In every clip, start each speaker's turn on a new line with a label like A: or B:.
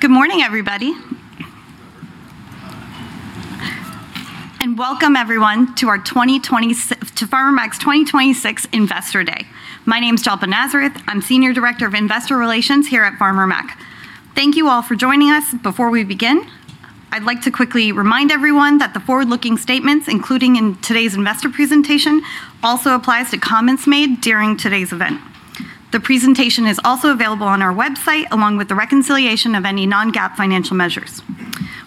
A: Good morning, everybody. Welcome everyone to Farmer Mac's 2026 Investor Day. My name is Jalpa Nazareth. I'm Senior Director of Investor Relations here at Farmer Mac. Thank you all for joining us. Before we begin, I'd like to quickly remind everyone that the forward-looking statements, including in today's investor presentation, also applies to comments made during today's event. The presentation is also available on our website, along with the reconciliation of any non-GAAP financial measures.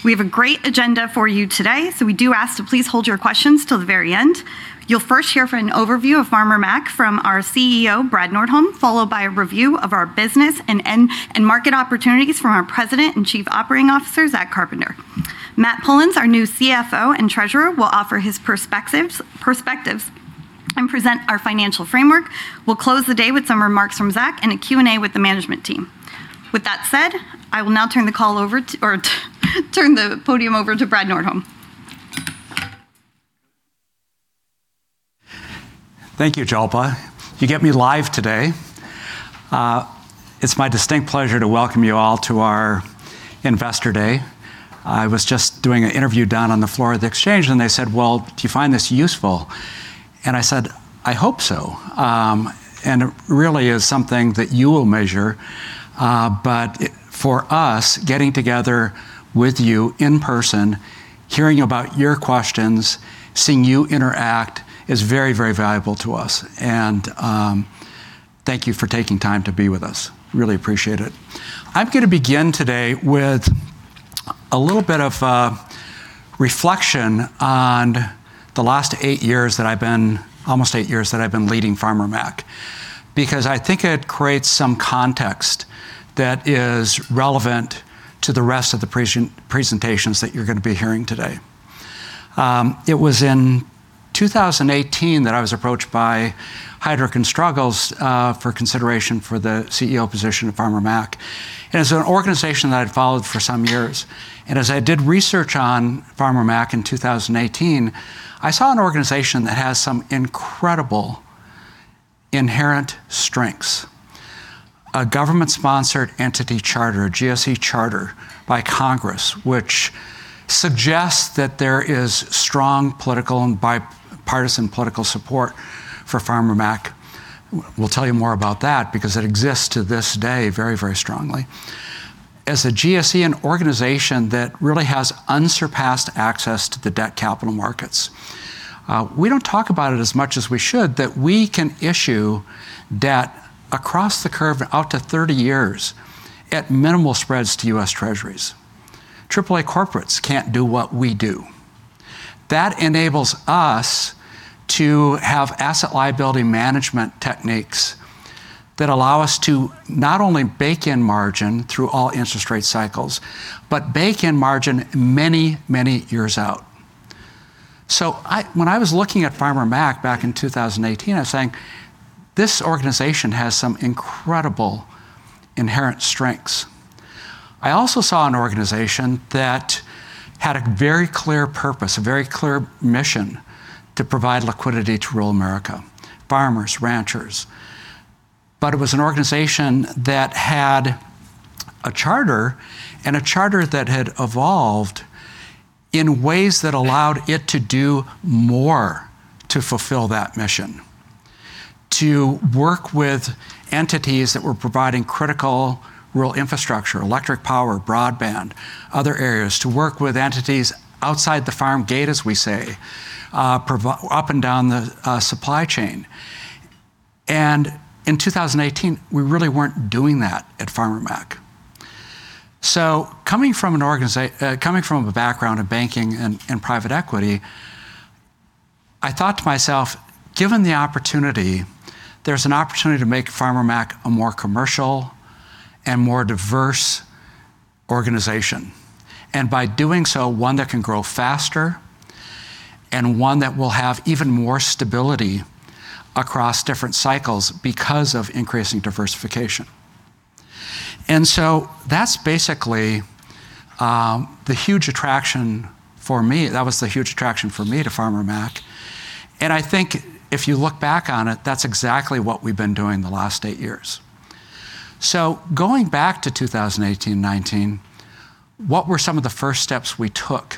A: We have a great agenda for you today, so we do ask to please hold your questions till the very end. You'll first hear from an overview of Farmer Mac from our CEO, Brad Nordholm, followed by a review of our business and market opportunities from our President and Chief Operating Officer, Zach Carpenter. Matthew Pullins, our new CFO and Treasurer, will offer his perspectives and present our financial framework. We'll close the day with some remarks from Zach and a Q&A with the management team. With that said, I will now turn the podium over to Brad Nordholm.
B: Thank you, Jalpa. You get me live today. It's my distinct pleasure to welcome you all to our Investor Day. I was just doing an interview down on the floor of the exchange, and they said, "Well, do you find this useful?" I said, "I hope so." It really is something that you will measure, but for us, getting together with you in person, hearing about your questions, seeing you interact is very, very valuable to us. Thank you for taking time to be with us. Really appreciate it. I'm gonna begin today with a little bit of reflection on almost eight years that I've been leading Farmer Mac, because I think it creates some context that is relevant to the rest of the presentations that you're going to be hearing today. It was in 2018 that I was approached by Heidrick & Struggles for consideration for the CEO position of Farmer Mac. It's an organization that I'd followed for some years. As I did research on Farmer Mac in 2018, I saw an organization that has some incredible inherent strengths. A government-sponsored entity charter, GSE charter, by Congress, which suggests that there is strong political and bipartisan political support for Farmer Mac. We'll tell you more about that because it exists to this day very, very strongly. As a GSE and organization that really has unsurpassed access to the debt capital markets, we don't talk about it as much as we should, that we can issue debt across the curve out to 30 years at minimal spreads to U.S. Treasuries. AAA corporates can't do what we do. That enables us to have asset liability management techniques that allow us to not only bake in margin through all interest rate cycles, but bake in margin many, many years out. When I was looking at Farmer Mac back in 2018, I was saying, "This organization has some incredible inherent strengths." I also saw an organization that had a very clear purpose, a very clear mission to provide liquidity to rural America, farmers, ranchers. It was an organization that had a charter, and a charter that had evolved in ways that allowed it to do more to fulfill that mission, to work with entities that were providing critical rural infrastructure, electric power, broadband, other areas, to work with entities outside the farm gate, as we say, up and down the supply chain. In 2018, we really weren't doing that at Farmer Mac. Coming from a background of banking and private equity, I thought to myself, given the opportunity, there's an opportunity to make Farmer Mac a more commercial and more diverse organization. By doing so, one that can grow faster and one that will have even more stability across different cycles because of increasing diversification. That's basically the huge attraction for me. That was the huge attraction for me to Farmer Mac. I think if you look back on it, that's exactly what we've been doing the last eight years. Going back to 2018, 2019, what were some of the first steps we took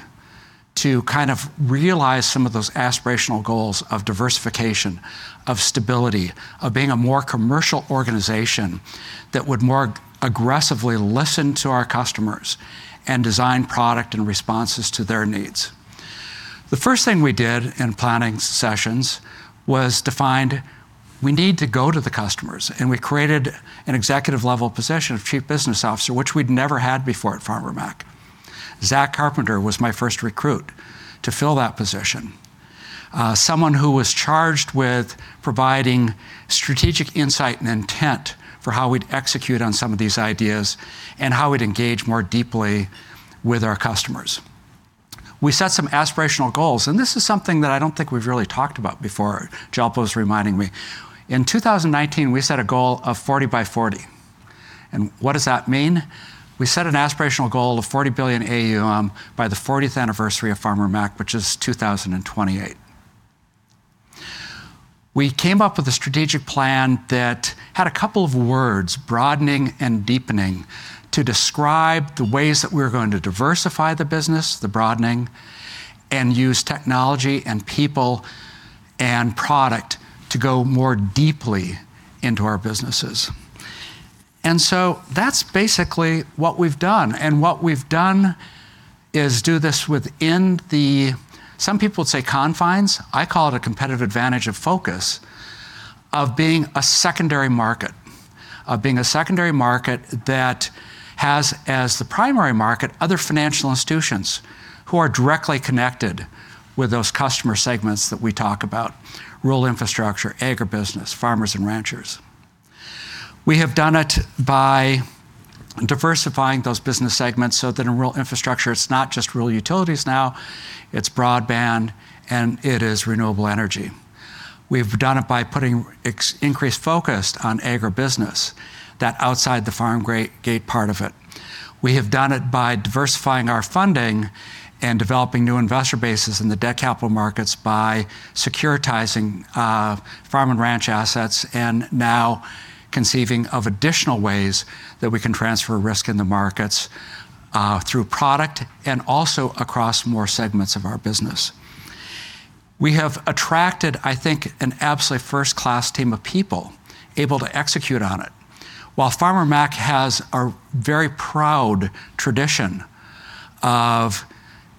B: to kind of realize some of those aspirational goals of diversification, of stability, of being a more commercial organization that would more aggressively listen to our customers and design product and responses to their needs? The first thing we did in planning sessions was to find we need to go to the customers, and we created an executive-level position of chief business officer, which we'd never had before at Farmer Mac. Zach Carpenter was my first recruit to fill that position. Someone who was charged with providing strategic insight and intent for how we'd execute on some of these ideas and how we'd engage more deeply with our customers. We set some aspirational goals, and this is something that I don't think we've really talked about before. Jalpa was reminding me. In 2019, we set a goal of 40 by 40. What does that mean? We set an aspirational goal of $40 billion AUM by the 40th anniversary of Farmer Mac, which is 2028. We came up with a strategic plan that had a couple of words, broadening and deepening, to describe the ways that we're going to diversify the business, the broadening, and use technology and people and product to go more deeply into our businesses. That's basically what we've done. What we've done is do this within the, some people would say confines, I call it a competitive advantage of focus, of being a secondary market. Of being a secondary market that has, as the primary market, other financial institutions who are directly connected with those customer segments that we talk about, rural infrastructure, agribusiness, farmers and ranchers. We have done it by diversifying those business segments so that in rural infrastructure, it's not just rural utilities now, it's broadband and it is renewable energy. We've done it by putting increased focus on agribusiness, that outside the farm gate part of it. We have done it by diversifying our funding and developing new investor bases in the debt capital markets by securitizing farm and ranch assets and now conceiving of additional ways that we can transfer risk in the markets through product and also across more segments of our business. We have attracted, I think, an absolutely first-class team of people able to execute on it. While Farmer Mac has a very proud tradition of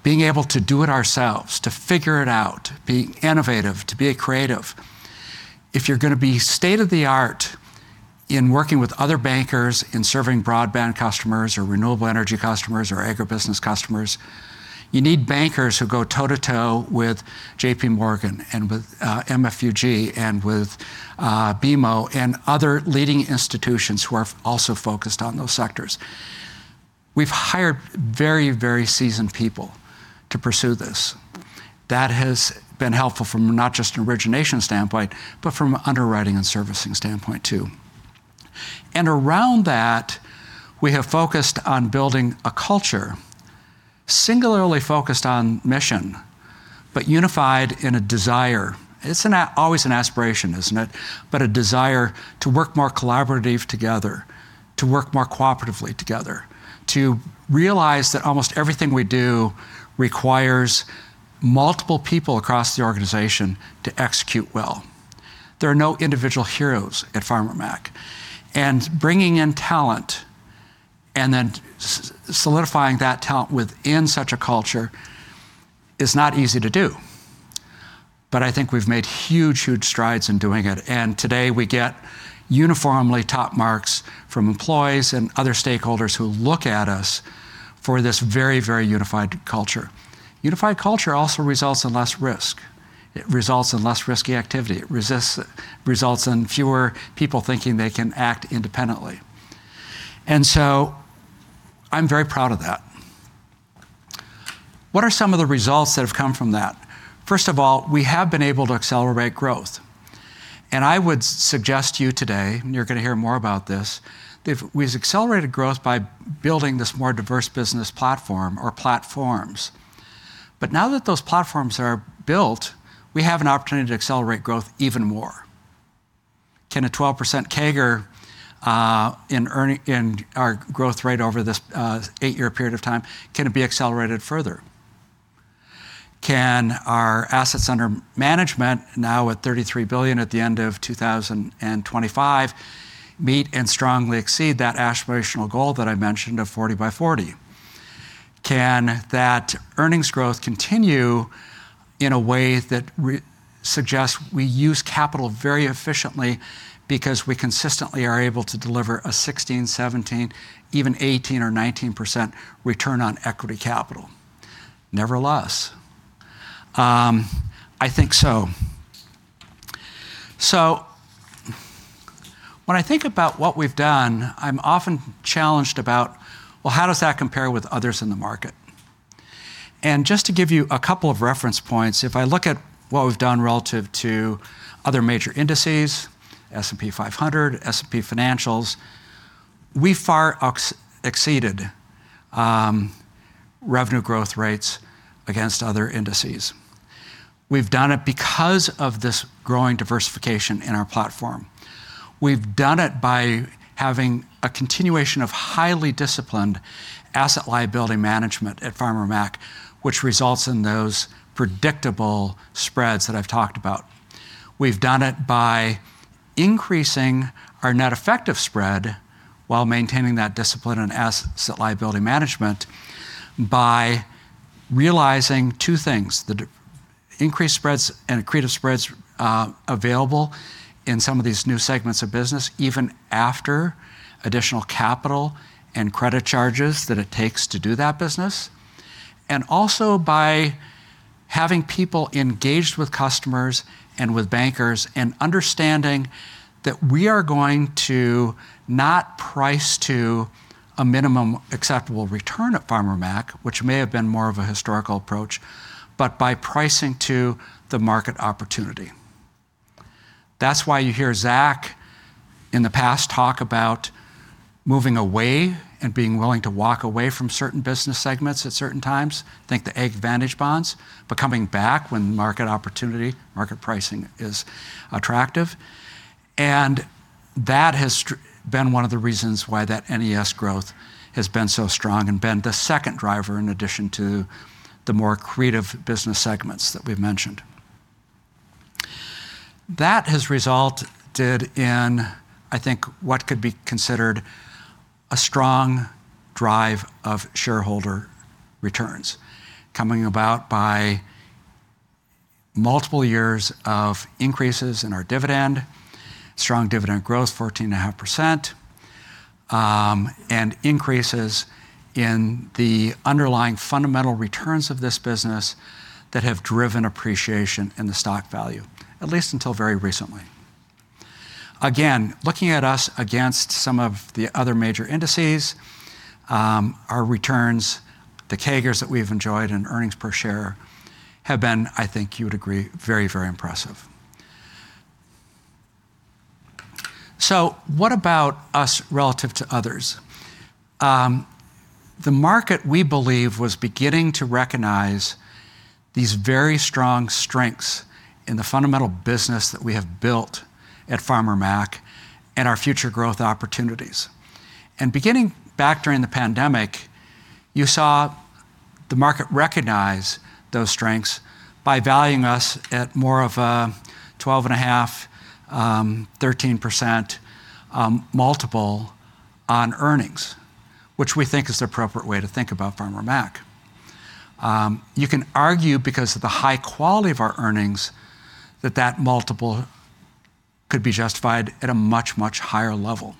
B: being able to do it ourselves, to figure it out, to be innovative, to be creative. If you're going to be state-of-the-art in working with other bankers in serving broadband customers or renewable energy customers or agribusiness customers, you need bankers who go toe-to-toe with J.P. Morgan and with MUFG and with BMO and other leading institutions who are also focused on those sectors. We've hired very, very seasoned people to pursue this. That has been helpful from not just an origination standpoint, but from underwriting and servicing standpoint too. Around that, we have focused on building a culture singularly focused on mission, but unified in a desire. It's always an aspiration, isn't it? But a desire to work more collaborative together, to work more cooperatively together, to realize that almost everything we do requires multiple people across the organization to execute well. There are no individual heroes at Farmer Mac. Bringing in talent and then solidifying that talent within such a culture is not easy to do. I think we've made huge, huge strides in doing it. Today, we get uniformly top marks from employees and other stakeholders who look at us for this very, very unified culture. Unified culture also results in less risk. It results in less risky activity. It results in fewer people thinking they can act independently. I'm very proud of that. What are some of the results that have come from that? First of all, we have been able to accelerate growth. I would suggest to you today, and you're going to hear more about this, that we've accelerated growth by building this more diverse business platform or platforms. Now that those platforms are built, we have an opportunity to accelerate growth even more. Can a 12% CAGR in our growth rate over this eight-year period of time be accelerated further? Can our assets under management, now at $33 billion at the end of 2025, meet and strongly exceed that aspirational goal that I mentioned of Forty by Forty? Can that earnings growth continue in a way that suggests we use capital very efficiently because we consistently are able to deliver a 16%, 17%, even 18% or 19% return on equity capital? Nevertheless, I think so. When I think about what we've done, I'm often challenged about, well, how does that compare with others in the market? Just to give you a couple of reference points, if I look at what we've done relative to other major indices, S&P 500, S&P Financials, we far exceeded revenue growth rates against other indices. We've done it because of this growing diversification in our platform. We've done it by having a continuation of highly disciplined asset liability management at Farmer Mac, which results in those predictable spreads that I've talked about. We've done it by increasing our Net Effective Spread while maintaining that discipline on asset liability management by realizing two things, the increased spreads and accretive spreads available in some of these new segments of business, even after additional capital and credit charges that it takes to do that business. By having people engaged with customers and with bankers and understanding that we are going to not price to a minimum acceptable return at Farmer Mac, which may have been more of a historical approach, but by pricing to the market opportunity. That's why you hear Zach in the past talk about moving away and being willing to walk away from certain business segments at certain times, think the AgVantage bonds, but coming back when market opportunity, market pricing is attractive. That has been one of the reasons why that NES growth has been so strong and been the second driver in addition to the more creative business segments that we've mentioned. That has resulted in, I think, what could be considered a strong drive of shareholder returns, coming about by multiple years of increases in our dividend, strong dividend growth, 14.5%, and increases in the underlying fundamental returns of this business that have driven appreciation in the stock value, at least until very recently. Again, looking at us against some of the other major indices, our returns, the CAGRs that we've enjoyed, and earnings per share have been, I think you would agree, very, very impressive. What about us relative to others? The market, we believe, was beginning to recognize these very strong strengths in the fundamental business that we have built at Farmer Mac and our future growth opportunities. Beginning back during the pandemic, you saw the market recognize those strengths by valuing us at more of a 12.5%-13% multiple on earnings, which we think is the appropriate way to think about Farmer Mac. You can argue because of the high quality of our earnings that that multiple could be justified at a much, much higher level.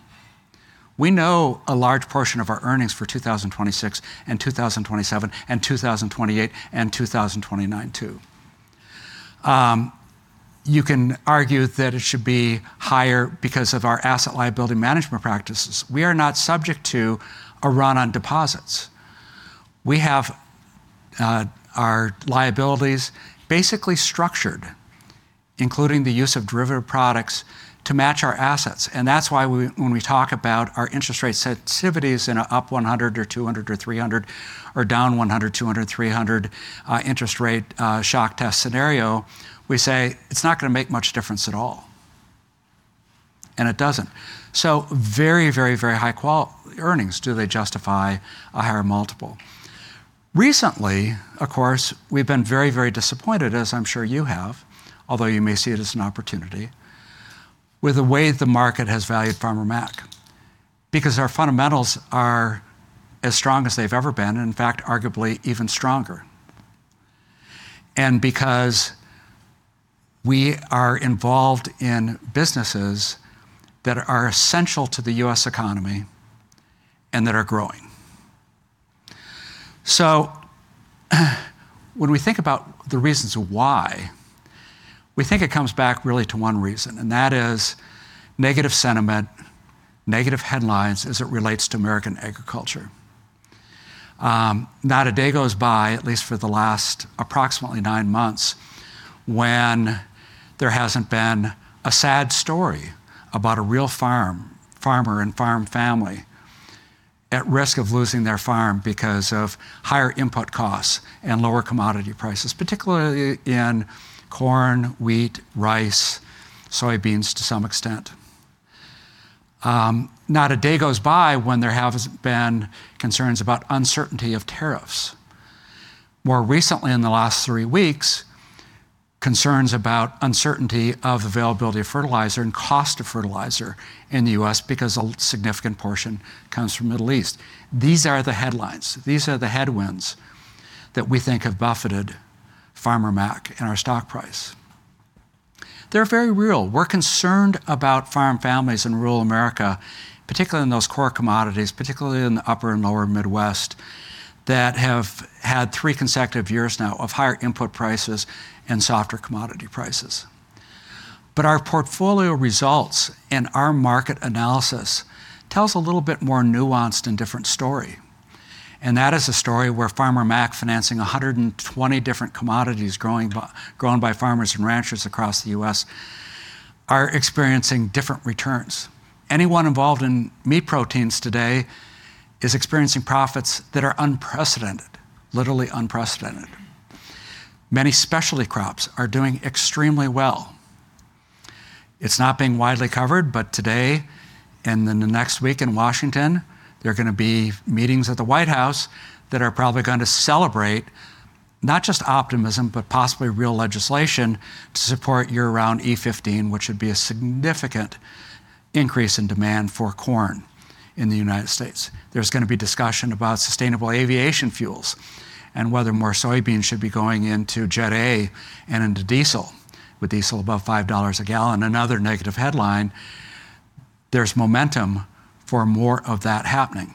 B: We know a large portion of our earnings for 2026 and 2027 and 2028 and 2029 too. You can argue that it should be higher because of our asset liability management practices. We are not subject to a run on deposits. We have our liabilities basically structured, including the use of derivative products, to match our assets. That's why we, when we talk about our interest rate sensitivities in a up 100 or 200 or 300 or down 100, 200, 300, interest rate shock test scenario, we say, "It's not gonna make much difference at all." It doesn't. Very high quality earnings. Do they justify a higher multiple? Recently, of course, we've been very, very disappointed, as I'm sure you have, although you may see it as an opportunity, with the way the market has valued Farmer Mac, because our fundamentals are as strong as they've ever been, and in fact, arguably even stronger, and because we are involved in businesses that are essential to the U.S. economy and that are growing. When we think about the reasons why, we think it comes back really to one reason, and that is negative sentiment, negative headlines as it relates to American agriculture. Not a day goes by, at least for the last approximately nine months, when there hasn't been a sad story about a real farm, farmer and farm family at risk of losing their farm because of higher input costs and lower commodity prices, particularly in corn, wheat, rice, soybeans to some extent. Not a day goes by when there hasn't been concerns about uncertainty of tariffs. More recently in the last three weeks, concerns about uncertainty of availability of fertilizer and cost of fertilizer in the U.S. because a significant portion comes from Middle East. These are the headlines. These are the headwinds that we think have buffeted Farmer Mac and our stock price. They're very real. We're concerned about farm families in rural America, particularly in those core commodities, particularly in the upper and lower Midwest, that have had three consecutive years now of higher input prices and softer commodity prices. Our portfolio results and our market analysis tells a little bit more nuanced and different story, and that is a story where Farmer Mac financing 120 different commodities grown by farmers and ranchers across the U.S. are experiencing different returns. Anyone involved in meat proteins today is experiencing profits that are unprecedented, literally unprecedented. Many specialty crops are doing extremely well. It's not being widely covered, but today and in the next week in Washington, there are gonna be meetings at the White House that are probably gonna celebrate not just optimism, but possibly real legislation to support year-round E15, which would be a significant increase in demand for corn in the United States. There's gonna be discussion about sustainable aviation fuels and whether more soybeans should be going into Jet A and into diesel. With diesel above $5 a gallon, another negative headline, there's momentum for more of that happening.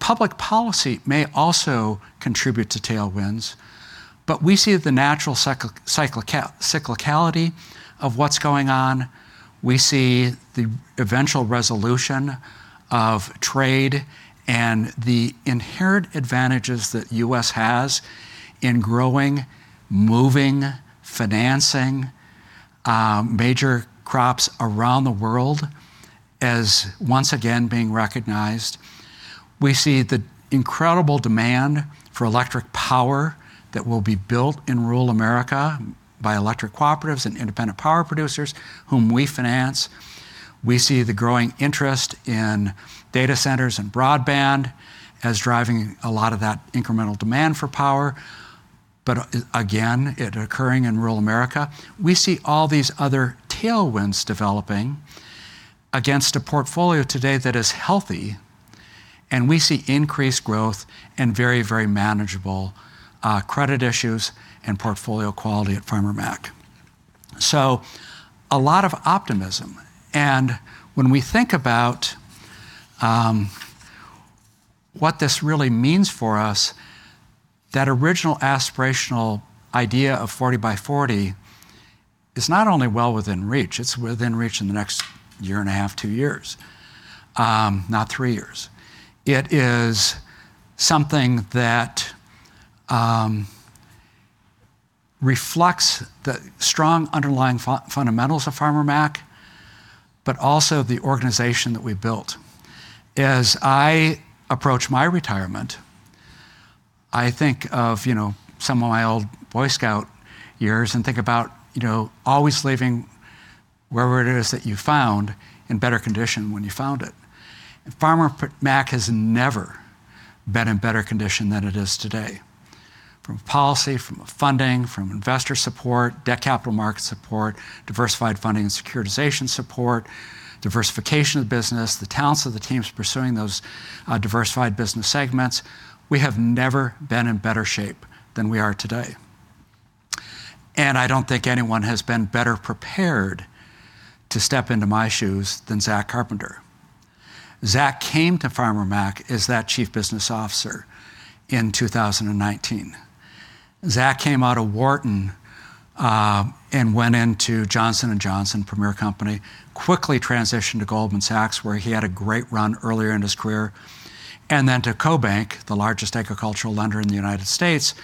B: Public policy may also contribute to tailwinds, but we see the natural cyclicality of what's going on. We see the eventual resolution of trade and the inherent advantages that U.S. has in growing, moving, financing, major crops around the world as once again being recognized. We see the incredible demand for electric power that will be built in rural America by electric cooperatives and independent power producers whom we finance. We see the growing interest in data centers and broadband as driving a lot of that incremental demand for power. Again, it's occurring in rural America. We see all these other tailwinds developing against a portfolio today that is healthy, and we see increased growth and very, very manageable credit issues and portfolio quality at Farmer Mac. A lot of optimism. When we think about what this really means for us, that original aspirational idea of Forty by Forty is not only well within reach, it's within reach in the next year and a half, two years, not three years. It is something that reflects the strong underlying fundamentals of Farmer Mac, but also the organization that we built. As I approach my retirement, I think of, you know, some of my old Boy Scout years and think about, you know, always leaving wherever it is that you found in better condition when you found it. Farmer Mac has never been in better condition than it is today. From policy, from funding, from investor support, debt capital market support, diversified funding and securitization support, diversification of the business, the talents of the teams pursuing those diversified business segments. We have never been in better shape than we are today. I don't think anyone has been better prepared to step into my shoes than Zachary Carpenter. Zachary came to Farmer Mac as that chief business officer in 2019. Zachary came out of Wharton and went into Johnson & Johnson, premier company, quickly transitioned to Goldman Sachs, where he had a great run earlier in his career, and then to CoBank, the largest agricultural lender in the United States,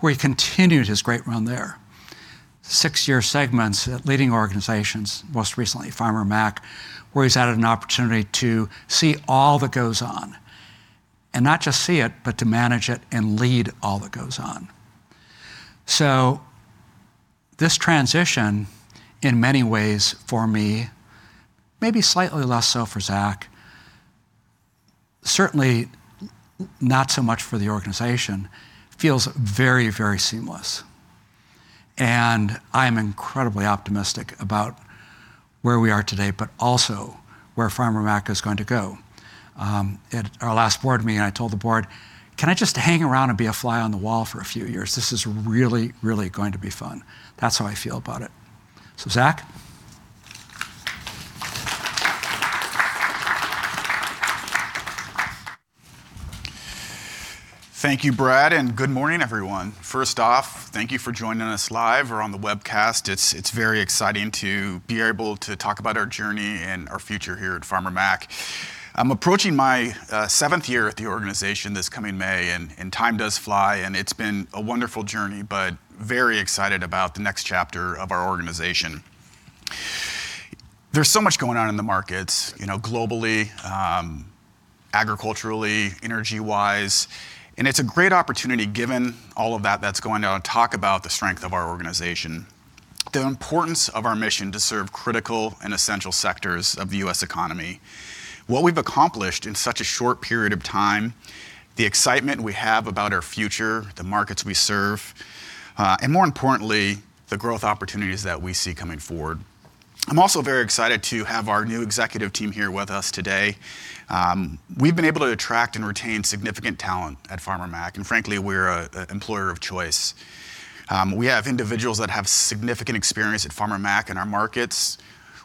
B: where he continued his great run there. Six-year segments at leading organizations, most recently Farmer Mac, where he's had an opportunity to see all that goes on, and not just see it, but to manage it and lead all that goes on. This transition, in many ways for me, maybe slightly less so for Zachary, certainly not so much for the organization, feels very, very seamless. I'm incredibly optimistic about where we are today, but also where Farmer Mac is going to go. At our last board meeting, I told the board, "Can I just hang around and be a fly on the wall for a few years? This is really, really going to be fun." That's how I feel about it. Zachary.
C: Thank you, Brad, and good morning, everyone. First off, thank you for joining us live or on the webcast. It's very exciting to be able to talk about our journey and our future here at Farmer Mac. I'm approaching my seventh year at the organization this coming May, and time does fly, and it's been a wonderful journey, but very excited about the next chapter of our organization. There's so much going on in the markets, you know, globally, agriculturally, energy-wise, and it's a great opportunity, given all of that that's going on, to talk about the strength of our organization, the importance of our mission to serve critical and essential sectors of the U.S. economy, what we've accomplished in such a short period of time, the excitement we have about our future, the markets we serve, and more importantly, the growth opportunities that we see coming forward. I'm also very excited to have our new executive team here with us today. We've been able to attract and retain significant talent at Farmer Mac, and frankly, we're an employer of choice. We have individuals that have significant experience at Farmer Mac in our markets.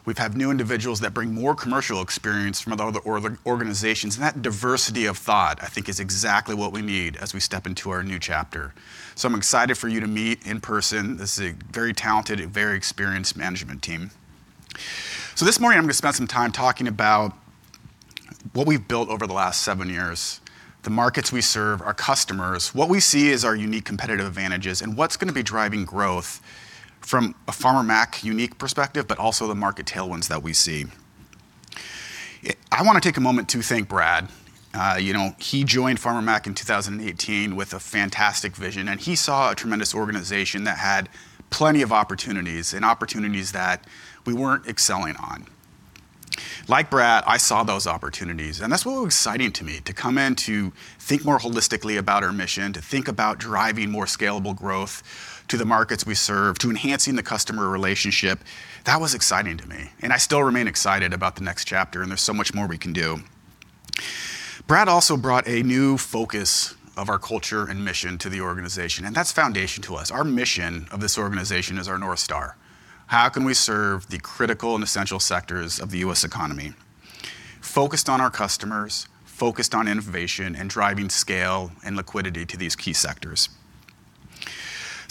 C: We've had new individuals that bring more commercial experience from other organizations, and that diversity of thought, I think, is exactly what we need as we step into our new chapter. I'm excited for you to meet in person. This is a very talented and very experienced management team. This morning, I'm gonna spend some time talking about what we've built over the last seven years, the markets we serve, our customers, what we see as our unique competitive advantages, and what's gonna be driving growth from a Farmer Mac unique perspective, but also the market tailwinds that we see. I wanna take a moment to thank Brad. You know, he joined Farmer Mac in 2018 with a fantastic vision, and he saw a tremendous organization that had plenty of opportunities that we weren't excelling on. Like Brad, I saw those opportunities, and that's what was exciting to me, to come in to think more holistically about our mission, to think about driving more scalable growth to the markets we serve, to enhancing the customer relationship. That was exciting to me, and I still remain excited about the next chapter, and there's so much more we can do. Brad also brought a new focus of our culture and mission to the organization, and that's foundational to us. Our mission of this organization is our North Star. How can we serve the critical and essential sectors of the U.S. economy? Focused on our customers, focused on innovation and driving scale and liquidity to these key sectors.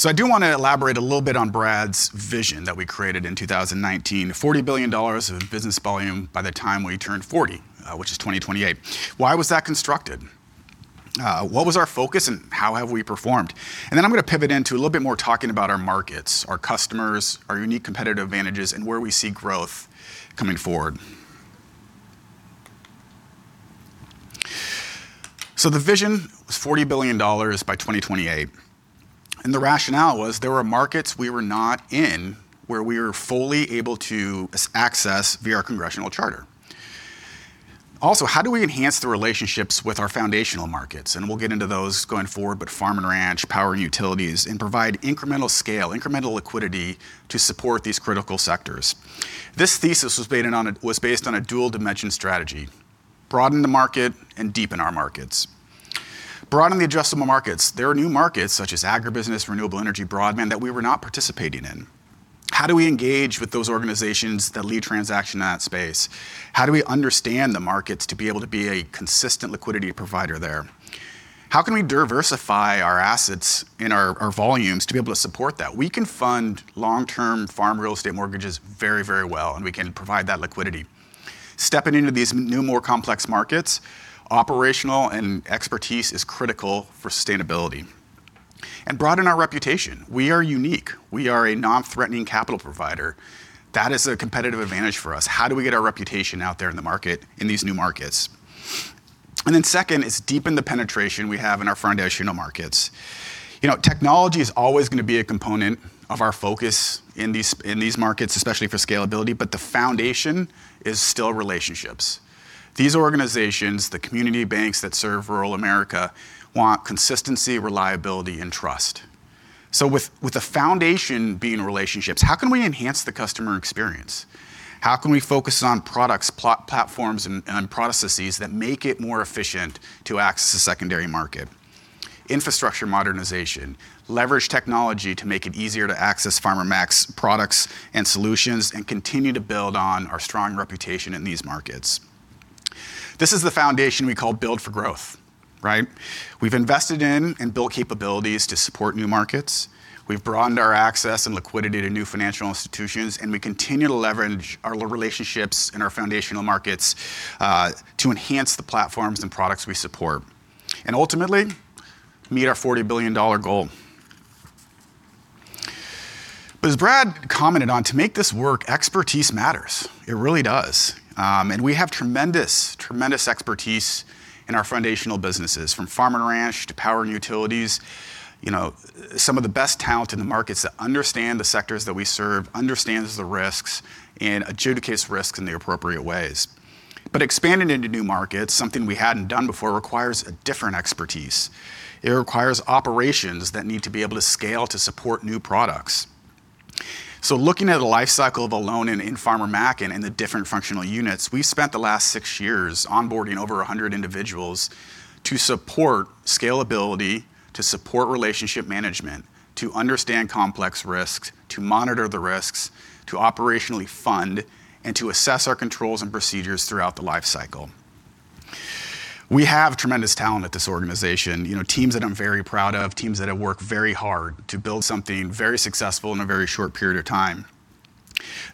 C: I do wanna elaborate a little bit on Brad's vision that we created in 2019. $40 billion of business volume by the time we turned 40, which is 2028. Why was that constructed? What was our focus and how have we performed? I'm gonna pivot into a little bit more talking about our markets, our customers, our unique competitive advantages, and where we see growth coming forward. The vision was $40 billion by 2028, and the rationale was there were markets we were not in where we were fully able to access via our congressional charter. Also, how do we enhance the relationships with our foundational markets? We'll get into those going forward, but Farm & Ranch, Power & Utilities, and provide incremental scale, incremental liquidity to support these critical sectors. This thesis was based on a dual-dimension strategy: broaden the market and deepen our markets. Broaden the addressable markets. There are new markets such as agribusiness, renewable energy, broadband, that we were not participating in. How do we engage with those organizations that lead transaction in that space? How do we understand the markets to be able to be a consistent liquidity provider there? How can we diversify our assets and our volumes to be able to support that? We can fund long-term farm real estate mortgages very, very well, and we can provide that liquidity. Stepping into these new, more complex markets, operational and expertise is critical for sustainability. Broaden our reputation. We are unique. We are a non-threatening capital provider. That is a competitive advantage for us. How do we get our reputation out there in the market, in these new markets? Second is deepen the penetration we have in our foundational markets. You know, technology is always gonna be a component of our focus in these markets, especially for scalability, but the foundation is still relationships. These organizations, the community banks that serve rural America, want consistency, reliability, and trust. With the foundation being relationships, how can we enhance the customer experience? How can we focus on products, platforms, and processes that make it more efficient to access the secondary market? Infrastructure modernization. Leverage technology to make it easier to access Farmer Mac's products and solutions, and continue to build on our strong reputation in these markets. This is the foundation we call Build for Growth, right? We've invested in and built capabilities to support new markets. We've broadened our access and liquidity to new financial institutions, and we continue to leverage our relationships in our foundational markets to enhance the platforms and products we support, and ultimately meet our $40 billion goal. As Brad commented on, to make this work, expertise matters. It really does. We have tremendous expertise in our foundational businesses, from Farm & Ranch to Power & Utilities, you know, some of the best talent in the markets that understand the sectors that we serve, understands the risks, and adjudicates risks in the appropriate ways. Expanding into new markets, something we hadn't done before, requires a different expertise. It requires operations that need to be able to scale to support new products. Looking at the life cycle of a loan in Farmer Mac and in the different functional units, we spent the last six years onboarding over 100 individuals to support scalability, to support relationship management, to understand complex risks, to monitor the risks, to operationally fund, and to assess our controls and procedures throughout the life cycle. We have tremendous talent at this organization. You know, teams that I'm very proud of, teams that have worked very hard to build something very successful in a very short period of time.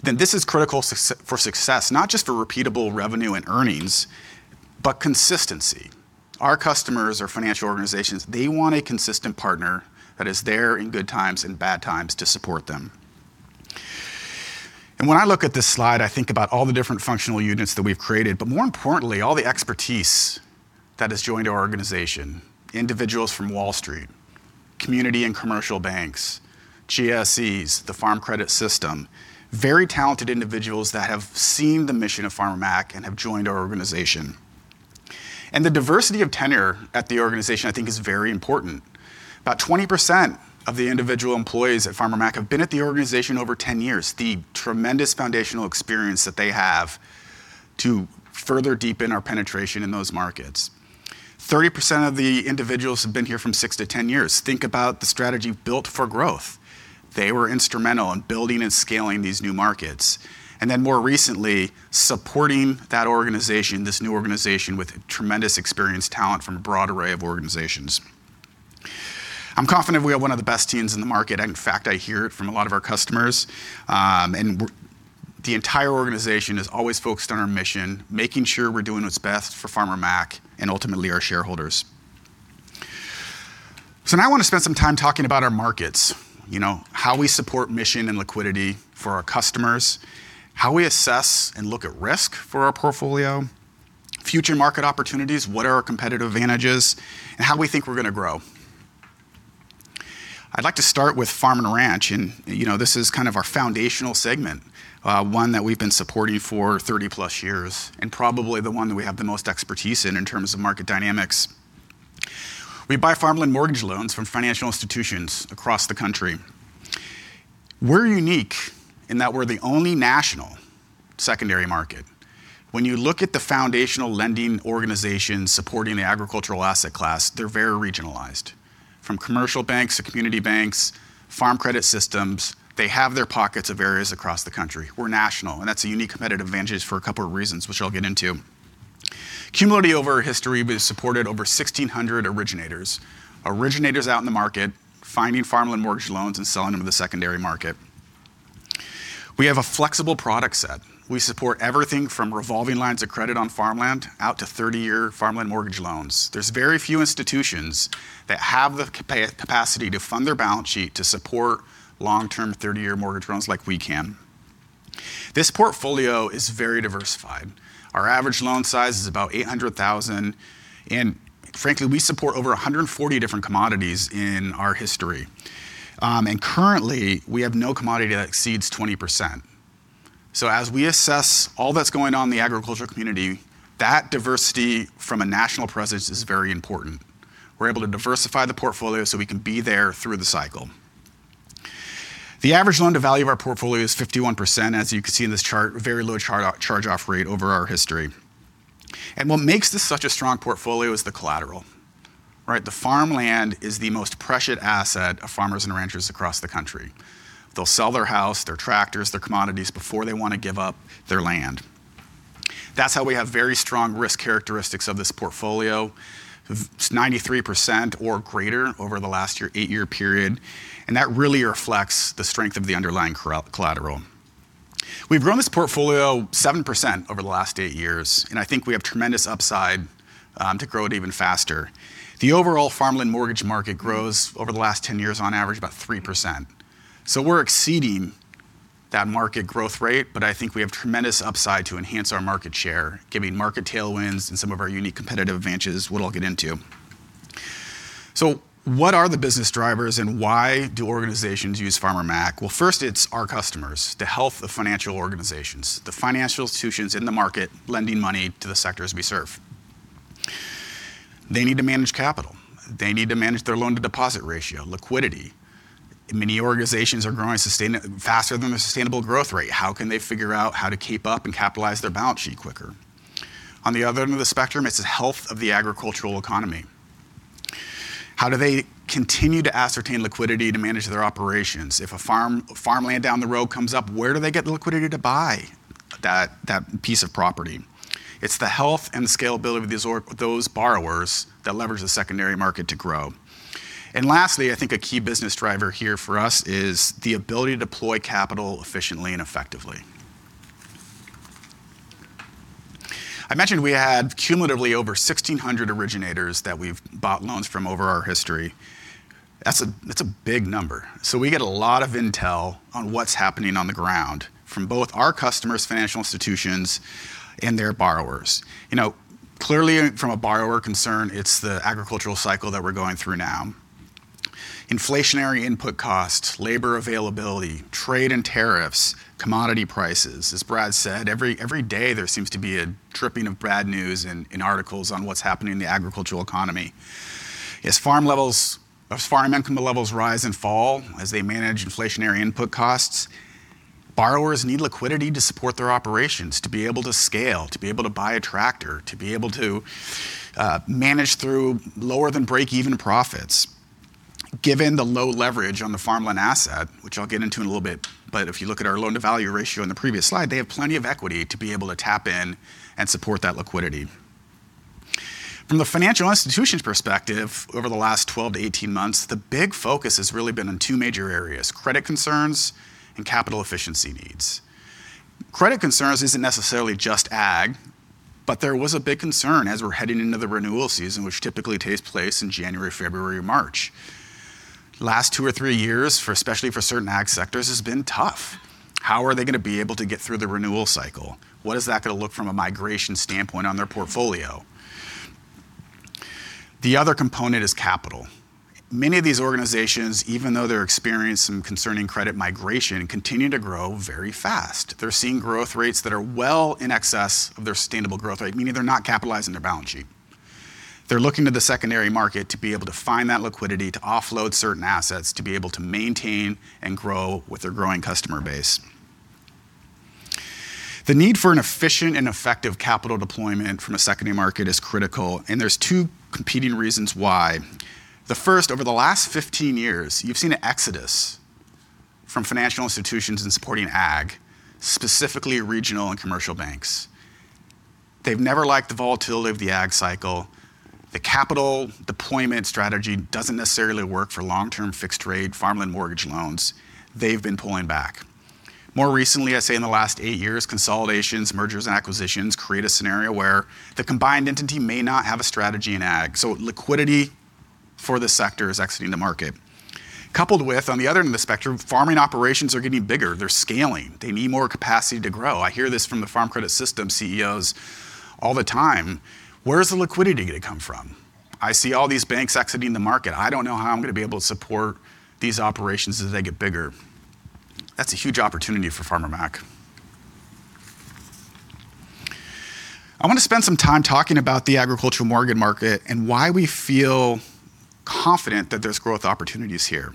C: This is critical for success, not just for repeatable revenue and earnings, but consistency. Our customers are financial organizations. They want a consistent partner that is there in good times and bad times to support them. When I look at this slide, I think about all the different functional units that we've created, but more importantly, all the expertise that has joined our organization. Individuals from Wall Street, community and commercial banks, GSEs, the Farm Credit System, very talented individuals that have seen the mission of Farmer Mac and have joined our organization. The diversity of tenure at the organization I think is very important. About 20% of the individual employees at Farmer Mac have been at the organization over 10 years. The tremendous foundational experience that they have to further deepen our penetration in those markets. 30% of the individuals have been here from six to 10 years. Think about the strategy Build for Growth. They were instrumental in building and scaling these new markets, and then more recently, supporting that organization, this new organization with tremendous experienced talent from a broad array of organizations. I'm confident we have one of the best teams in the market. In fact, I hear it from a lot of our customers. The entire organization is always focused on our mission, making sure we're doing what's best for Farmer Mac and ultimately our shareholders. Now I want to spend some time talking about our markets. You know, how we support mission and liquidity for our customers, how we assess and look at risk for our portfolio, future market opportunities, what are our competitive advantages, and how we think we're gonna grow. I'd like to start with Farm & Ranch. You know, this is kind of our foundational segment, one that we've been supporting for 30-plus years, and probably the one that we have the most expertise in in terms of market dynamics. We buy farmland mortgage loans from financial institutions across the country. We're unique in that we're the only national secondary market. When you look at the foundational lending organizations supporting the agricultural asset class, they're very regionalized. From commercial banks to community banks, Farm Credit System, they have their pockets of areas across the country. We're national, and that's a unique competitive advantage for a couple of reasons, which I'll get into. Cumulatively over history, we've supported over 1,600 originators. Originators out in the market, finding farmland mortgage loans, and selling them to the secondary market. We have a flexible product set. We support everything from revolving lines of credit on farmland out to 30-year farmland mortgage loans. There's very few institutions that have the capacity to fund their balance sheet to support long-term 30-year mortgage loans like we can. This portfolio is very diversified. Our average loan size is about $800,000, and frankly, we support over 140 different commodities in our history. Currently, we have no commodity that exceeds 20%. As we assess all that's going on in the agricultural community, that diversity from a national presence is very important. We're able to diversify the portfolio so we can be there through the cycle. The average loan-to-value of our portfolio is 51%, as you can see in this chart, very low charge-off rate over our history. What makes this such a strong portfolio is the collateral. Right? The farmland is the most precious asset of farmers and ranchers across the country. They'll sell their house, their tractors, their commodities before they want to give up their land. That's how we have very strong risk characteristics of this portfolio. It's 93% or greater over the last year, eight-year period, and that really reflects the strength of the underlying collateral. We've grown this portfolio 7% over the last 8 years, and I think we have tremendous upside to grow it even faster. The overall farmland mortgage market grows over the last 10 years on average about 3%. We're exceeding that market growth rate, but I think we have tremendous upside to enhance our market share, giving market tailwinds and some of our unique competitive advantages, what I'll get into. What are the business drivers, and why do organizations use Farmer Mac? Well, first it's our customers, the health of financial organizations, the financial institutions in the market lending money to the sectors we serve. They need to manage capital. They need to manage their loan-to-deposit ratio, liquidity. Many organizations are growing faster than the sustainable growth rate. How can they figure out how to keep up and capitalize their balance sheet quicker? On the other end of the spectrum, it's the health of the agricultural economy. How do they continue to ascertain liquidity to manage their operations? If a farm, farmland down the road comes up, where do they get the liquidity to buy that piece of property? It's the health and the scalability of these those borrowers that levers the secondary market to grow. Lastly, I think a key business driver here for us is the ability to deploy capital efficiently and effectively. I mentioned we have cumulatively over 1,600 originators that we've bought loans from over our history. That's a big number. We get a lot of intel on what's happening on the ground from both our customers, financial institutions and their borrowers. You know, clearly from a borrower concern, it's the agricultural cycle that we're going through now. Inflationary input costs, labor availability, trade and tariffs, commodity prices. As Brad said, every day there seems to be a dripping of bad news in articles on what's happening in the agricultural economy. As farm levels, as farm income levels rise and fall, as they manage inflationary input costs, borrowers need liquidity to support their operations, to be able to scale, to be able to buy a tractor, to be able to manage through lower than break-even profits. Given the low leverage on the farmland asset, which I'll get into in a little bit, but if you look at our loan-to-value ratio in the previous slide, they have plenty of equity to be able to tap in and support that liquidity. From the financial institutions perspective, over the last 12-18 months, the big focus has really been in two major areas: credit concerns and capital efficiency needs. Credit concerns isn't necessarily just ag, but there was a big concern as we're heading into the renewal season, which typically takes place in January, February, March. Last two or three years for, especially for certain ag sectors, has been tough. How are they gonna be able to get through the renewal cycle? What is that gonna look from a migration standpoint on their portfolio? The other component is capital. Many of these organizations, even though they're experiencing some concerning credit migration, continue to grow very fast. They're seeing growth rates that are well in excess of their sustainable growth rate, meaning they're not capitalizing their balance sheet. They're looking to the secondary market to be able to find that liquidity, to offload certain assets, to be able to maintain and grow with their growing customer base. The need for an efficient and effective capital deployment from a secondary market is critical, and there's two competing reasons why. The first, over the last 15 years, you've seen an exodus from financial institutions in supporting ag, specifically regional and commercial banks. They've never liked the volatility of the ag cycle. The capital deployment strategy doesn't necessarily work for long-term fixed rate farmland mortgage loans. They've been pulling back. More recently, I'd say in the last eight years, consolidations, mergers and acquisitions create a scenario where the combined entity may not have a strategy in ag, so liquidity for this sector is exiting the market. Coupled with, on the other end of the spectrum, farming operations are getting bigger. They're scaling. They need more capacity to grow. I hear this from the Farm Credit System CEOs all the time. "Where's the liquidity gonna come from? I see all these banks exiting the market. I don't know how I'm gonna be able to support these operations as they get bigger." That's a huge opportunity for Farmer Mac. I want to spend some time talking about the agricultural mortgage market and why we feel confident that there's growth opportunities here.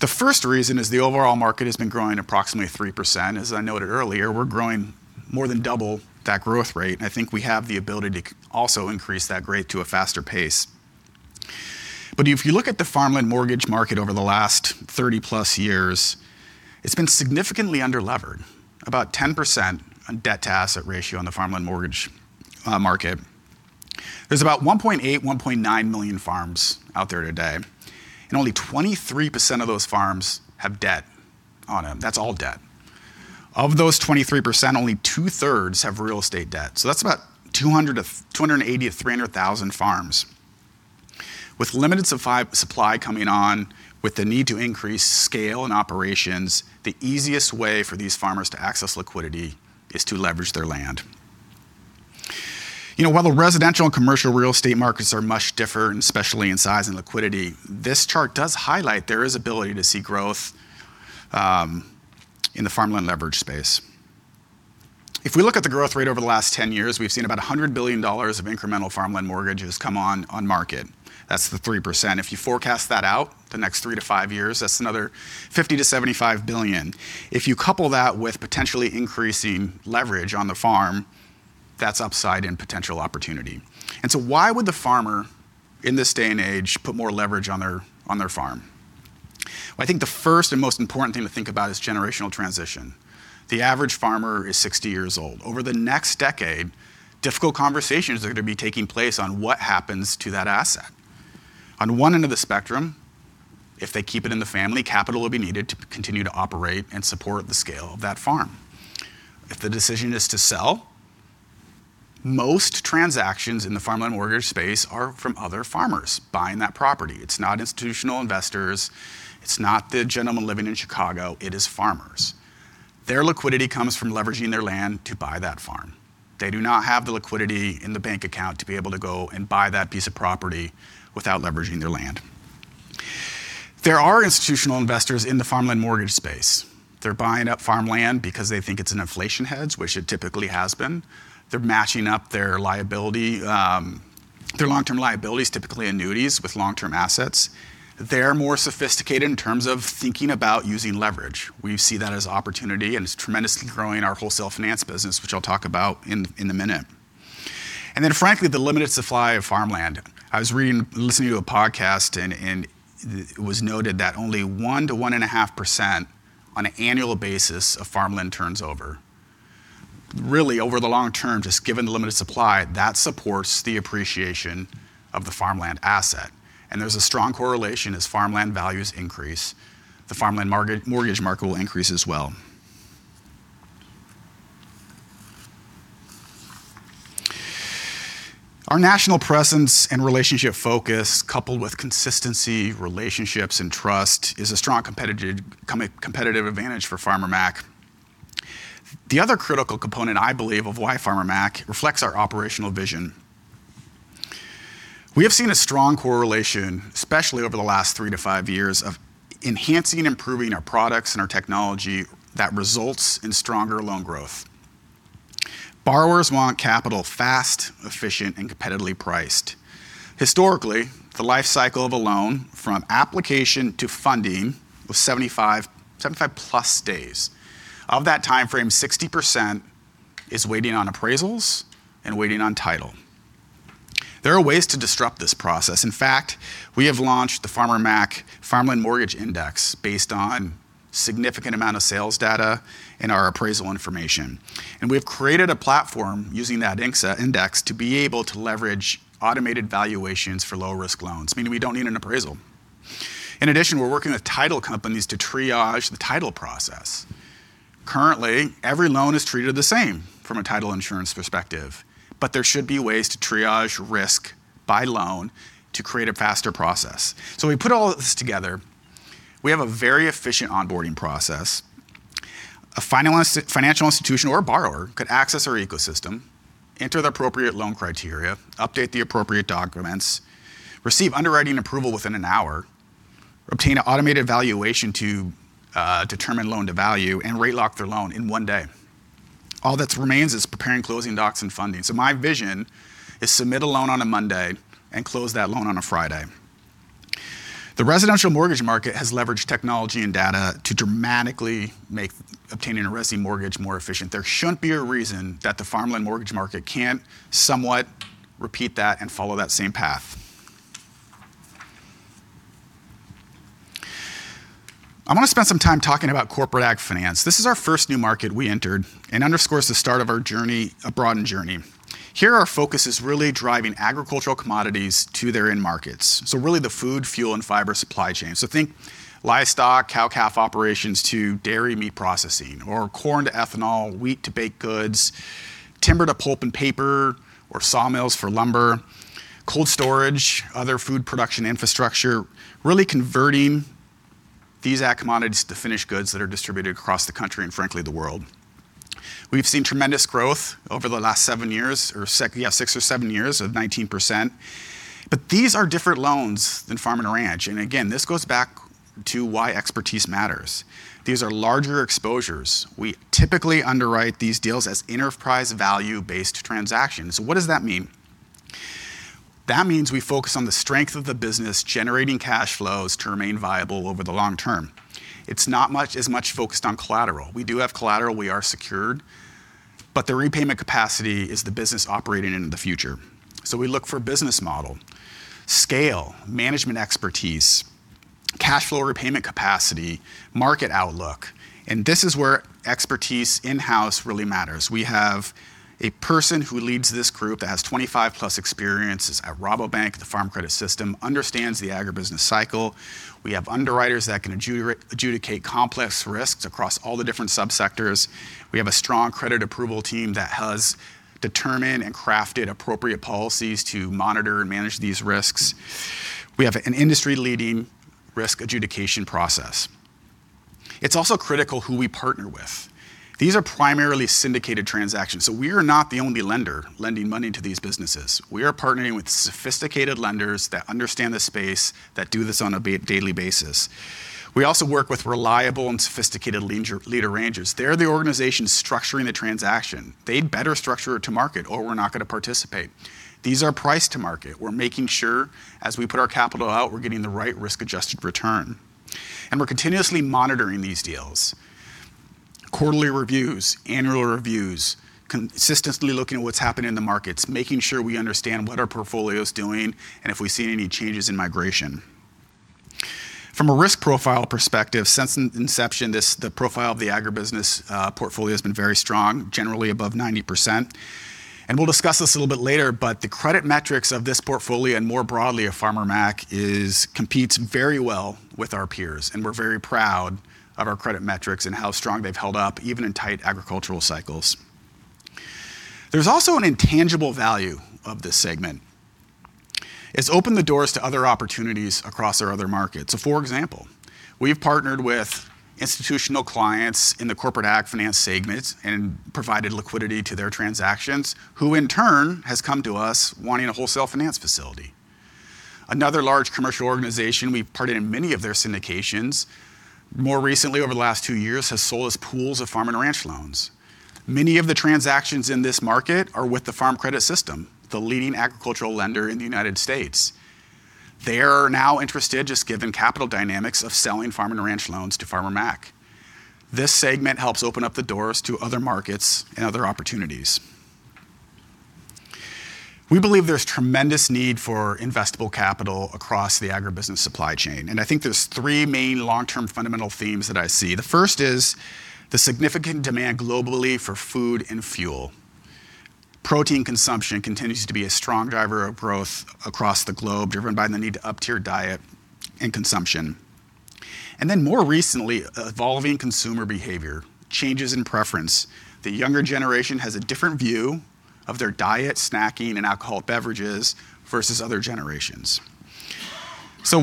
C: The first reason is the overall market has been growing approximately 3%. As I noted earlier, we're growing more than double that growth rate, and I think we have the ability to also increase that rate to a faster pace. If you look at the farmland mortgage market over the last 30+ years, it's been significantly under-levered. About 10% on debt-to-asset ratio on the farmland mortgage market. There's about 1.8-1.9 million farms out there today, and only 23% of those farms have debt on them. That's all debt. Of those 23%, only two-thirds have real estate debt. So that's about 280,000-300,000 farms. With limited supply coming on, with the need to increase scale and operations, the easiest way for these farmers to access liquidity is to leverage their land. You know, while the residential and commercial real estate markets are much different, especially in size and liquidity, this chart does highlight there is ability to see growth in the farmland leverage space. If we look at the growth rate over the last 10 years, we've seen about $100 billion of incremental farmland mortgages come on market. That's the 3%. If you forecast that out the next three to five years, that's another $50-$75 billion. If you couple that with potentially increasing leverage on the farm, that's upside and potential opportunity. Why would the farmer in this day and age put more leverage on their farm? Well, I think the first and most important thing to think about is generational transition. The average farmer is 60 years old. Over the next decade, difficult conversations are going to be taking place on what happens to that asset. On one end of the spectrum, if they keep it in the family, capital will be needed to continue to operate and support the scale of that farm. If the decision is to sell, most transactions in the farmland mortgage space are from other farmers buying that property. It's not institutional investors, it's not the gentleman living in Chicago, it is farmers. Their liquidity comes from leveraging their land to buy that farm. They do not have the liquidity in the bank account to be able to go and buy that piece of property without leveraging their land. There are institutional investors in the farmland mortgage space. They're buying up farmland because they think it's an inflation hedge, which it typically has been. They're matching up their liability, their long-term liabilities, typically annuities with long-term assets. They're more sophisticated in terms of thinking about using leverage. We see that as opportunity, and it's tremendously growing our Wholesale Finance business, which I'll talk about in a minute. Frankly, the limited supply of farmland. I was listening to a podcast and it was noted that only 1%-1.5% on an annual basis of farmland turns over. Really over the long term, just given the limited supply, that supports the appreciation of the farmland asset. There's a strong correlation as farmland values increase, the farmland mortgage market will increase as well. Our national presence and relationship focus, coupled with consistency, relationships, and trust, is a strong competitive advantage for Farmer Mac. The other critical component I believe of why Farmer Mac reflects our operational vision. We have seen a strong correlation, especially over the last three-five years, of enhancing and improving our products and our technology that results in stronger loan growth. Borrowers want capital fast, efficient, and competitively priced. Historically, the life cycle of a loan from application to funding was 75+ days. Of that timeframe, 60% is waiting on appraisals and waiting on title. There are ways to disrupt this process. In fact, we have launched the Farmer Mac Farmland Price Index based on significant amount of sales data and our appraisal information. We have created a platform using that index to be able to leverage automated valuations for low-risk loans, meaning we don't need an appraisal. In addition, we're working with title companies to triage the title process. Currently, every loan is treated the same from a title insurance perspective, but there should be ways to triage risk by loan to create a faster process. We put all of this together. We have a very efficient onboarding process. A financial institution or borrower could access our ecosystem, enter the appropriate loan criteria, update the appropriate documents, receive underwriting approval within an hour, obtain an automated valuation to determine loan-to-value, and rate lock their loan in one day. All that remains is preparing closing docs and funding. My vision is submit a loan on a Monday and close that loan on a Friday. The residential mortgage market has leveraged technology and data to dramatically make obtaining a resi mortgage more efficient. There shouldn't be a reason that the farmland mortgage market can't somewhat repeat that and follow that same path. I want to spend some time talking about Corporate AgFinance. This is our first new market we entered and underscores the start of our journey, a broad journey. Here, our focus is really driving agricultural commodities to their end markets. Really the food, fuel, and fiber supply chain. Think livestock, cow-calf operations to dairy meat processing or corn to ethanol, wheat to baked goods, timber to pulp and paper or sawmills for lumber, cold storage, other food production infrastructure, really converting these ag commodities to finished goods that are distributed across the country and frankly, the world. We've seen tremendous growth over the last seven years, six or seven years of 19%. These are different loans than Farm & Ranch. Again, this goes back to why expertise matters. These are larger exposures. We typically underwrite these deals as enterprise value-based transactions. What does that mean? That means we focus on the strength of the business generating cash flows to remain viable over the long term. It's not as much focused on collateral. We do have collateral, we are secured, but the repayment capacity is the business operating into the future. We look for business model, scale, management expertise. Cash flow repayment capacity, market outlook. This is where expertise in-house really matters. We have a person who leads this group that has 25+ experience at Rabobank, the Farm Credit System, understands the agribusiness cycle. We have underwriters that can adjudicate complex risks across all the different subsectors. We have a strong credit approval team that has determined and crafted appropriate policies to monitor and manage these risks. We have an industry-leading risk adjudication process. It's also critical who we partner with. These are primarily syndicated transactions, so we are not the only lender lending money to these businesses. We are partnering with sophisticated lenders that understand the space, that do this on a daily basis. We also work with reliable and sophisticated lead arrangers. They're the organization structuring the transaction. They'd better structure it to market or we're not gonna participate. These are priced to market. We're making sure as we put our capital out, we're getting the right risk-adjusted return. We're continuously monitoring these deals. Quarterly reviews, annual reviews, consistently looking at what's happening in the markets, making sure we understand what our portfolio's doing and if we've seen any changes in migration. From a risk profile perspective, since inception, this, the profile of the agribusiness portfolio has been very strong, generally above 90%. We'll discuss this a little bit later, but the credit metrics of this portfolio and more broadly of Farmer Mac competes very well with our peers, and we're very proud of our credit metrics and how strong they've held up, even in tight agricultural cycles. There's also an intangible value of this segment. It's opened the doors to other opportunities across our other markets. For example, we've partnered with institutional clients in the Corporate AgFinance segments and provided liquidity to their transactions, who in turn has come to us wanting a Wholesale Finance facility. Another large commercial organization, we've partnered in many of their syndications, more recently over the last two years, has sold us pools of Farm & Ranch loans. Many of the transactions in this market are with the Farm Credit System, the leading agricultural lender in the United States. They are now interested, just given capital dynamics, of selling farm and ranch loans to Farmer Mac. This segment helps open up the doors to other markets and other opportunities. We believe there's tremendous need for investable capital across the agribusiness supply chain, and I think there's three main long-term fundamental themes that I see. The first is the significant demand globally for food and fuel. Protein consumption continues to be a strong driver of growth across the globe, driven by the need to uptier diet and consumption. And then more recently, evolving consumer behavior, changes in preference. The younger generation has a different view of their diet, snacking, and alcoholic beverages versus other generations.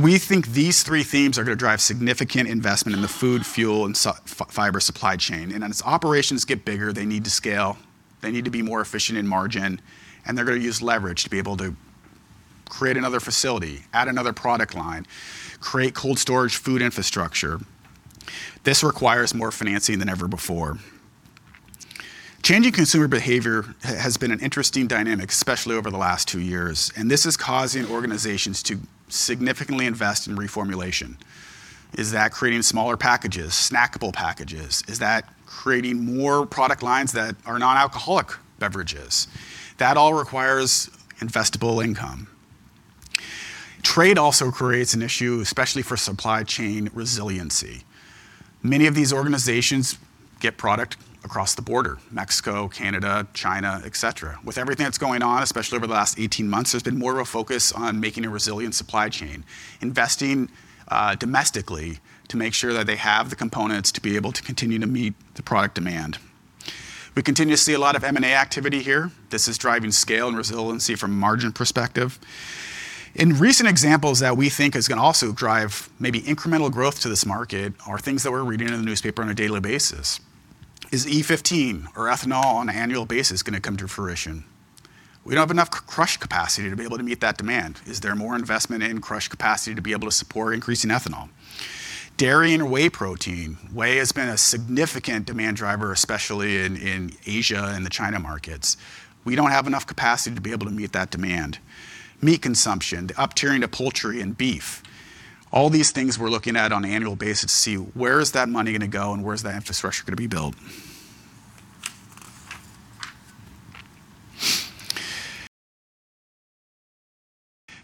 C: We think these three themes are gonna drive significant investment in the food, fuel, and fiber supply chain. As operations get bigger, they need to scale, they need to be more efficient in margin, and they're gonna use leverage to be able to create another facility, add another product line, create cold storage food infrastructure. This requires more financing than ever before. Changing consumer behavior has been an interesting dynamic, especially over the last two years, and this is causing organizations to significantly invest in reformulation. Is that creating smaller packages, snackable packages? Is that creating more product lines that are non-alcoholic beverages? That all requires investable income. Trade also creates an issue, especially for supply chain resiliency. Many of these organizations get product across the border, Mexico, Canada, China, et cetera. With everything that's going on, especially over the last 18 months, there's been more of a focus on making a resilient supply chain, investing domestically to make sure that they have the components to be able to continue to meet the product demand. We continue to see a lot of M&A activity here. This is driving scale and resiliency from a margin perspective. In recent examples that we think is gonna also drive maybe incremental growth to this market are things that we're reading in the newspaper on a daily basis. Is E15 or ethanol on an annual basis gonna come to fruition? We don't have enough crush capacity to be able to meet that demand. Is there more investment in crush capacity to be able to support increasing ethanol? Dairy and whey protein. Whey has been a significant demand driver, especially in Asia and the China markets. We don't have enough capacity to be able to meet that demand. Meat consumption, the uptiering to poultry and beef. All these things we're looking at on an annual basis to see where is that money gonna go and where is that infrastructure gonna be built?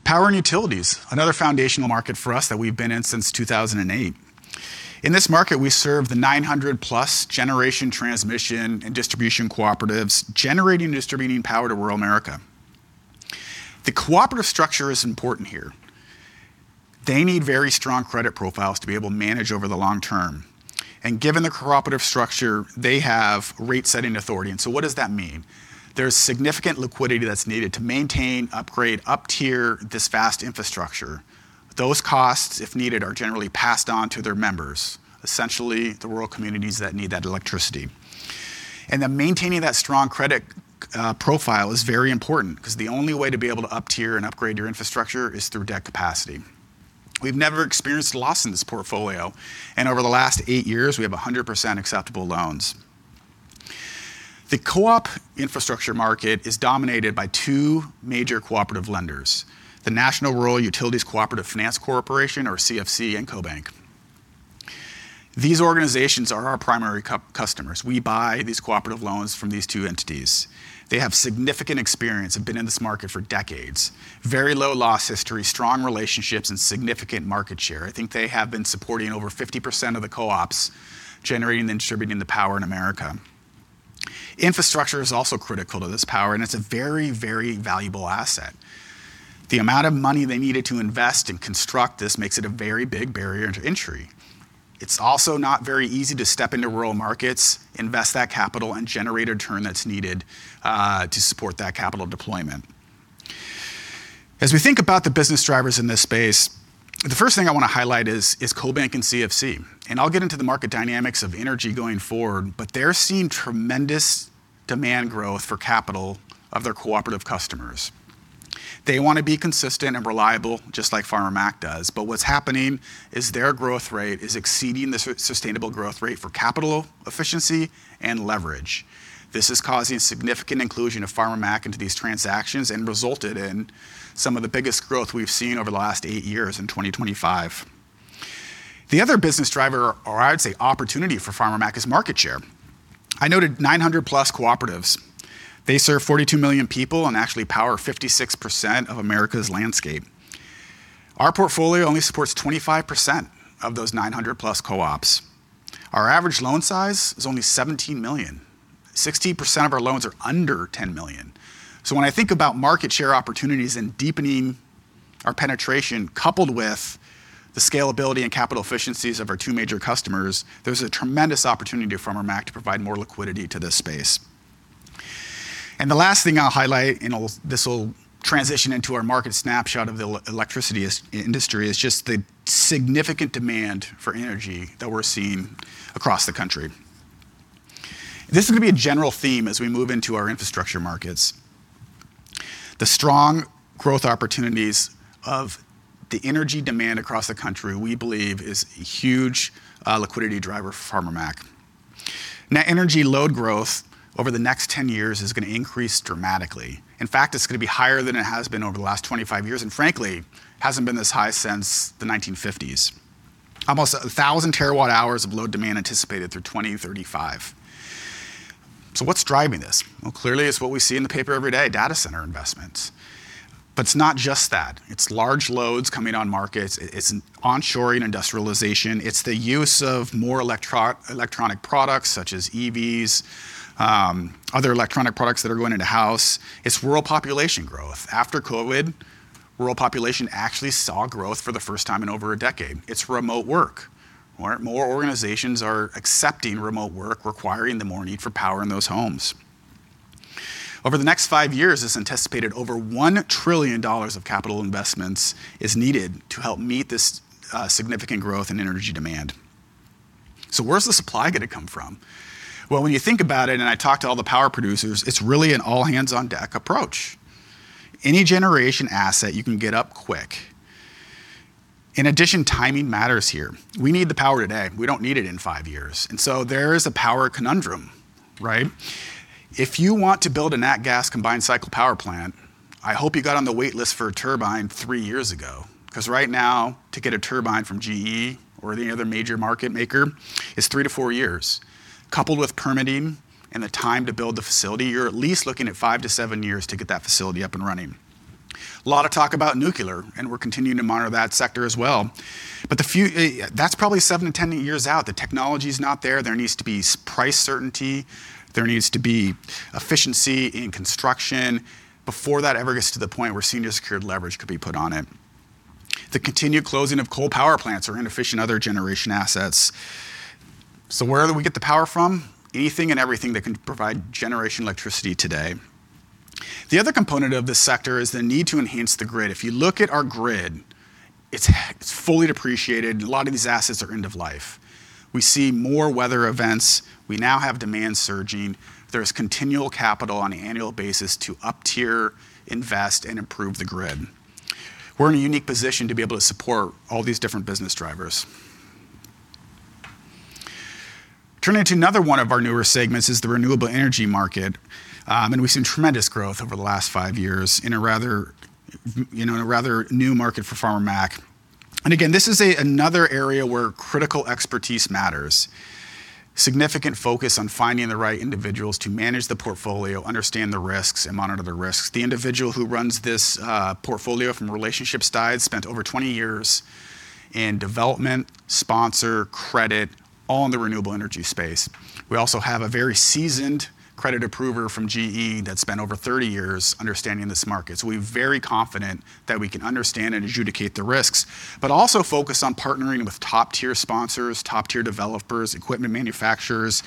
C: Power and utilities, another foundational market for us that we've been in since 2008. In this market, we serve the 900+ generation transmission and distribution cooperatives generating and distributing power to rural America. The cooperative structure is important here. They need very strong credit profiles to be able to manage over the long term. Given the cooperative structure, they have rate-setting authority. What does that mean? There's significant liquidity that's needed to maintain, upgrade, uptier this vast infrastructure. Those costs, if needed, are generally passed on to their members, essentially the rural communities that need that electricity. Maintaining that strong credit profile is very important 'cause the only way to be able to uptier and upgrade your infrastructure is through debt capacity. We've never experienced loss in this portfolio, and over the last eight years, we have 100% acceptable loans. The co-op infrastructure market is dominated by two major cooperative lenders, the National Rural Utilities Cooperative Finance Corporation, or CFC, and CoBank. These organizations are our primary customers. We buy these cooperative loans from these two entities. They have significant experience, have been in this market for decades. Very low loss history, strong relationships, and significant market share. I think they have been supporting over 50% of the co-ops generating and distributing the power in America. Infrastructure is also critical to this power, and it's a very, very valuable asset. The amount of money they needed to invest and construct this makes it a very big barrier to entry. It's also not very easy to step into rural markets, invest that capital, and generate a return that's needed to support that capital deployment. As we think about the business drivers in this space, the first thing I want to highlight is CoBank and CFC. I'll get into the market dynamics of energy going forward, but they're seeing tremendous demand growth for capital of their cooperative customers. They want to be consistent and reliable, just like Farmer Mac does. But what's happening is their growth rate is exceeding the sustainable growth rate for capital efficiency and leverage. This is causing significant inclusion of Farmer Mac into these transactions and resulted in some of the biggest growth we've seen over the last eight years in 2025. The other business driver, or I'd say opportunity for Farmer Mac, is market share. I noted 900+ cooperatives. They serve 42 million people and actually power 56% of America's landscape. Our portfolio only supports 25% of those 900+ co-ops. Our average loan size is only $17 million. 16% of our loans are under $10 million. When I think about market share opportunities and deepening our penetration coupled with the scalability and capital efficiencies of our two major customers, there's a tremendous opportunity for Farmer Mac to provide more liquidity to this space. The last thing I'll highlight, and this will transition into our market snapshot of the electricity industry, is just the significant demand for energy that we're seeing across the country. This is going to be a general theme as we move into our infrastructure markets. The strong growth opportunities of the energy demand across the country, we believe, is a huge liquidity driver for Farmer Mac. Net energy load growth over the next 10 years is going to increase dramatically. In fact, it's going to be higher than it has been over the last 25 years, and frankly, hasn't been this high since the 1950s. Almost 1,000 terawatt-hours of load demand anticipated through 2035. What's driving this? Well, clearly, it's what we see in the paper every day, data center investments. It's not just that. It's large loads coming on markets. It's onshoring industrialization. It's the use of more electro-electronic products such as EVs, other electronic products that are going into house. It's rural population growth. After COVID, rural population actually saw growth for the first time in over a decade. It's remote work. More organizations are accepting remote work, requiring the more need for power in those homes. Over the next five years, it's anticipated over $1 trillion of capital investments is needed to help meet this significant growth in energy demand. Where's the supply going to come from? Well, when you think about it, and I talk to all the power producers, it's really an all-hands-on-deck approach. Any generation asset you can get up quick. In addition, timing matters here. We need the power today. We don't need it in five years. There is a power conundrum, right? If you want to build a natural gas combined cycle power plant, I hope you got on the wait list for a turbine three years ago, because right now, to get a turbine from GE or any other major manufacturer is three-four years. Coupled with permitting and the time to build the facility, you're at least looking at five-seven years to get that facility up and running. A lot of talk about nuclear, and we're continuing to monitor that sector as well. That's probably seven-10 years out. The technology's not there. There needs to be price certainty. There needs to be efficiency in construction before that ever gets to the point where senior secured leverage could be put on it. The continued closing of coal power plants or inefficient other generation assets. Where do we get the power from? Anything and everything that can provide generation electricity today. The other component of this sector is the need to enhance the grid. If you look at our grid, it's fully depreciated. A lot of these assets are end of life. We see more weather events. We now have demand surging. There's continual capital on an annual basis to up-tier, invest, and improve the grid. We're in a unique position to be able to support all these different business drivers. Turning to another one of our newer segments is the Renewable Energy market, and we've seen tremendous growth over the last five years in a rather, you know, new market for Farmer Mac. This is another area where critical expertise matters. Significant focus on finding the right individuals to manage the portfolio, understand the risks, and monitor the risks. The individual who runs this portfolio from the relationships division spent over 20 years in development, sponsor, credit, all in the renewable energy space. We also have a very seasoned credit approver from GE that spent over 30 years understanding this market. We're very confident that we can understand and adjudicate the risks, but also focus on partnering with top-tier sponsors, top-tier developers, equipment manufacturers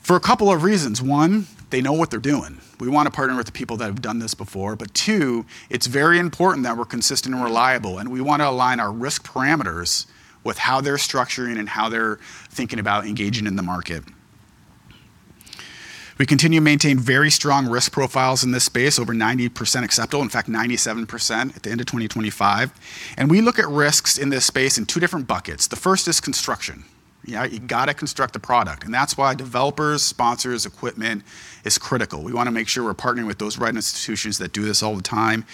C: for a couple of reasons. One, they know what they're doing. We want to partner with the people that have done this before. But two, it's very important that we're consistent and reliable, and we want to align our risk parameters with how they're structuring and how they're thinking about engaging in the market. We continue to maintain very strong risk profiles in this space, over 90% acceptable. In fact, 97% at the end of 2025. We look at risks in this space in two different buckets. The first is construction. Yeah, you got to construct a product, and that's why developers, sponsors, equipment is critical. We want to make sure we're partnering with those right institutions that do this all the time.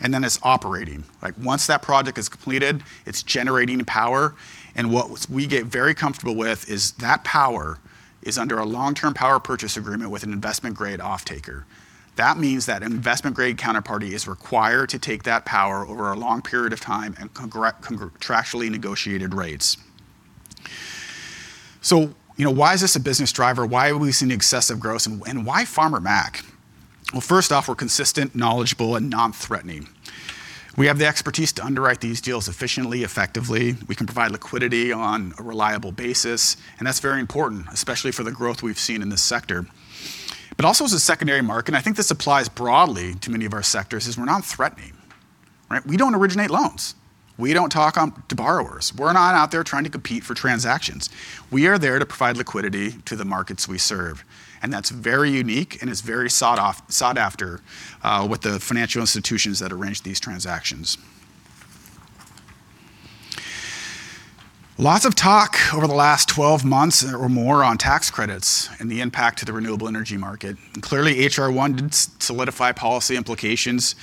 C: Then it's operating. Like, once that project is completed, it's generating power. What we get very comfortable with is that power is under a long-term power purchase agreement with an investment-grade off-taker. That means that investment-grade counterparty is required to take that power over a long period of time and contractually negotiated rates. You know, why is this a business driver? Why have we seen excessive growth? And why Farmer Mac? Well, first off, we're consistent, knowledgeable and non-threatening. We have the expertise to underwrite these deals efficiently, effectively. We can provide liquidity on a reliable basis, and that's very important, especially for the growth we've seen in this sector. Also as a secondary market, and I think this applies broadly to many of our sectors, is we're not threatening, right? We don't originate loans. We don't talk to borrowers. We're not out there trying to compete for transactions. We are there to provide liquidity to the markets we serve. That's very unique, and it's very sought after with the financial institutions that arrange these transactions. Lots of talk over the last 12 months or more on tax credits and the impact to the renewable energy market. Clearly, H.R. 1 did solidify policy implications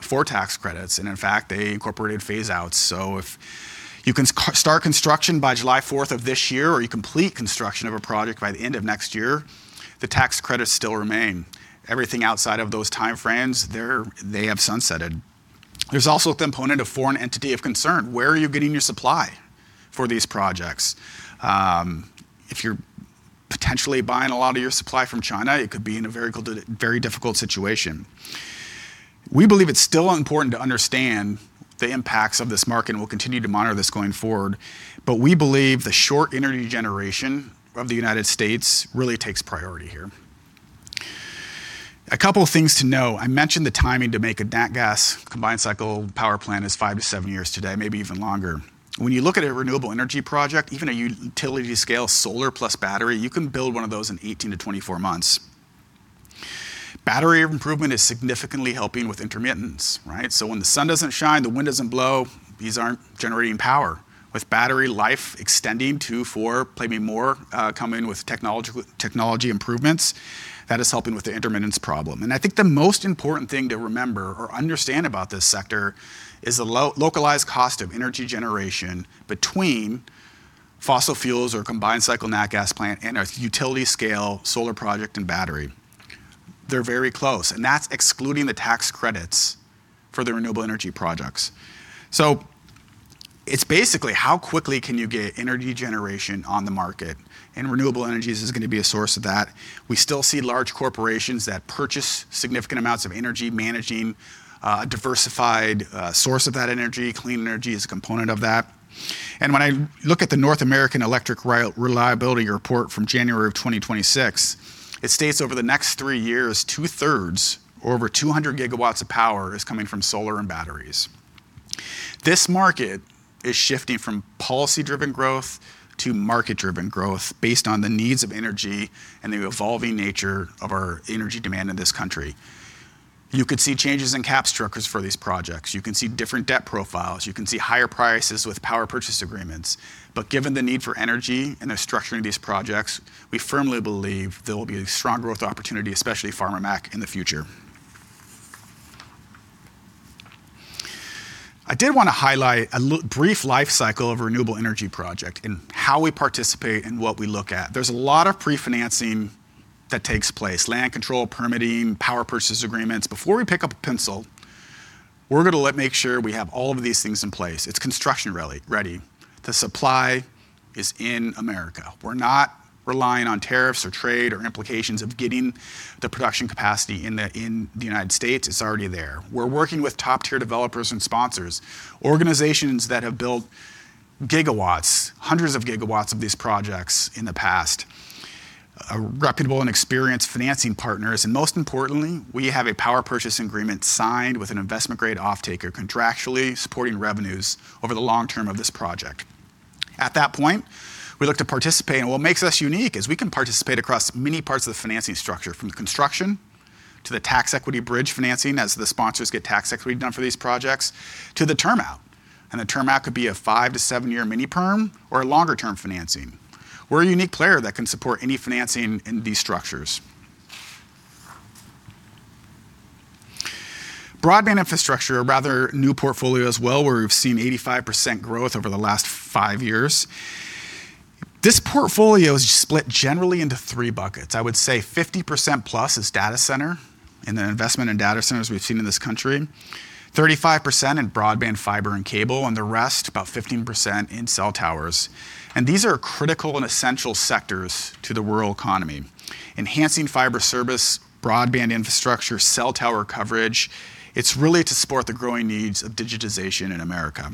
C: for tax credits, and in fact, they incorporated phase outs. If you can start construction by July fourth of this year, or you complete construction of a project by the end of next year, the tax credits still remain. Everything outside of those time frames, they have sunsetted. There's also a component of Foreign Entity of Concern. Where are you getting your supply for these projects? If you're potentially buying a lot of your supply from China, it could be in a very difficult situation. We believe it's still important to understand the impacts of this market, and we'll continue to monitor this going forward. We believe the shortage of energy generation of the United States really takes priority here. A couple of things to know. I mentioned the time it takes to make a nat gas combined cycle power plant is five-seven years today, maybe even longer. When you look at a renewable energy project, even a utility scale solar plus battery, you can build one of those in 18-24 months. Battery improvement is significantly helping with intermittency, right? When the sun doesn't shine, the wind doesn't blow, these aren't generating power. With battery life extending to 4, maybe more, coming with technology improvements, that is helping with the intermittency problem. I think the most important thing to remember or understand about this sector is the localized cost of energy generation between fossil fuels or combined cycle natural gas plant and a utility scale solar project and battery. They're very close, and that's excluding the tax credits for the renewable energy projects. It's basically how quickly can you get energy generation on the market, and renewable energies is going to be a source of that. We still see large corporations that purchase significant amounts of energy managing a diversified source of that energy. Clean energy is a component of that. When I look at the North American Electric Reliability Corporation report from January 2026, it states over the next three years, two-thirds or over 200 gigawatts of power is coming from solar and batteries. This market is shifting from policy-driven growth to market-driven growth based on the needs of energy and the evolving nature of our energy demand in this country. You could see changes in cap structures for these projects. You can see different debt profiles. You can see higher prices with power purchase agreements. Given the need for energy and the structuring of these projects, we firmly believe there will be a strong growth opportunity, especially Farmer Mac in the future. I did want to highlight a brief life cycle of a renewable energy project and how we participate and what we look at. There's a lot of pre-financing that takes place. Land control, permitting, Power Purchase Agreements. Before we pick up a pencil, we're gonna make sure we have all of these things in place. It's construction, really ready. The supply is in America. We're not relying on tariffs or trade or implications of getting the production capacity in the United States. It's already there. We're working with top-tier developers and sponsors, organizations that have built gigawatts, hundreds of gigawatts of these projects in the past, reputable and experienced financing partners, and most importantly, we have a Power Purchase Agreement signed with an investment-grade off-taker contractually supporting revenues over the long term of this project. At that point, we look to participate, and what makes us unique is we can participate across many parts of the financing structure, from the construction to the tax equity bridge financing as the sponsors get tax equity done for these projects, to the term out. The term out could be a five- to seven-year mini-perm or a longer-term financing. We're a unique player that can support any financing in these structures. Broadband Infrastructure, a rather new portfolio as well, where we've seen 85% growth over the last five years. This portfolio is split generally into three buckets. I would say 50% plus is data center and the investment in data centers we've seen in this country. 35% in broadband fiber and cable, and the rest, about 15%, in cell towers. These are critical and essential sectors to the rural economy. Enhancing fiber service, broadband infrastructure, cell tower coverage. It's really to support the growing needs of digitization in America.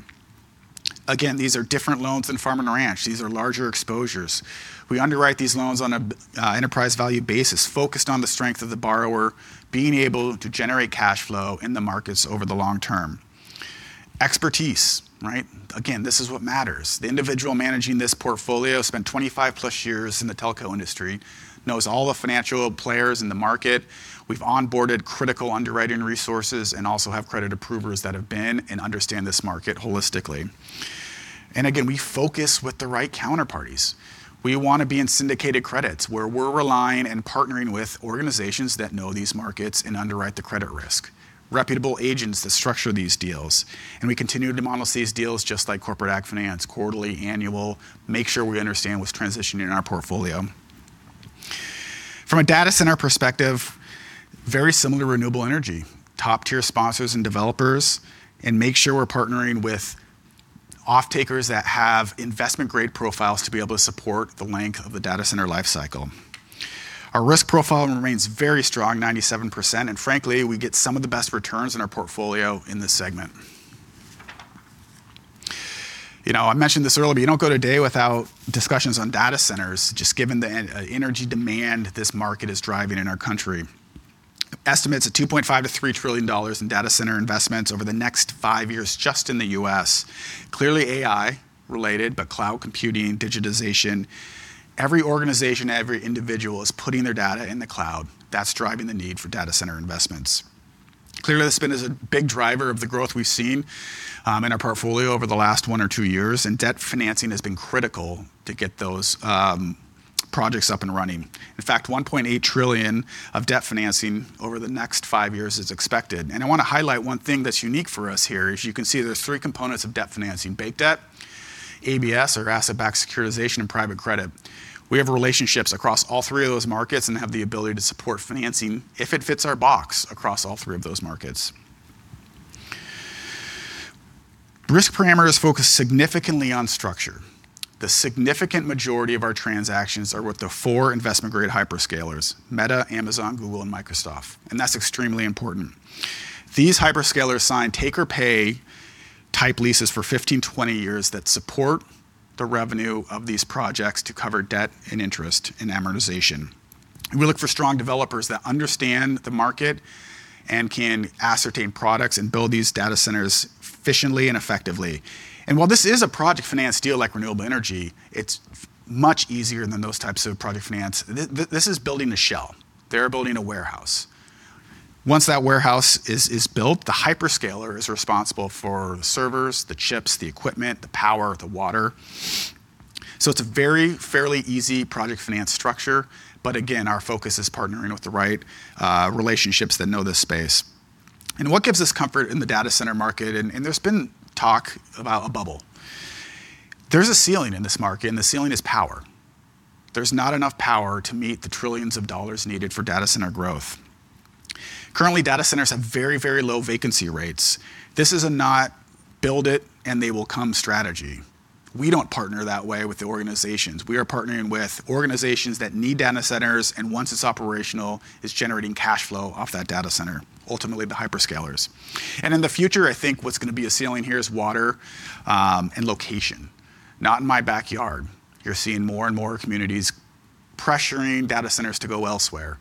C: Again, these are different loans than Farm & Ranch. These are larger exposures. We underwrite these loans on a enterprise value basis, focused on the strength of the borrower being able to generate cash flow in the markets over the long term. Expertise, right? Again, this is what matters. The individual managing this portfolio spent 25+ years in the telco industry, knows all the financial players in the market. We've onboarded critical underwriting resources and also have credit approvers that have been and understand this market holistically. Again, we focus with the right counterparties. We want to be in syndicated credits where we're relying and partnering with organizations that know these markets and underwrite the credit risk, reputable agents that structure these deals. We continue to model these deals just like Corporate AgFinance, quarterly, annual, make sure we understand what's transitioning in our portfolio. From a data center perspective, very similar to Renewable Energy, top-tier sponsors and developers, and make sure we're partnering with off-takers that have investment-grade profiles to be able to support the length of the data center life cycle. Our risk profile remains very strong, 97%, and frankly, we get some of the best returns in our portfolio in this segment. You know, I mentioned this earlier, but you don't go today without discussions on data centers, just given the energy demand this market is driving in our country. Estimates of $2.5 trillion-$3 trillion in data center investments over the next five years just in the U.S. Clearly AI-related, but cloud computing, digitization, every organization, every individual is putting their data in the cloud. That's driving the need for data center investments. Clearly, the spin is a big driver of the growth we've seen in our portfolio over the last one or two years, and debt financing has been critical to get those projects up and running. In fact, $1.8 trillion of debt financing over the next five years is expected. I want to highlight one thing that's unique for us here, as you can see, there's three components of debt financing, bank debt, ABS or asset-backed securitization, and private credit. We have relationships across all three of those markets and have the ability to support financing if it fits our box across all three of those markets. Risk parameters focus significantly on structure. The significant majority of our transactions are with the four investment-grade hyperscalers, Meta, Amazon, Google, and Microsoft, and that's extremely important. These hyperscalers sign take-or-pay type leases for 15, 20 years that support the revenue of these projects to cover debt and interest and amortization. We look for strong developers that understand the market and can ascertain products and build these data centers efficiently and effectively. While this is a project finance deal like renewable energy, it's much easier than those types of project finance. This is building a shell. They're building a warehouse. Once that warehouse is built, the hyperscaler is responsible for the servers, the chips, the equipment, the power, the water. It's a very fairly easy project finance structure, but again, our focus is partnering with the right relationships that know this space. What gives us comfort in the data center market, and there's been talk about a bubble. There's a ceiling in this market, and the ceiling is power. There's not enough power to meet the trillions of dollars needed for data center growth. Currently, data centers have very, very low vacancy rates. This is a not build it and they will come strategy. We don't partner that way with the organizations. We are partnering with organizations that need data centers, and once it's operational, it's generating cash flow off that data center, ultimately the hyperscalers. In the future, I think what's going to be a ceiling here is water, and location. Not in my backyard. You're seeing more and more communities pressuring data centers to go elsewhere.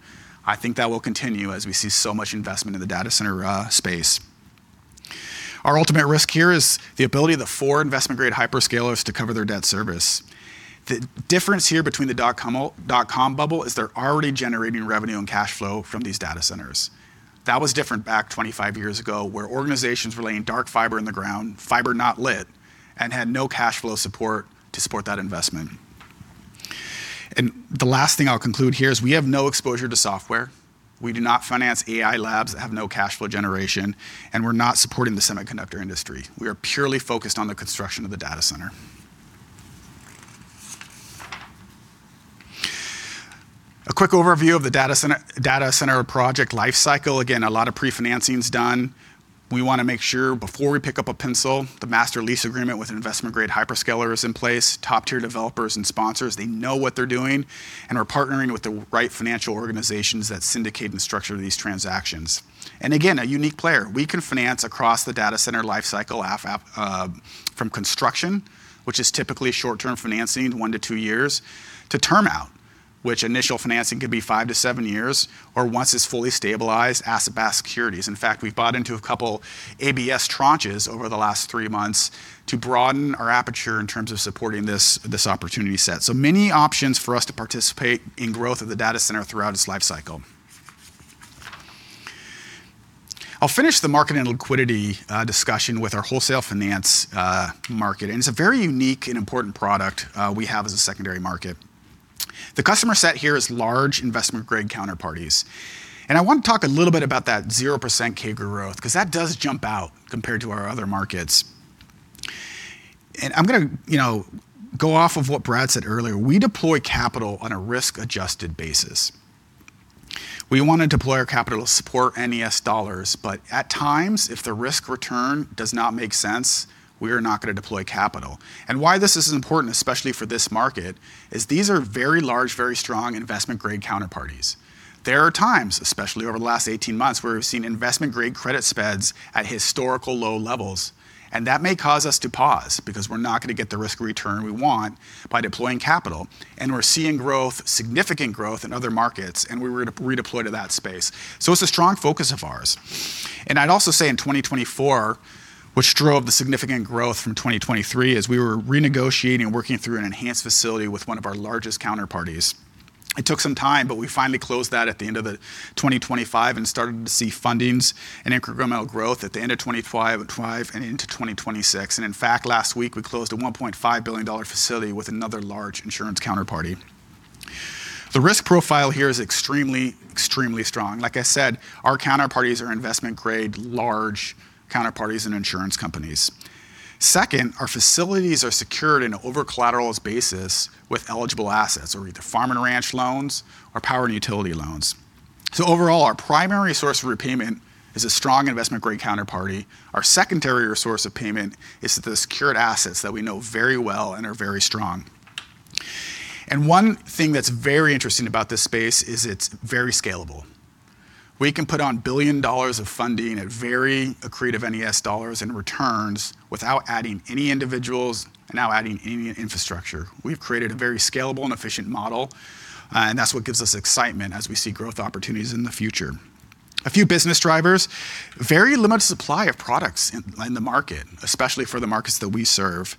C: I think that will continue as we see so much investment in the data center space. Our ultimate risk here is the ability of the four investment-grade hyperscalers to cover their debt service. The difference here between the dot-com bubble is they're already generating revenue and cash flow from these data centers. That was different back 25 years ago, where organizations were laying dark fiber in the ground, fiber not lit, and had no cash flow support to support that investment. The last thing I'll conclude here is we have no exposure to software. We do not finance AI labs that have no cash flow generation, and we're not supporting the semiconductor industry. We are purely focused on the construction of the data center. A quick overview of the data center, data center project life cycle. Again, a lot of pre-financing is done. We want to make sure before we pick up a pencil, the master lease agreement with an investment-grade hyperscaler is in place. Top-tier developers and sponsors, they know what they're doing and are partnering with the right financial organizations that syndicate and structure these transactions. Again, a unique player. We can finance across the data center life cycle from construction, which is typically short-term financing, one-two years, to term out, which initial financing could be five-seven years or once it's fully stabilized, asset-backed securities. In fact, we've bought into a couple ABS tranches over the last 3 months to broaden our aperture in terms of supporting this opportunity set. Many options for us to participate in growth of the data center throughout its life cycle. I'll finish the market and liquidity discussion with our Wholesale Finance market. It's a very unique and important product we have as a secondary market. The customer set here is large investment-grade counterparties. I want to talk a little bit about that 0% CAGR growth because that does jump out compared to our other markets. I'm gonna, you know, go off of what Brad said earlier. We deploy capital on a risk-adjusted basis. We want to deploy our capital to support NES dollars, but at times, if the risk return does not make sense, we are not going to deploy capital. Why this is important, especially for this market, is these are very large, very strong investment-grade counterparties. There are times, especially over the last 18 months, where we've seen investment-grade credit spreads at historical low levels, and that may cause us to pause because we're not going to get the risk return we want by deploying capital. We're seeing growth, significant growth in other markets, and we're redeployed to that space. It's a strong focus of ours. I'd also say in 2024, which drove the significant growth from 2023, is we were renegotiating and working through an enhanced facility with one of our largest counterparties. It took some time, but we finally closed that at the end of 2025 and started to see fundings and incremental growth at the end of 2025 and into 2026. In fact, last week we closed a $1.5 billion facility with another large insurance counterparty. The risk profile here is extremely strong. Like I said, our counterparties are investment-grade, large counterparties and insurance companies. Second, our facilities are secured on an over-collateralized basis with eligible assets, either Farm and Ranch loans or Power and Utilities loans. Overall, our primary source of repayment is a strong investment-grade counterparty. Our secondary source of payment is the secured assets that we know very well and are very strong. One thing that's very interesting about this space is it's very scalable. We can put on $1 billion of funding at very accretive NES dollars in returns without adding any individuals and without adding any infrastructure. We've created a very scalable and efficient model, and that's what gives us excitement as we see growth opportunities in the future. A few business drivers. Very limited supply of products in the market, especially for the markets that we serve.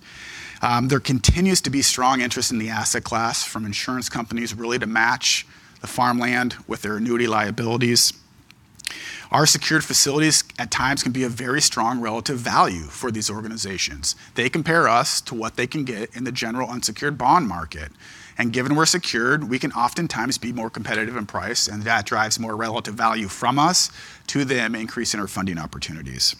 C: There continues to be strong interest in the asset class from insurance companies really to match the farmland with their annuity liabilities. Our secured facilities at times can be a very strong relative value for these organizations. They compare us to what they can get in the general unsecured bond market, and given we're secured, we can oftentimes be more competitive in price, and that drives more relative value from us to them, increasing our funding opportunities.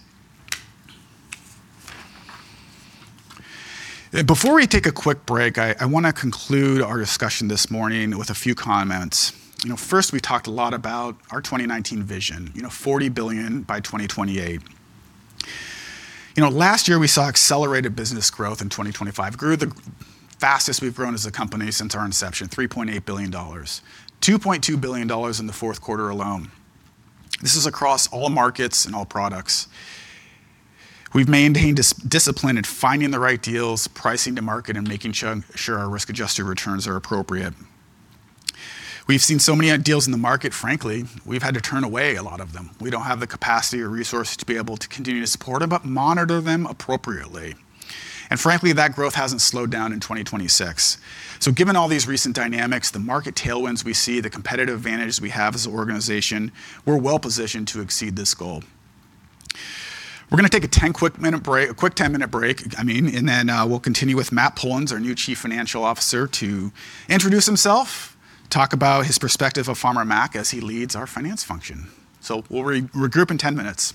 C: Before we take a quick break, I wanna conclude our discussion this morning with a few comments. You know, first, we talked a lot about our 2019 vision. You know, $40 billion by 2028. You know, last year we saw accelerated business growth in 2025. Grew the fastest we've grown as a company since our inception, $3.8 billion. $2.2 billion in the fourth quarter alone. This is across all markets and all products. We've maintained discipline in finding the right deals, pricing to market, and making sure our risk-adjusted returns are appropriate. We've seen so many deals in the market, frankly, we've had to turn away a lot of them. We don't have the capacity or resources to be able to continue to support them, but monitor them appropriately. Frankly, that growth hasn't slowed down in 2026. Given all these recent dynamics, the market tailwinds we see, the competitive advantage we have as an organization, we're well-positioned to exceed this goal. We're going to take a quick 10-minute break, I mean, and then we'll continue with Matthew Pullins, our new Chief Financial Officer, to introduce himself, talk about his perspective of Farmer Mac as he leads our finance function. We'll regroup in 10 minutes.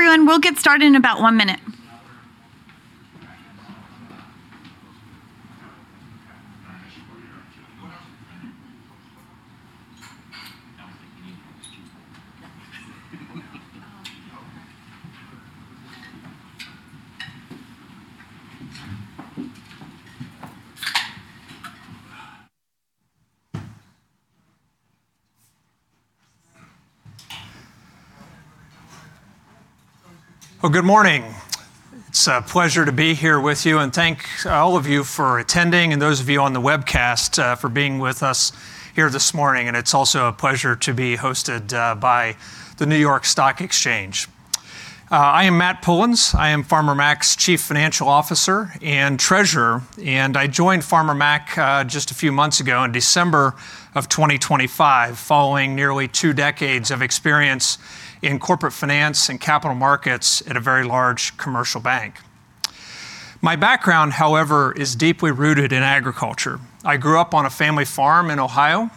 A: Hi, everyone. We'll get started in about one minute.
D: Well, good morning. It's a pleasure to be here with you, and thank all of you for attending and those of you on the webcast for being with us here this morning. It's also a pleasure to be hosted by the New York Stock Exchange. I am Matt Pullins. I am Farmer Mac's Chief Financial Officer and Treasurer, and I joined Farmer Mac just a few months ago in December of 2025, following nearly two decades of experience in corporate finance and capital markets at a very large commercial bank. My background, however, is deeply rooted in agriculture. I grew up on a family farm in Ohio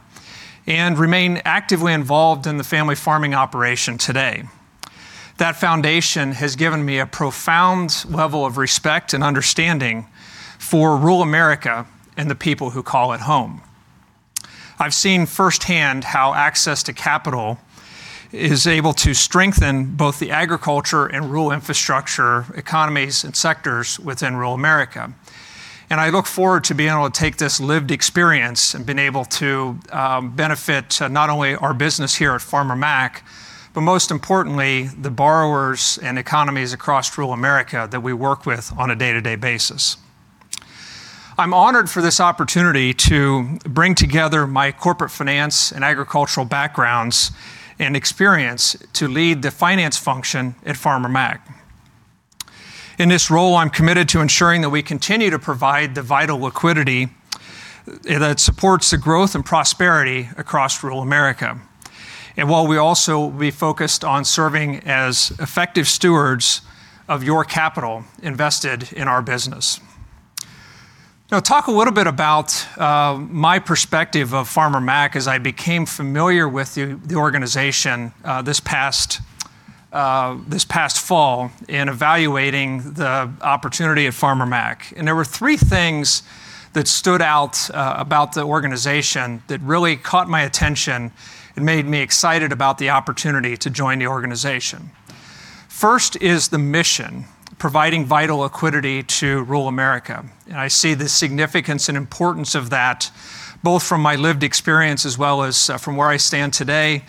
D: and remain actively involved in the family farming operation today. That foundation has given me a profound level of respect and understanding for rural America and the people who call it home. I've seen firsthand how access to capital is able to strengthen both the agriculture and rural infrastructure, economies and sectors within rural America. I look forward to being able to take this lived experience and been able to benefit not only our business here at Farmer Mac, but most importantly, the borrowers and economies across rural America that we work with on a day-to-day basis. I'm honored for this opportunity to bring together my corporate finance and agricultural backgrounds and experience to lead the finance function at Farmer Mac. In this role, I'm committed to ensuring that we continue to provide the vital liquidity that supports the growth and prosperity across rural America, and while we also be focused on serving as effective stewards of your capital invested in our business. Now talk a little bit about my perspective of Farmer Mac as I became familiar with the organization this past fall in evaluating the opportunity at Farmer Mac. There were three things that stood out about the organization that really caught my attention and made me excited about the opportunity to join the organization. First is the mission, providing vital liquidity to rural America. I see the significance and importance of that both from my lived experience as well as from where I stand today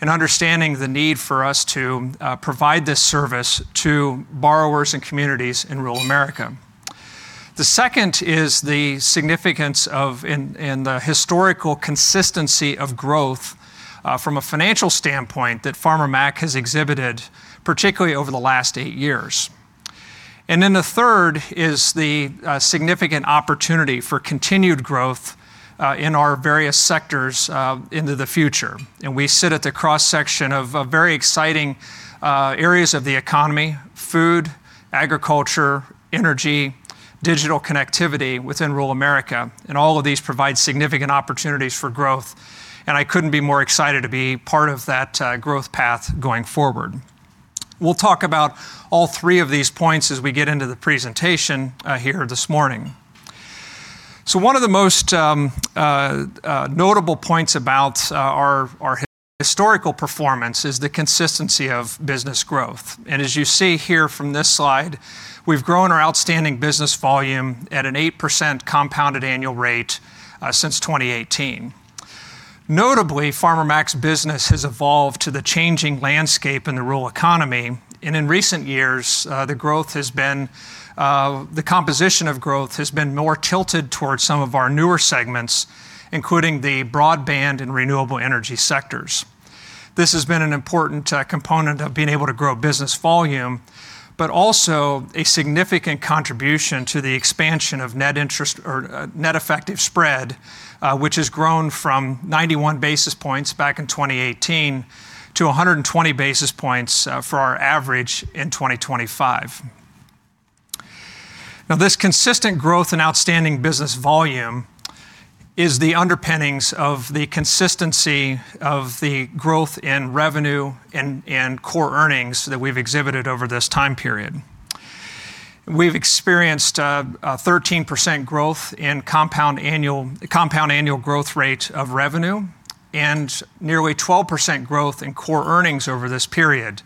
D: in understanding the need for us to provide this service to borrowers and communities in rural America. The second is the significance of and the historical consistency of growth from a financial standpoint that Farmer Mac has exhibited, particularly over the last eight years. The third is the significant opportunity for continued growth in our various sectors into the future. We sit at the cross-section of very exciting areas of the economy, food, agriculture, energy, digital connectivity within rural America, and all of these provide significant opportunities for growth, and I couldn't be more excited to be part of that growth path going forward. We'll talk about all three of these points as we get into the presentation here this morning. One of the most notable points about our historical performance is the consistency of business growth. As you see here from this slide, we've grown our outstanding business volume at an 8% compounded annual rate since 2018. Notably, Farmer Mac's business has evolved to the changing landscape in the rural economy, and in recent years, the growth has been, the composition of growth has been more tilted towards some of our newer segments, including the Broadband and Renewable Energy sectors. This has been an important component of being able to grow business volume, but also a significant contribution to the expansion of Net Effective Spread, which has grown from 91 basis points back in 2018 to 120 basis points for our average in 2025. Now, this consistent growth and outstanding business volume is the underpinnings of the consistency of the growth in revenue and core earnings that we've exhibited over this time period. We've experienced a 13% growth in compound annual growth rate of revenue and nearly 12% growth in core earnings over this period.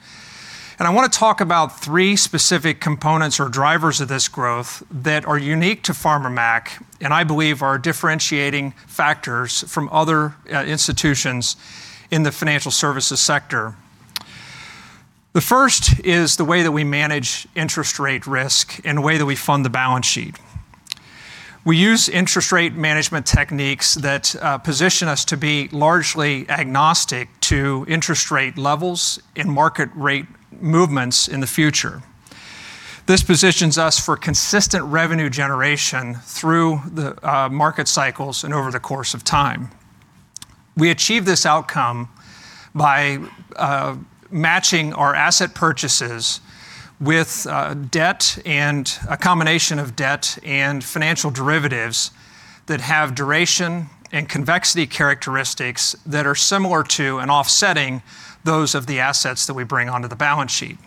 D: I want to talk about three specific components or drivers of this growth that are unique to Farmer Mac and I believe are differentiating factors from other institutions in the financial services sector. The first is the way that we manage interest rate risk and the way that we fund the balance sheet. We use interest rate management techniques that position us to be largely agnostic to interest rate levels and market rate movements in the future. This positions us for consistent revenue generation through the market cycles and over the course of time. We achieve this outcome by matching our asset purchases with debt and a combination of debt and financial derivatives that have duration and convexity characteristics that are similar to and offsetting those of the assets that we bring onto the balance sheet.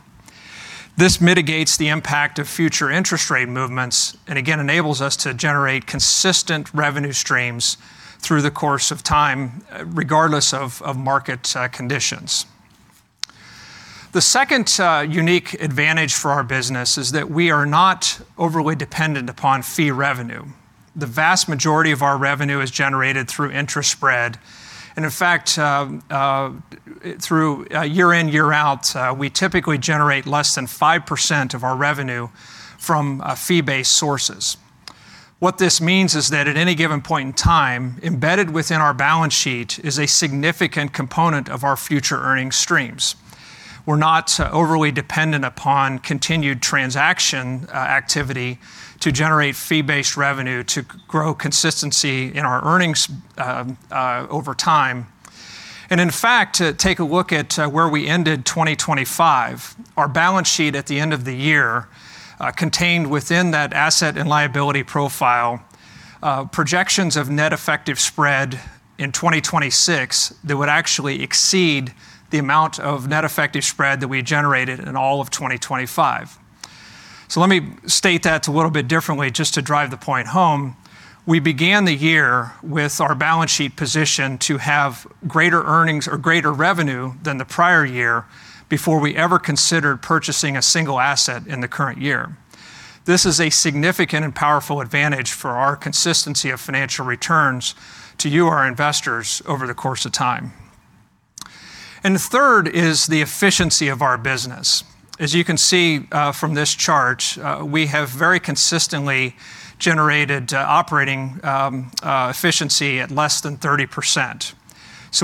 D: This mitigates the impact of future interest rate movements and again enables us to generate consistent revenue streams through the course of time, regardless of market conditions. The second unique advantage for our business is that we are not overly dependent upon fee revenue. The vast majority of our revenue is generated through interest spread. In fact, through year in, year out, we typically generate less than 5% of our revenue from fee-based sources. What this means is that at any given point in time, embedded within our balance sheet is a significant component of our future earning streams. We're not overly dependent upon continued transaction activity to generate fee-based revenue to grow consistency in our earnings over time. In fact, to take a look at where we ended 2025, our balance sheet at the end of the year contained within that asset and liability profile projections of Net Effective Spread in 2026 that would actually exceed the amount of Net Effective Spread that we generated in all of 2025. Let me state that a little bit differently just to drive the point home. We began the year with our balance sheet positioned to have greater earnings or greater revenue than the prior year before we ever considered purchasing a single asset in the current year. This is a significant and powerful advantage for our consistency of financial returns to you, our investors, over the course of time. The third is the efficiency of our business. As you can see, from this chart, we have very consistently generated operating efficiency at less than 30%.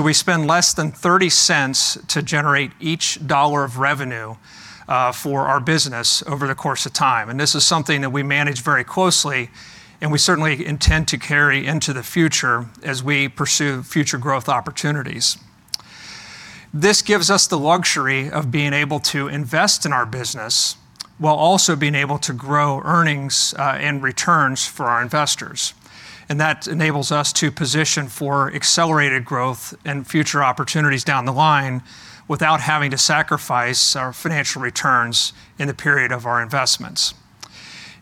D: We spend less than 30 cents to generate each dollar of revenue, for our business over the course of time. This is something that we manage very closely, and we certainly intend to carry into the future as we pursue future growth opportunities. This gives us the luxury of being able to invest in our business while also being able to grow earnings and returns for our investors. That enables us to position for accelerated growth and future opportunities down the line without having to sacrifice our financial returns in the period of our investments.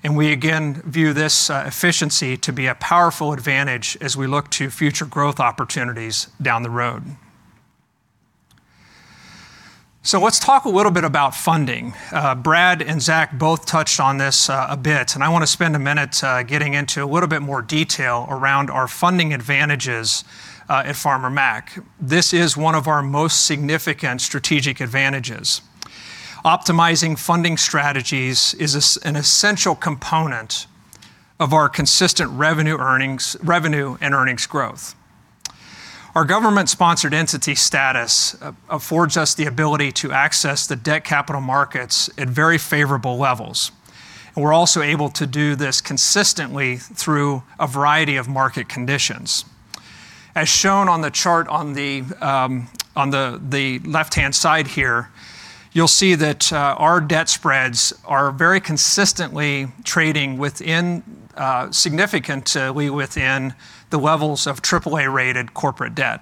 D: We again view this efficiency to be a powerful advantage as we look to future growth opportunities down the road. Let's talk a little bit about funding. Brad and Zach both touched on this a bit, and I want to spend a minute getting into a little bit more detail around our funding advantages at Farmer Mac. This is one of our most significant strategic advantages. Optimizing funding strategies is an essential component of our consistent revenue and earnings growth. Our government-sponsored entity status affords us the ability to access the debt capital markets at very favorable levels. We're also able to do this consistently through a variety of market conditions. As shown on the chart on the left-hand side here, you'll see that our debt spreads are very consistently trading significantly within the levels of AAA-rated corporate debt.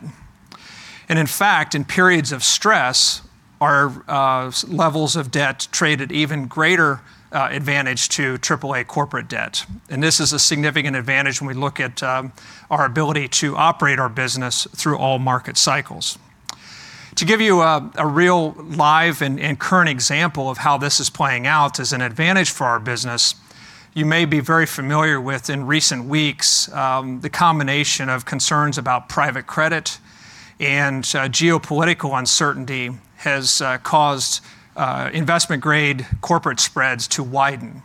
D: In fact, in periods of stress, our levels of debt trade at even greater advantage to AAA corporate debt. This is a significant advantage when we look at our ability to operate our business through all market cycles. To give you a real live and current example of how this is playing out as an advantage for our business, you may be very familiar with in recent weeks the combination of concerns about private credit and geopolitical uncertainty has caused investment-grade corporate spreads to widen.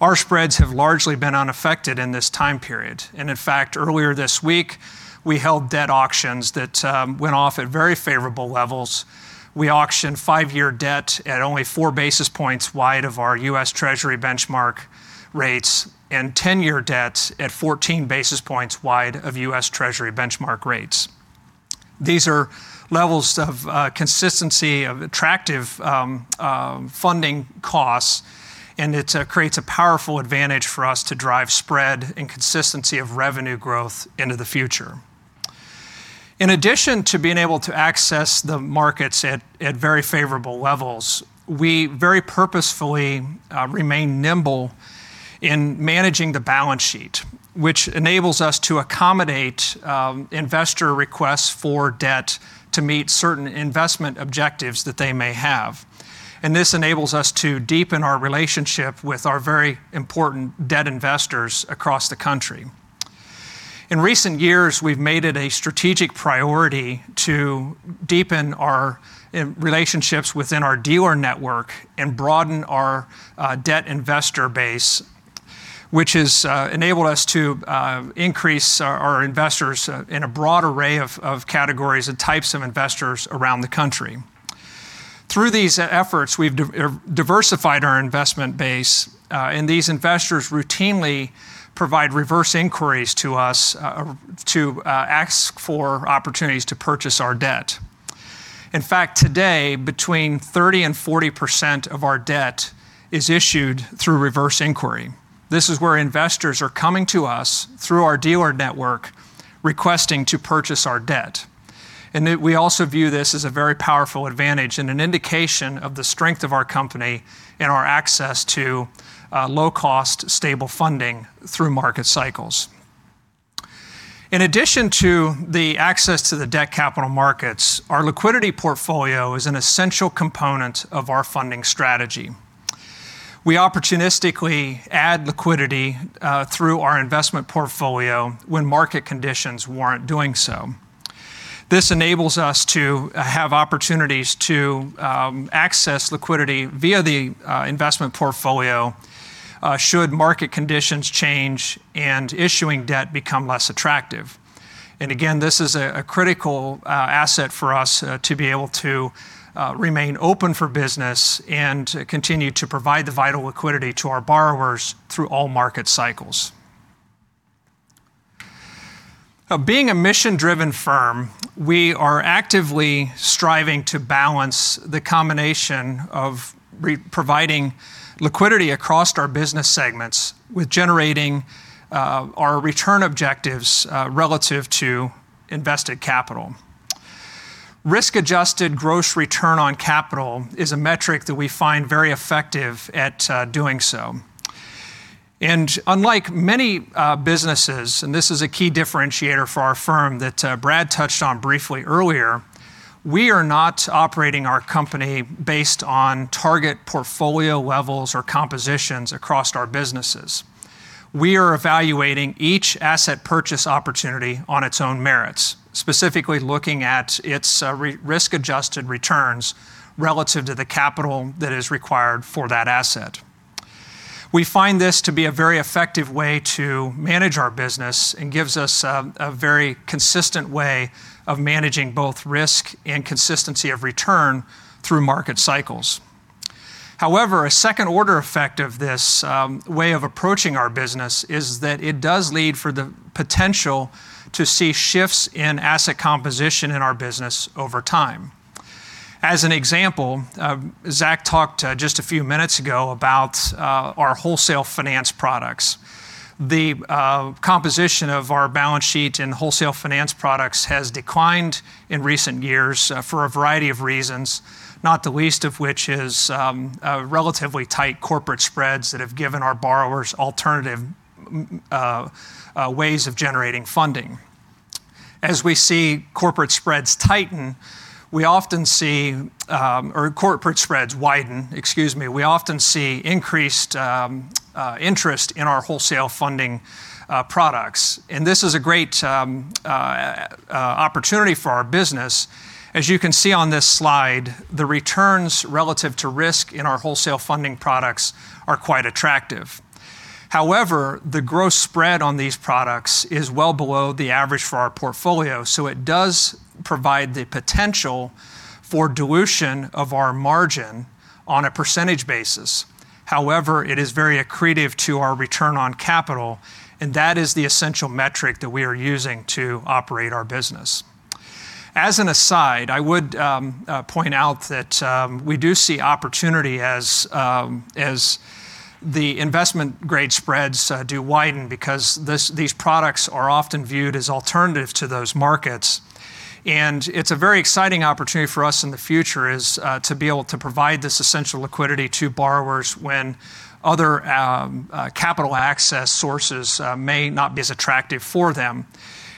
D: Our spreads have largely been unaffected in this time period. In fact, earlier this week, we held debt auctions that went off at very favorable levels. We auctioned five-year debt at only 4 basis points wide of our U.S. Treasury benchmark rates and 10-year debts at 14 basis points wide of U.S. Treasury benchmark rates. These are levels of consistency of attractive funding costs, and it creates a powerful advantage for us to drive spread and consistency of revenue growth into the future. In addition to being able to access the markets at very favorable levels, we very purposefully remain nimble in managing the balance sheet, which enables us to accommodate investor requests for debt to meet certain investment objectives that they may have. This enables us to deepen our relationship with our very important debt investors across the country. In recent years, we've made it a strategic priority to deepen our relationships within our dealer network and broaden our debt investor base, which has enabled us to increase our investors in a broad array of categories and types of investors around the country. Through these efforts, we've diversified our investment base, and these investors routinely provide reverse inquiries to us to ask for opportunities to purchase our debt. In fact, today, between 30%-40% of our debt is issued through reverse inquiry. This is where investors are coming to us through our dealer network, requesting to purchase our debt. We also view this as a very powerful advantage and an indication of the strength of our company and our access to low-cost, stable funding through market cycles. In addition to the access to the debt capital markets, our liquidity portfolio is an essential component of our funding strategy. We opportunistically add liquidity through our investment portfolio when market conditions warrant doing so. This enables us to have opportunities to access liquidity via the investment portfolio should market conditions change and issuing debt become less attractive. This is a critical asset for us to be able to remain open for business and continue to provide the vital liquidity to our borrowers through all market cycles. Being a mission-driven firm, we are actively striving to balance the combination of providing liquidity across our business segments with generating our return objectives relative to invested capital. Risk-Adjusted Gross Return on Capital is a metric that we find very effective at doing so. Unlike many businesses, and this is a key differentiator for our firm that Brad touched on briefly earlier, we are not operating our company based on target portfolio levels or compositions across our businesses. We are evaluating each asset purchase opportunity on its own merits, specifically looking at its risk-adjusted returns relative to the capital that is required for that asset. We find this to be a very effective way to manage our business and gives us a very consistent way of managing both risk and consistency of return through market cycles. However, a second-order effect of this way of approaching our business is that it does lead to the potential to see shifts in asset composition in our business over time. As an example, Zach talked just a few minutes ago about our Wholesale Finance products. The composition of our balance sheet in Wholesale Finance products has declined in recent years for a variety of reasons, not the least of which is relatively tight corporate spreads that have given our borrowers alternative ways of generating funding. As we see corporate spreads widen, we often see increased interest in our wholesale funding products. This is a great opportunity for our business. As you can see on this slide, the returns relative to risk in our wholesale funding products are quite attractive. However, the gross spread on these products is well below the average for our portfolio, so it does provide the potential for dilution of our margin on a percentage basis. However, it is very accretive to our return on capital, and that is the essential metric that we are using to operate our business. As an aside, I would point out that we do see opportunity as the investment grade spreads do widen because these products are often viewed as alternative to those markets. It's a very exciting opportunity for us in the future is to be able to provide this essential liquidity to borrowers when other capital access sources may not be as attractive for them.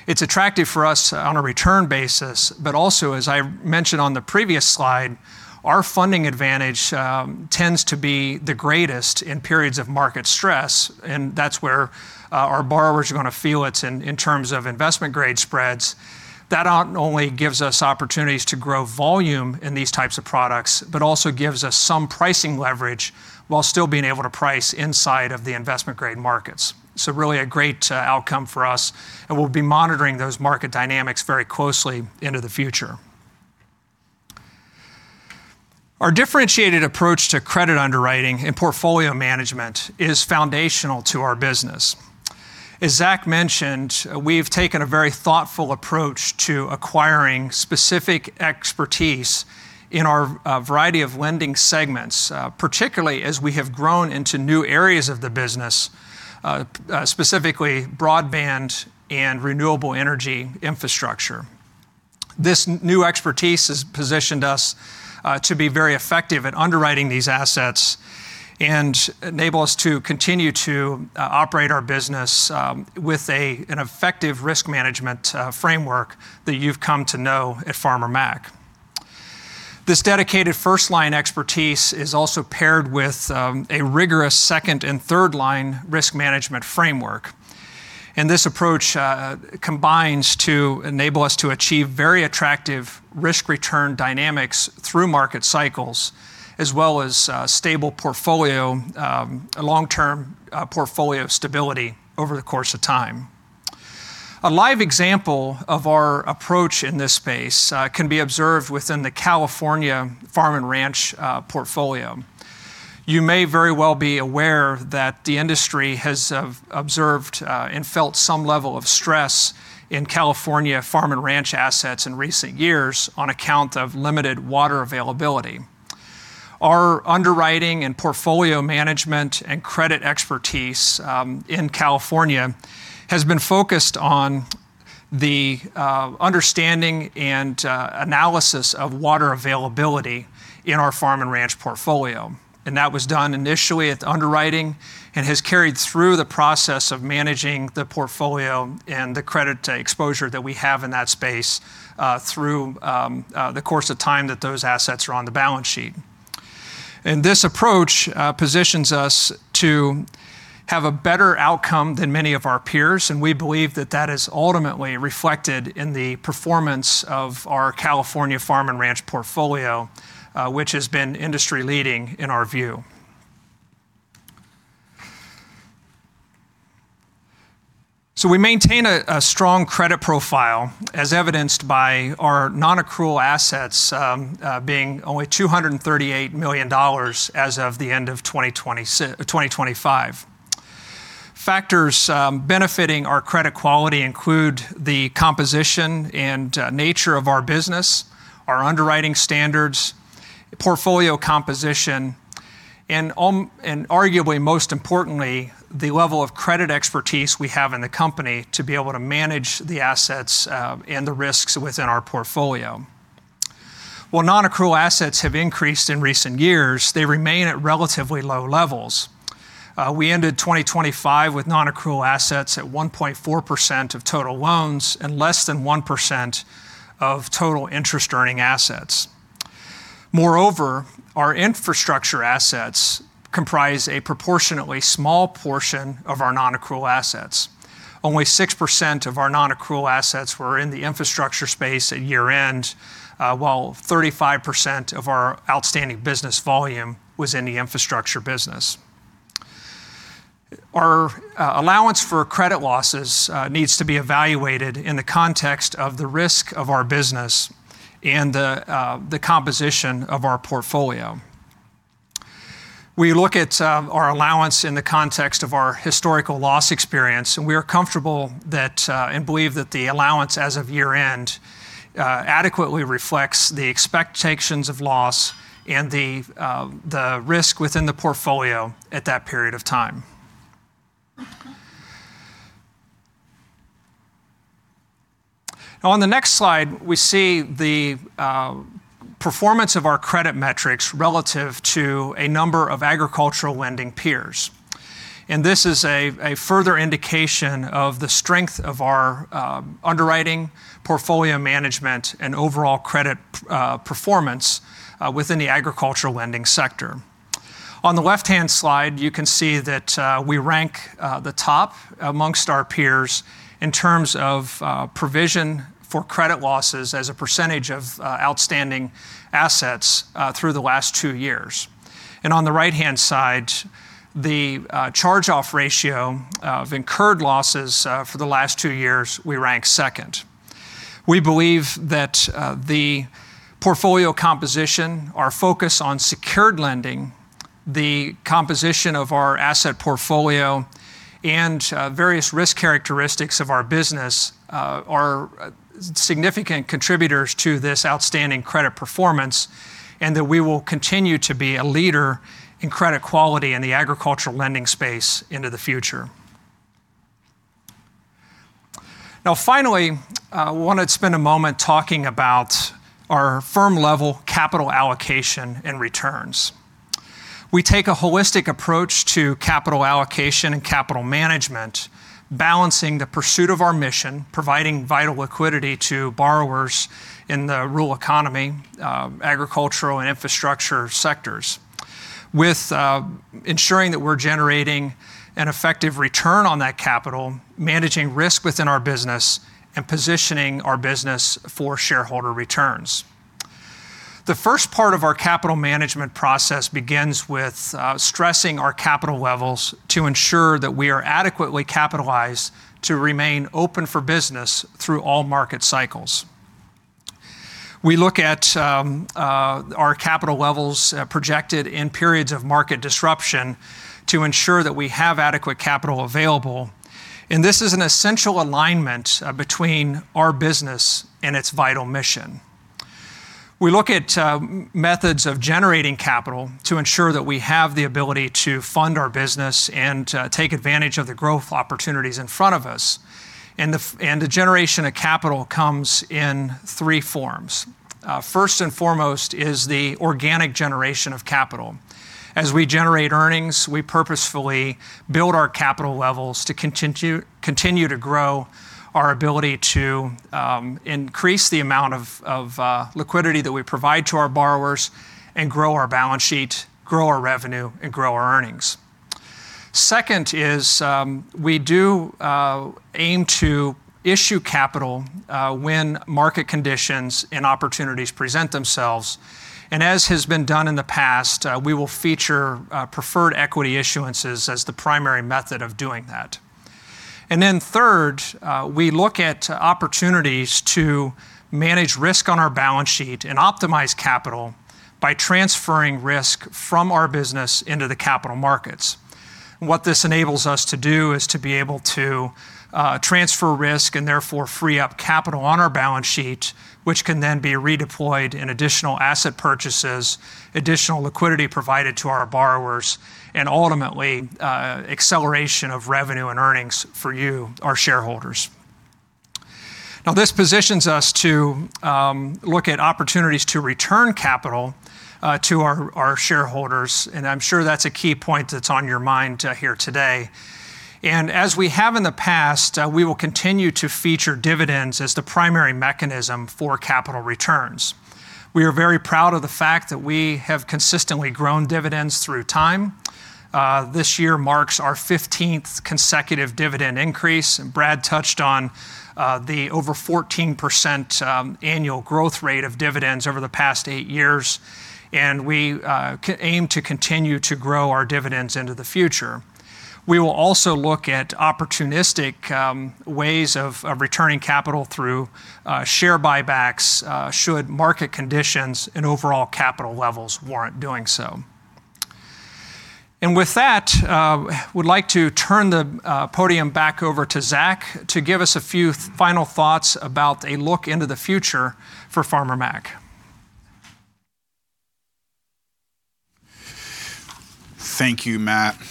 D: It's attractive for us on a return basis, but also, as I mentioned on the previous slide, our funding advantage tends to be the greatest in periods of market stress, and that's where our borrowers are going to feel it in terms of investment grade spreads. That not only gives us opportunities to grow volume in these types of products but also gives us some pricing leverage while still being able to price inside of the investment grade markets. Really a great outcome for us, and we'll be monitoring those market dynamics very closely into the future. Our differentiated approach to credit underwriting and portfolio management is foundational to our business. As Zach mentioned, we've taken a very thoughtful approach to acquiring specific expertise in our variety of lending segments, particularly as we have grown into new areas of the business, specifically broadband and renewable energy infrastructure. This new expertise has positioned us to be very effective at underwriting these assets and enable us to continue to operate our business with an effective risk management framework that you've come to know at Farmer Mac. This dedicated first-line expertise is also paired with a rigorous second and third-line risk management framework. This approach combines to enable us to achieve very attractive risk-return dynamics through market cycles as well as stable portfolio long-term portfolio stability over the course of time. A live example of our approach in this space can be observed within the California Farm & Ranch portfolio. You may very well be aware that the industry has observed and felt some level of stress in California Farm & Ranch assets in recent years on account of limited water availability. Our underwriting and portfolio management and credit expertise in California has been focused on the understanding and analysis of water availability in our Farm & Ranch portfolio. That was done initially at the underwriting and has carried through the process of managing the portfolio and the credit exposure that we have in that space, through the course of time that those assets are on the balance sheet. This approach positions us to have a better outcome than many of our peers, and we believe that that is ultimately reflected in the performance of our California farm and ranch portfolio, which has been industry-leading in our view. We maintain a strong credit profile as evidenced by our non-accrual assets being only $238 million as of the end of 2025. Factors benefiting our credit quality include the composition and nature of our business, our underwriting standards, portfolio composition, and arguably most importantly, the level of credit expertise we have in the company to be able to manage the assets and the risks within our portfolio. While non-accrual assets have increased in recent years, they remain at relatively low levels. We ended 2025 with non-accrual assets at 1.4% of total loans and less than 1% of total interest-earning assets. Moreover, our infrastructure assets comprise a proportionately small portion of our non-accrual assets. Only 6% of our non-accrual assets were in the infrastructure space at year-end, while 35% of our outstanding business volume was in the infrastructure business. Our allowance for credit losses needs to be evaluated in the context of the risk of our business and the composition of our portfolio. We look at our allowance in the context of our historical loss experience, and we are comfortable and believe that the allowance as of year-end adequately reflects the expectations of loss and the risk within the portfolio at that period of time. On the next slide, we see the performance of our credit metrics relative to a number of agricultural lending peers. This is a further indication of the strength of our underwriting, portfolio management, and overall credit performance within the agricultural lending sector. On the left-hand slide, you can see that we rank the top amongst our peers in terms of provision for credit losses as a percentage of outstanding assets through the last two years. On the right-hand side, the charge-off ratio of incurred losses for the last two years, we rank second. We believe that the portfolio composition, our focus on secured lending, the composition of our asset portfolio, and various risk characteristics of our business are significant contributors to this outstanding credit performance, and that we will continue to be a leader in credit quality in the agricultural lending space into the future. Now, finally, I want to spend a moment talking about our firm-level capital allocation and returns. We take a holistic approach to capital allocation and capital management, balancing the pursuit of our mission, providing vital liquidity to borrowers in the rural economy, agricultural and infrastructure sectors, with ensuring that we're generating an effective return on that capital, managing risk within our business, and positioning our business for shareholder returns. The first part of our capital management process begins with stressing our capital levels to ensure that we are adequately capitalized to remain open for business through all market cycles. We look at our capital levels projected in periods of market disruption to ensure that we have adequate capital available. This is an essential alignment between our business and its vital mission. We look at methods of generating capital to ensure that we have the ability to fund our business and take advantage of the growth opportunities in front of us. The generation of capital comes in three forms. First and foremost is the organic generation of capital. As we generate earnings, we purposefully build our capital levels to continue to grow our ability to increase the amount of liquidity that we provide to our borrowers and grow our balance sheet, grow our revenue, and grow our earnings. Second is we do aim to issue capital when market conditions and opportunities present themselves. As has been done in the past, we will feature preferred equity issuances as the primary method of doing that. Third, we look at opportunities to manage risk on our balance sheet and optimize capital by transferring risk from our business into the capital markets. What this enables us to do is to be able to transfer risk and therefore free up capital on our balance sheet, which can then be redeployed in additional asset purchases, additional liquidity provided to our borrowers, and ultimately, acceleration of revenue and earnings for you, our shareholders. Now, this positions us to look at opportunities to return capital to our shareholders, and I'm sure that's a key point that's on your mind here today. As we have in the past, we will continue to feature dividends as the primary mechanism for capital returns. We are very proud of the fact that we have consistently grown dividends through time. This year marks our fifteenth consecutive dividend increase, and Brad touched on the over 14% annual growth rate of dividends over the past eight years, and we aim to continue to grow our dividends into the future. We will also look at opportunistic ways of returning capital through share buybacks should market conditions and overall capital levels warrant doing so. With that, would like to turn the podium back over to Zachary to give us a few final thoughts about a look into the future for Farmer Mac.
C: Thank you, Matthew.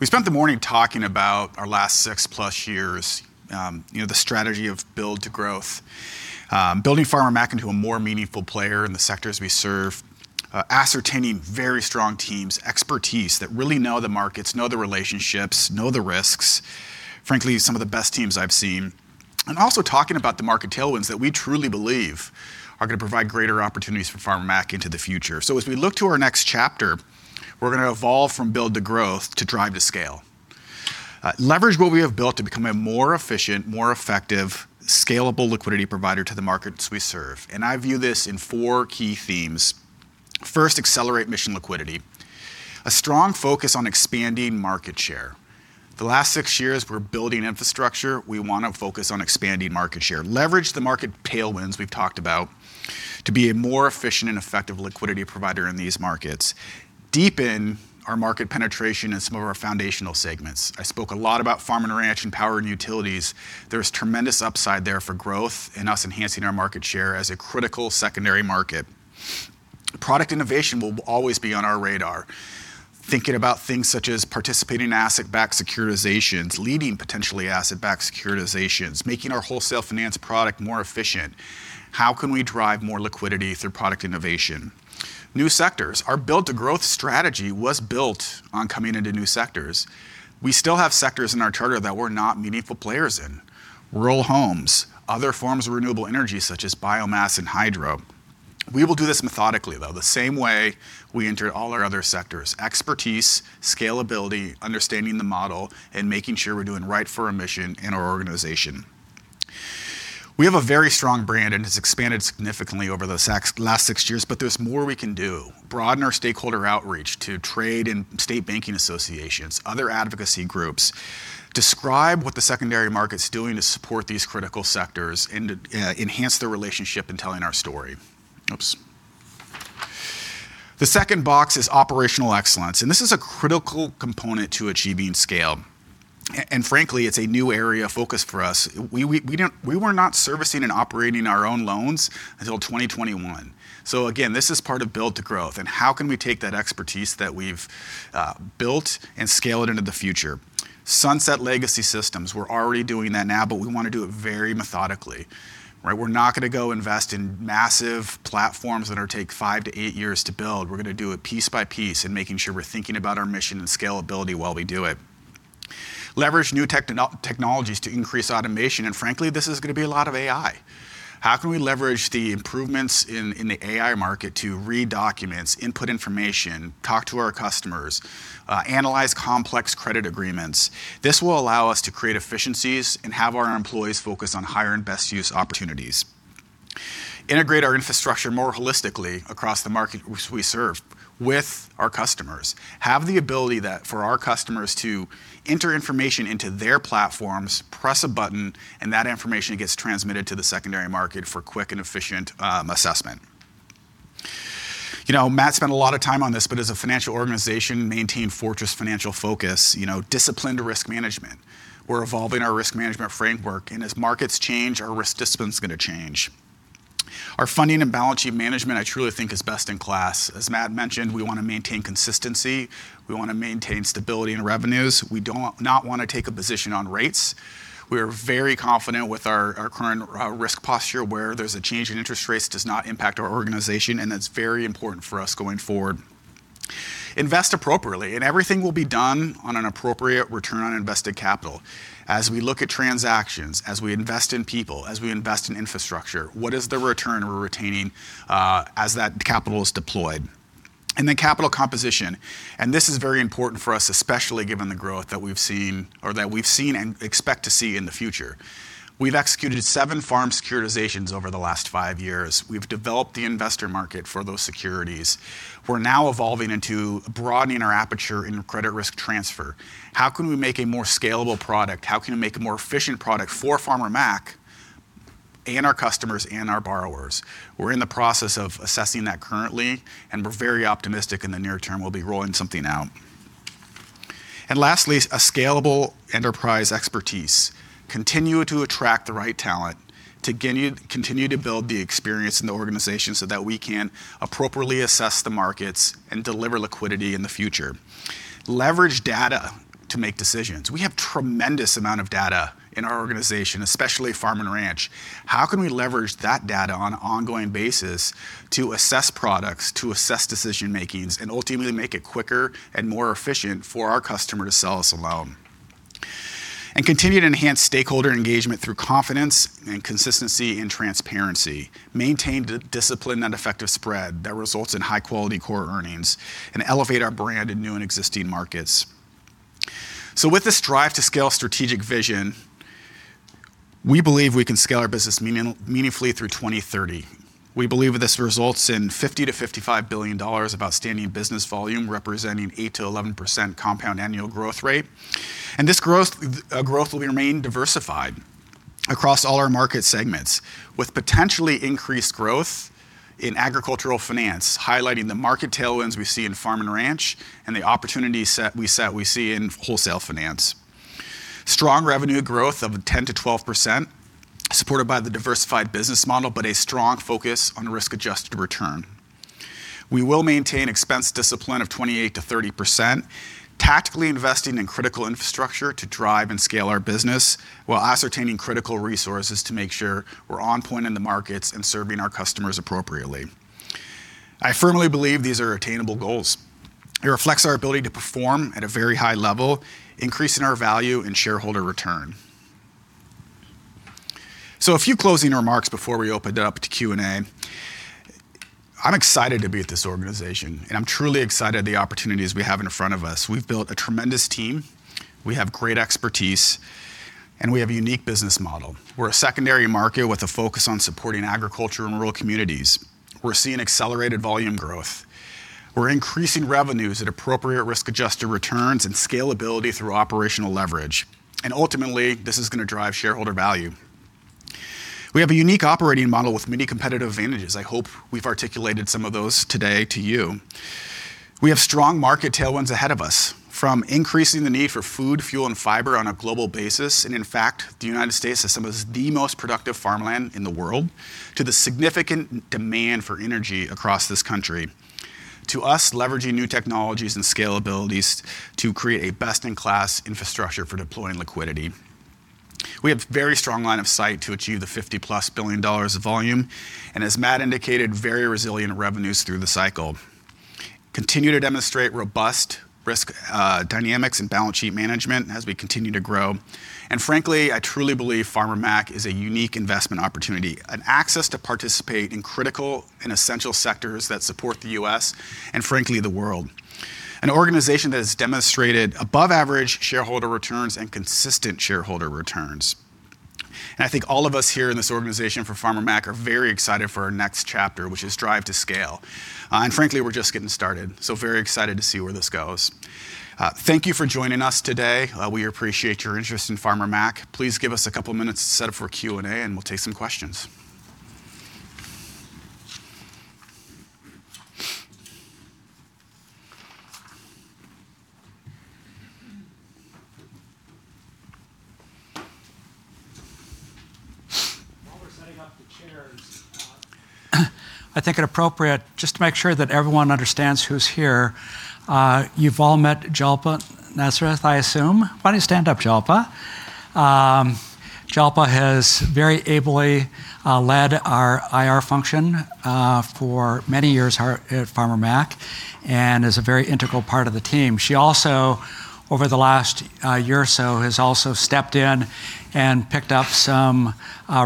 C: We spent the morning talking about our last six-plus years, the strategy of Build for Growth, building Farmer Mac into a more meaningful player in the sectors we serve, ascertaining very strong teams, expertise that really know the markets, know the relationships, know the risks. Frankly, some of the best teams I've seen. Also talking about the market tailwinds that we truly believe are going to provide greater opportunities for Farmer Mac into the future. As we look to our next chapter, we're going to evolve from Build for Growth to drive to scale. Leverage what we have built to become a more efficient, more effective, scalable liquidity provider to the markets we serve. I view this in four key themes. First, accelerate mission liquidity. A strong focus on expanding market share. The last six years we're building infrastructure. We want to focus on expanding market share. Leverage the market tailwinds we've talked about to be a more efficient and effective liquidity provider in these markets. Deepen our market penetration in some of our foundational segments. I spoke a lot about Farm & Ranch and Power & Utilities. There's tremendous upside there for growth and us enhancing our market share as a critical secondary market. Product innovation will always be on our radar. Thinking about things such as participating in asset-backed securitizations, leading potentially asset-backed securitizations, making our Wholesale Finance product more efficient. How can we drive more liquidity through product innovation? New sectors. Our Build for Growth strategy was built on coming into new sectors. We still have sectors in our charter that we're not meaningful players in. Rural homes, other forms of Renewable Energy such as biomass and hydro. We will do this methodically, the same way we enter all our other sectors. Expertise, scalability, understanding the model, and making sure we're doing right for our mission and our organization. We have a very strong brand, and it's expanded significantly over those last six years, but there's more we can do. Broaden our stakeholder outreach to trade and state banking associations, other advocacy groups. Describe what the secondary market's doing to support these critical sectors and enhance their relationship in telling our story. The second box is operational excellence, and this is a critical component to achieving scale. Frankly, it's a new area of focus for us. We were not servicing and operating our own loans until 2021. Again, this is part of Build for Growth and how can we take that expertise that we've built and scale it into the future. Sunset legacy systems. We're already doing that now, but we want to do it very methodically, right? We're not going to go invest in massive platforms that take five-eight years to build. We're going to do it piece by piece and making sure we're thinking about our mission and scalability while we do it. Leverage new technologies to increase automation, and frankly, this is going to be a lot of AI. How can we leverage the improvements in the AI market to read documents, input information, talk to our customers, analyze complex credit agreements? This will allow us to create efficiencies and have our employees focus on higher and best use opportunities. Integrate our infrastructure more holistically across the market which we serve with our customers. Have the ability that for our customers to enter information into their platforms, press a button, and that information gets transmitted to the secondary market for quick and efficient assessment. You know, Matt spent a lot of time on this, but as a financial organization, maintain fortress financial focus. You know, discipline to risk management. We're evolving our risk management framework, and as markets change, our risk discipline's going to change. Our funding and balance sheet management I truly think is best in class. As Matt mentioned, we want to maintain consistency. We want to maintain stability in revenues. We don't not want to take a position on rates. We are very confident with our current risk posture. Where there's a change in interest rates does not impact our organization, and that's very important for us going forward. Invest appropriately, and everything will be done on an appropriate return on invested capital. As we look at transactions, as we invest in people, as we invest in infrastructure, what is the return we're retaining as that capital is deployed? Then capital composition, and this is very important for us, especially given the growth that we've seen and expect to see in the future. We've executed seven farm securitizations over the last five years. We've developed the investor market for those securities. We're now evolving into broadening our aperture in Credit Risk Transfer. How can we make a more scalable product? How can we make a more efficient product for Farmer Mac and our customers and our borrowers. We're in the process of assessing that currently, and we're very optimistic in the near term we'll be rolling something out. Lastly, a scalable enterprise expertise. Continue to attract the right talent, continue to build the experience in the organization so that we can appropriately assess the markets and deliver liquidity in the future. Leverage data to make decisions. We have a tremendous amount of data in our organization, especially Farm & Ranch. How can we leverage that data on an ongoing basis to assess products, to assess decision making, and ultimately make it quicker and more efficient for our customer to sell us a loan? Continue to enhance stakeholder engagement through confidence and consistency and transparency. Maintain discipline and effective spread that results in high quality core earnings, and elevate our brand in new and existing markets. With this Drive to Scale strategic vision, we believe we can scale our business meaningfully through 2030. We believe this results in $50-$55 billion of outstanding business volume, representing 8%-11% compound annual growth rate. This growth will remain diversified across all our market segments, with potentially increased growth in agricultural finance, highlighting the market tailwinds we see in Farm & Ranch and the opportunities we see in Wholesale Finance. Strong revenue growth of 10%-12% supported by the diversified business model, but a strong focus on risk-adjusted return. We will maintain expense discipline of 28%-30%, tactically investing in critical infrastructure to drive and scale our business while ascertaining critical resources to make sure we're on point in the markets and serving our customers appropriately. I firmly believe these are attainable goals. It reflects our ability to perform at a very high level, increasing our value and shareholder return. A few closing remarks before we open it up to Q&A. I'm excited to be at this organization, and I'm truly excited at the opportunities we have in front of us. We've built a tremendous team. We have great expertise, and we have a unique business model. We're a secondary market with a focus on supporting agriculture and rural communities. We're seeing accelerated volume growth. We're increasing revenues at appropriate risk-adjusted returns and scalability through operational leverage. Ultimately, this is gonna drive shareholder value. We have a unique operating model with many competitive advantages. I hope we've articulated some of those today to you. We have strong market tailwinds ahead of us, from increasing the need for food, fuel, and fiber on a global basis, and in fact, the United States has some of the most productive farmland in the world, to the significant demand for energy across this country, to us leveraging new technologies and scalabilities to create a best-in-class infrastructure for deploying liquidity. We have very strong line of sight to achieve the $50+ billion of volume, and as Matt indicated, very resilient revenues through the cycle. Continue to demonstrate robust risk dynamics and balance sheet management as we continue to grow. Frankly, I truly believe Farmer Mac is a unique investment opportunity, an access to participate in critical and essential sectors that support the U.S. and frankly, the world. An organization that has demonstrated above average shareholder returns and consistent shareholder returns. I think all of us here in this organization for Farmer Mac are very excited for our next chapter, which is Drive to Scale. Frankly, we're just getting started, so very excited to see where this goes. Thank you for joining us today. We appreciate your interest in Farmer Mac. Please give us a couple minutes to set up for Q&A, and we'll take some questions.
B: While we're setting up the chairs, I think it appropriate just to make sure that everyone understands who's here. You've all met Jalpa Nazareth, I assume. Why don't you stand up, Jalpa? Jalpa has very ably led our IR function for many years here at Farmer Mac and is a very integral part of the team. She also, over the last year or so, has also stepped in and picked up some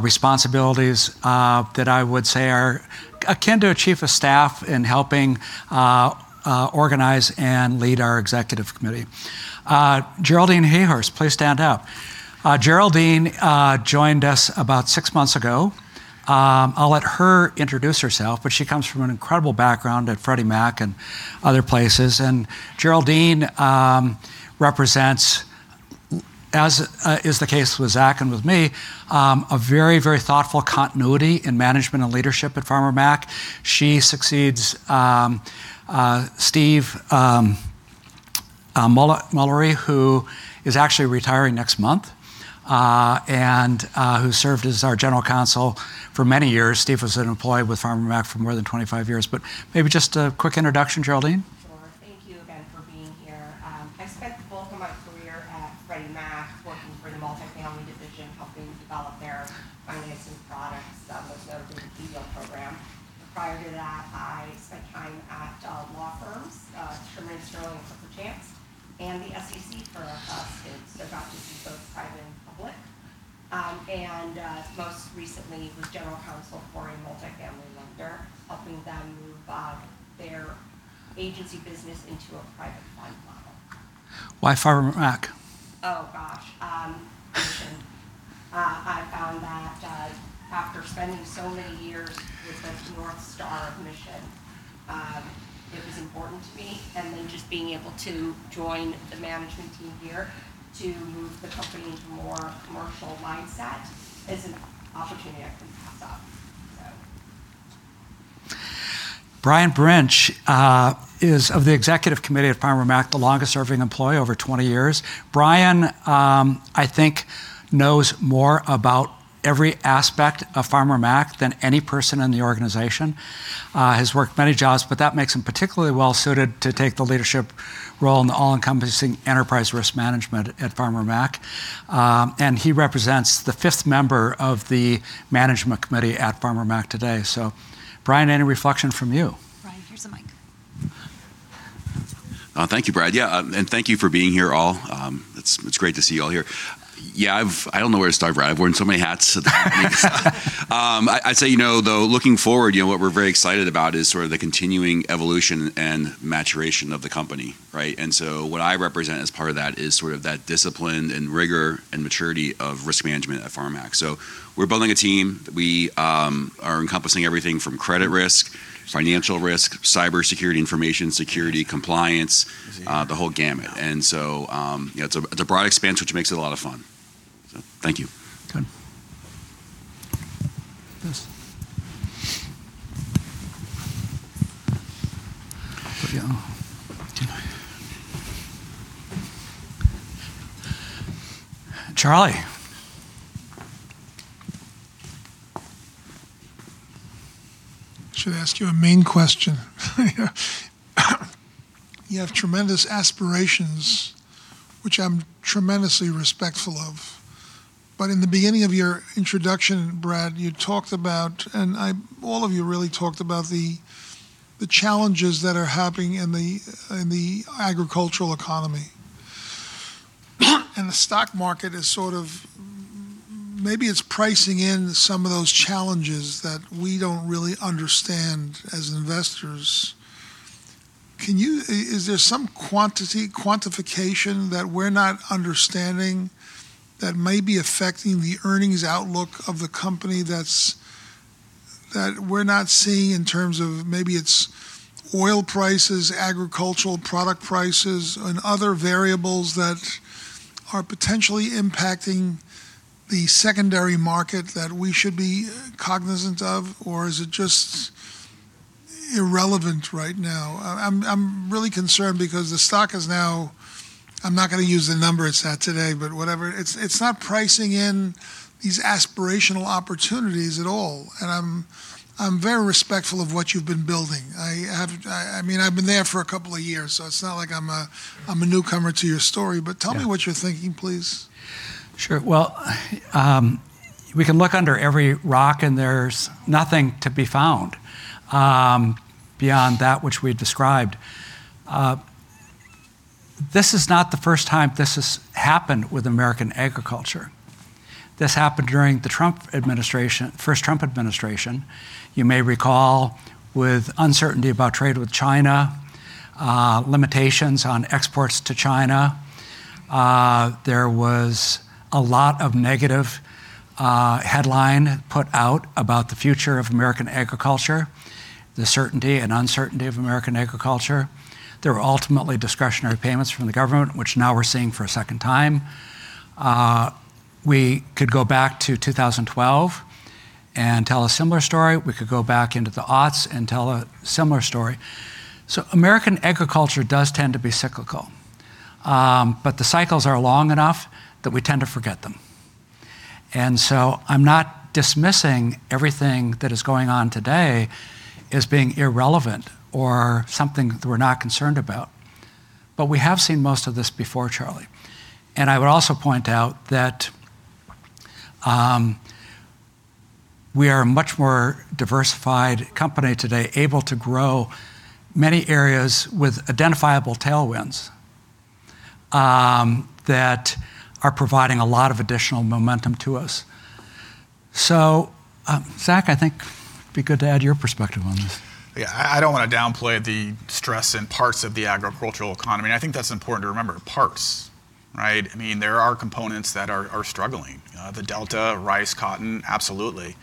B: responsibilities that I would say are akin to a chief of staff in helping organize and lead our executive committee. Geraldine Hayhurst, please stand up. Geraldine joined us about six months ago. I'll let her introduce herself, but she comes from an incredible background at Freddie Mac and other places. Geraldine represents, as is the case with Zach and with me, a very, very thoughtful continuity in management and leadership at Farmer Mac. She succeeds Steve Mullery, who is actually retiring next month, and who served as our general counsel for many years. Steve was an employee with Farmer Mac for more than 25 years. Maybe just a quick introduction, Geraldine.
E: Sure. Thank you again for being here. I spent the bulk of my career at Freddie Mac working for the multifamily division, helping develop their financing products, which led to the DUS Program. Prior to that, I spent time at law firms, Tremain Sterling and Clifford Chance, and the SEC for a couple of stints. Got to see both private and public. Most recently with General Counsel for a multifamily lender, helping them move their agency business into a private lending model.
B: Why Farmer Mac?
E: Oh, gosh. Mission. I found that after spending so many years with the North Star of mission. It was important to me, and then just being able to join the management team here to move the company into more commercial mindset is an opportunity I couldn't pass up.
B: Brian Brinch is of the executive committee of Farmer Mac, the longest-serving employee, over 20 years. Brian, I think knows more about every aspect of Farmer Mac than any person in the organization. He's worked many jobs, but that makes him particularly well-suited to take the leadership role in the all-encompassing enterprise risk management at Farmer Mac. He represents the fifth member of the management committee at Farmer Mac today. Brian, any reflection from you? Brian, here's a mic.
F: Thank you, Brad. Yeah, and thank you for being here all. It's great to see you all here. Yeah, I don't know where to start, Brad. I've worn so many hats at the company. I'd say, you know, though, looking forward, you know, what we're very excited about is sort of the continuing evolution and maturation of the company, right? What I represent as part of that is sort of that discipline and rigor and maturity of risk management at Farmer Mac. We're building a team. We are encompassing everything from credit risk, financial risk, cyber security, information security, compliance, the whole gamut. It's a broad expanse, which makes it a lot of fun. So thank you.
B: Good. Yes. Charlie.
G: I should ask you a main question. You have tremendous aspirations, which I'm tremendously respectful of. In the beginning of your introduction, Brad, you talked about, all of you really talked about the challenges that are happening in the agricultural economy. The stock market is sort of maybe it's pricing in some of those challenges that we don't really understand as investors. Is there some quantification that we're not understanding that may be affecting the earnings outlook of the company that we're not seeing in terms of maybe it's oil prices, agricultural product prices, and other variables that are potentially impacting the secondary market that we should be cognizant of? Or is it just irrelevant right now? I'm really concerned because the stock is now. I'm not going to use the number it's at today, but whatever. It's not pricing in these aspirational opportunities at all. I'm very respectful of what you've been building. I mean, I've been there for a couple of years, so it's not like I'm a newcomer to your story.
B: Yeah.
G: Tell me what you're thinking, please.
B: Sure. Well, we can look under every rock, and there's nothing to be found beyond that which we described. This is not the first time this has happened with American agriculture. This happened during the first Trump administration. You may recall with uncertainty about trade with China, limitations on exports to China. There was a lot of negative headlines put out about the future of American agriculture, the certainty and uncertainty of American agriculture. There were ultimately discretionary payments from the government, which now we're seeing for a second time. We could go back to 2012 and tell a similar story. We could go back into the aughts and tell a similar story. American agriculture does tend to be cyclical, but the cycles are long enough that we tend to forget them. I'm not dismissing everything that is going on today as being irrelevant or something that we're not concerned about. We have seen most of this before, Charlie. I would also point out that we are a much more diversified company today, able to grow many areas with identifiable tailwinds that are providing a lot of additional momentum to us. Zachary, I think it'd be good to add your perspective on this.
C: Yeah. I don't want to downplay the stress in parts of the agricultural economy. I think that's important to remember. Parts, right? I mean, there are components that are struggling. The Delta, rice, cotton, absolutely.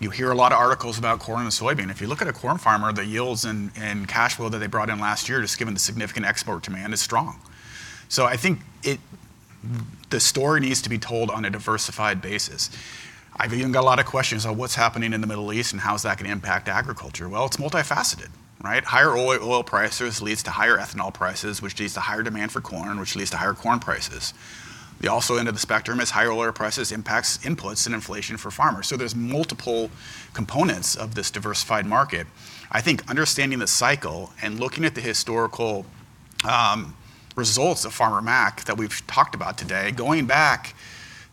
C: You hear a lot of articles about corn and soybean. If you look at a corn farmer, the yields and cash flow that they brought in last year, just given the significant export demand, is strong. I think the story needs to be told on a diversified basis. I've even got a lot of questions on what's happening in the Middle East and how is that going to impact agriculture. Well, it's multifaceted, right? Higher oil prices leads to higher ethanol prices, which leads to higher demand for corn, which leads to higher corn prices. The other end of the spectrum is higher oil prices impacts inputs and inflation for farmers. There's multiple components of this diversified market. I think understanding the cycle and looking at the historical results of Farmer Mac that we've talked about today, going back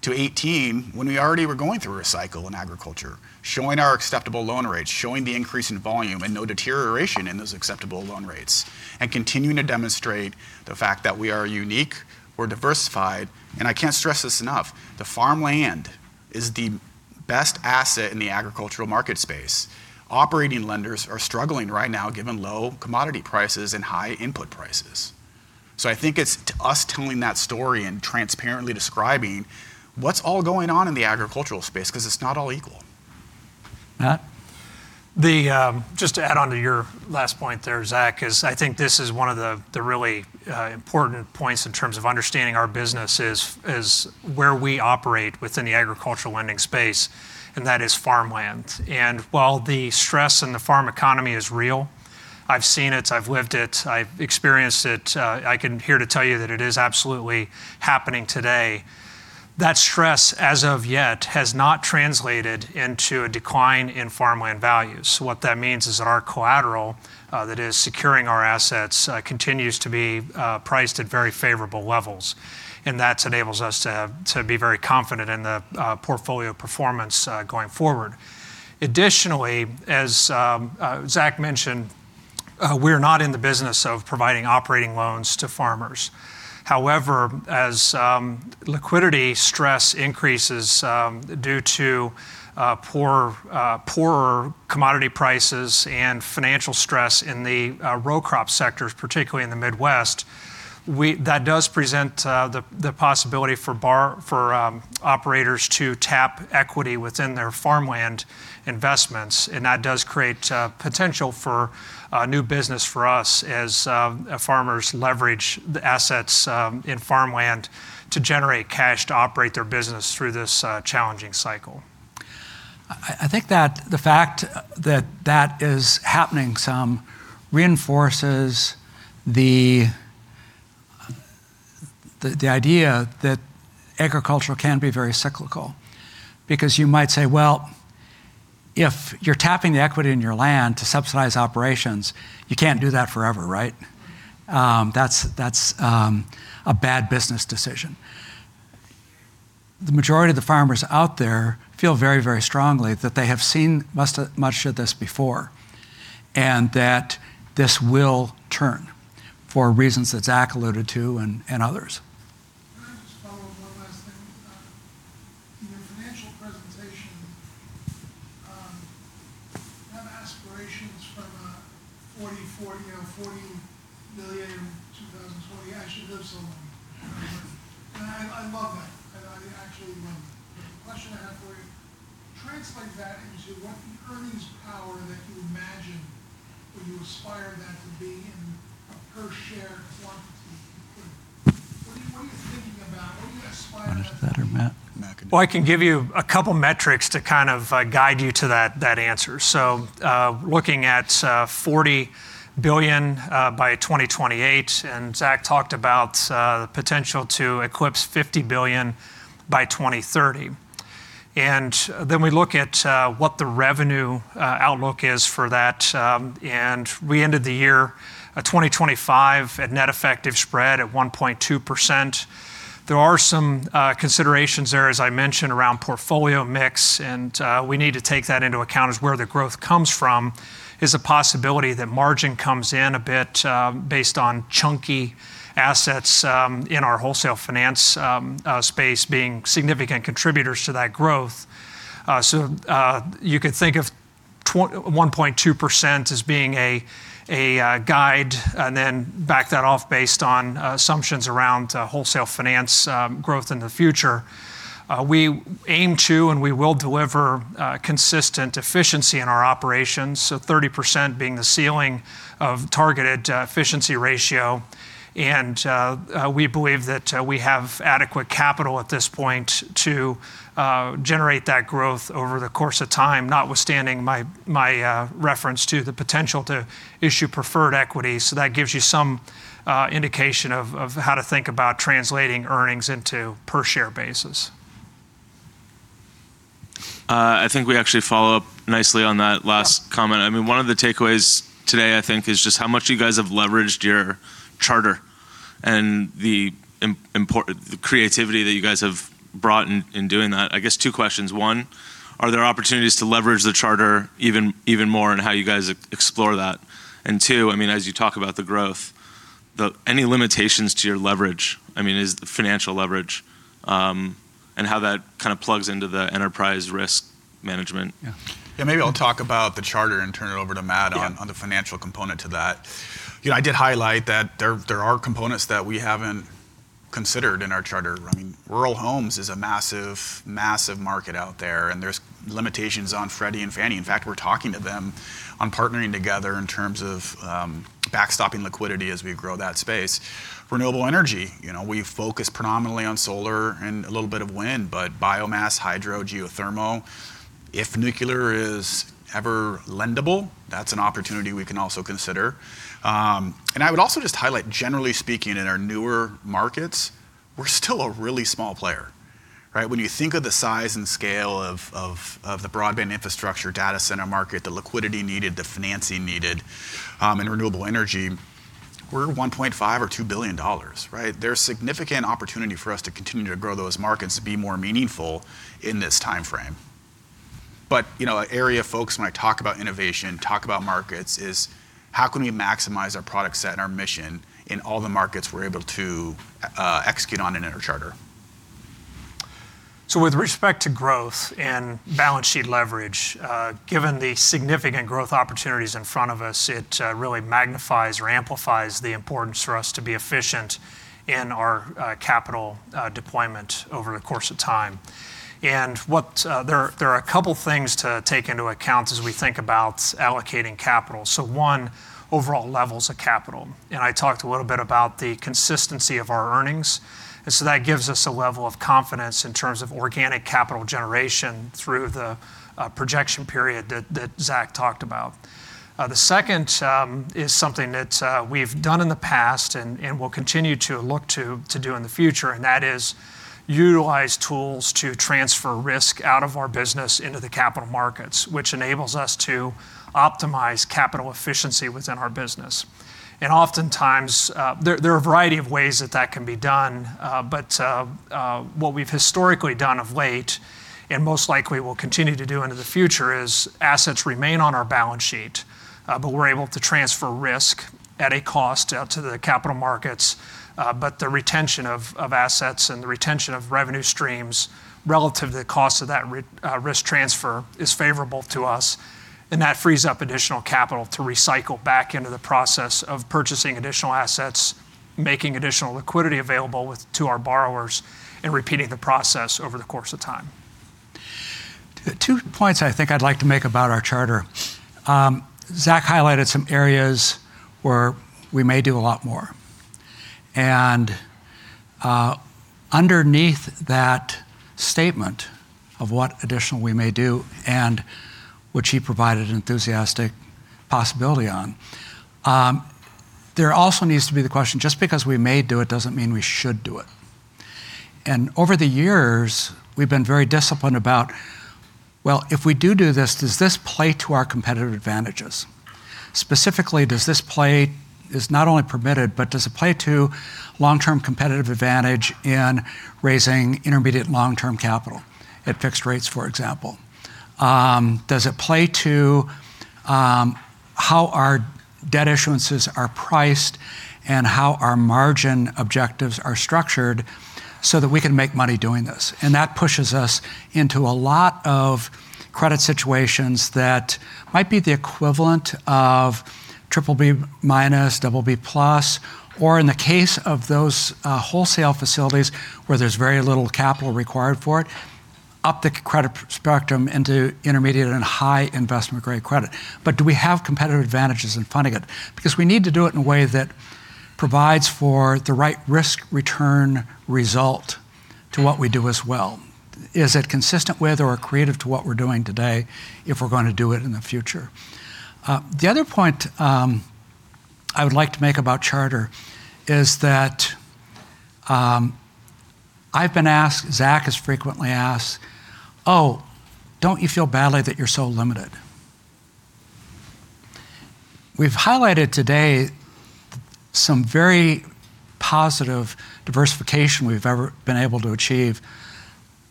C: to 2018 when we already were going through a cycle in agriculture, showing our acceptable loan rates, showing the increase in volume and no deterioration in those acceptable loan rates, and continuing to demonstrate the fact that we are unique, we're diversified. I can't stress this enough, the farmland is the best asset in the agricultural market space. Operating lenders are struggling right now given low commodity prices and high input prices. I think it's us telling that story and transparently describing what's all going on in the agricultural space because it's not all equal.
B: Matthew?
D: Just to add on to your last point there, Zachary, I think this is one of the really important points in terms of understanding our business, which is where we operate within the agricultural lending space, and that is farmland. While the stress in the farm economy is real, I've seen it, I've lived it, I've experienced it, I'm here to tell you that it is absolutely happening today. That stress, as of yet, has not translated into a decline in farmland values. What that means is that our collateral that is securing our assets continues to be priced at very favorable levels, and that enables us to be very confident in the portfolio performance going forward. Additionally, as Zach mentioned, we're not in the business of providing operating loans to farmers. However, as liquidity stress increases due to poorer commodity prices and financial stress in the row crop sectors, particularly in the Midwest, that does present the possibility for operators to tap equity within their farmland investments. That does create potential for new business for us as farmers leverage the assets in farmland to generate cash to operate their business through this challenging cycle.
B: I think that the fact that that is happening some reinforces the idea that agriculture can be very cyclical because you might say, well, if you're tapping the equity in your land to subsidize operations, you can't do that forever, right? That's a bad business decision. The majority of the farmers out there feel very strongly that they have seen much of this before, and that this will turn for reasons that Zachary alluded to and others.
G: Can I just follow up one last thing? In your financial presentation, you have aspirations for Forty by Forty, you know, $40 billion in 2020. I should live so long. I love that. I actually love that. The question I have for you, translate that into what the earnings power that you imagine would you aspire that to be in a per share quantity equivalent. What are you thinking about? What do you aspire that
C: Want to start, or Matt?
B: Matt can do it.
D: Well, I can give you a couple metrics to kind of guide you to that answer. Looking at $40 billion by 2028, and Zachary talked about the potential to eclipse $50 billion by 2030. We look at what the revenue outlook is for that. We ended the year 2025 at Net Effective Spread at 1.2%. There are some considerations there, as I mentioned, around portfolio mix, and we need to take that into account as where the growth comes from is a possibility that margin comes in a bit, based on chunky assets, in our Wholesale Finance space being significant contributors to that growth. You could think of 1.2% as being a guide and then back that off based on assumptions around Wholesale Finance growth in the future. We aim to, and we will deliver, consistent efficiency in our operations, 30% being the ceiling of targeted efficiency ratio. We believe that we have adequate capital at this point to generate that growth over the course of time, notwithstanding my reference to the potential to issue preferred equity. That gives you some indication of how to think about translating earnings into per-share basis.
H: I think we actually follow up nicely on that last comment. I mean, one of the takeaways today, I think, is just how much you guys have leveraged your charter and the creativity that you guys have brought in doing that. I guess two questions. One, are there opportunities to leverage the charter even more and how you guys explore that? And two, I mean, as you talk about the growth, any limitations to your leverage, I mean is the financial leverage, and how that kind of plugs into the enterprise risk management.
C: Yeah. Yeah. Maybe I'll talk about the charter and turn it over to Matthew on-
H: Yeah
C: on the financial component to that. You know, I did highlight that there are components that we haven't considered in our charter. I mean, rural homes is a massive market out there, and there's limitations on Freddie Mac and Fannie Mae. In fact, we're talking to them on partnering together in terms of backstopping liquidity as we grow that space. Renewable energy, you know, we focus predominantly on solar and a little bit of wind, but biomass, hydro, geothermal. If nuclear is ever lendable, that's an opportunity we can also consider. I would also just highlight, generally speaking, in our newer markets, we're still a really small player, right? When you think of the size and scale of the broadband infrastructure data center market, the liquidity needed, the financing needed, in renewable energy, we're $1.5 billion or $2 billion, right? There's significant opportunity for us to continue to grow those markets to be more meaningful in this timeframe. You know, an area folks when I talk about innovation, talk about markets, is how can we maximize our product set and our mission in all the markets we're able to, execute on in our charter?
D: With respect to growth and balance sheet leverage, given the significant growth opportunities in front of us, it really magnifies or amplifies the importance for us to be efficient in our capital deployment over the course of time. There are a couple things to take into account as we think about allocating capital. One, overall levels of capital. I talked a little bit about the consistency of our earnings, and so that gives us a level of confidence in terms of organic capital generation through the projection period that Zachary talked about. The second is something that we've done in the past and we'll continue to look to do in the future, and that is utilize tools to transfer risk out of our business into the capital markets, which enables us to optimize capital efficiency within our business. Oftentimes, there are a variety of ways that can be done, but what we've historically done of late, and most likely will continue to do into the future, is assets remain on our balance sheet, but we're able to transfer risk at a cost out to the capital markets, but the retention of assets and the retention of revenue streams relative to the cost of that risk transfer is favorable to us, and that frees up additional capital to recycle back into the process of purchasing additional assets, making additional liquidity available to our borrowers, and repeating the process over the course of time.
B: Two points I think I'd like to make about our charter. Zachary highlighted some areas where we may do a lot more. Underneath that statement of what additional we may do and which he provided an enthusiastic possibility on, there also needs to be the question, just because we may do it doesn't mean we should do it. Over the years, we've been very disciplined about, well, if we do do this, does this play to our competitive advantages? Specifically, is it not only permitted, but does it play to long-term competitive advantage in raising intermediate long-term capital at fixed rates, for example? Does it play to how our debt issuances are priced and how our margin objectives are structured so that we can make money doing this? That pushes us into a lot of credit situations that might be the equivalent of triple B minus, double B plus, or in the case of those, wholesale facilities where there's very little capital required for it, up the credit spectrum into intermediate and high investment-grade credit. Do we have competitive advantages in funding it? Because we need to do it in a way that provides for the right risk-return result to what we do as well. Is it consistent with or creative to what we're doing today if we're going to do it in the future? The other point, I would like to make about charter is that, I've been asked, Zachary is frequently asked, "Oh, don't you feel badly that you're so limited?" We've highlighted today some very positive diversification we've ever been able to achieve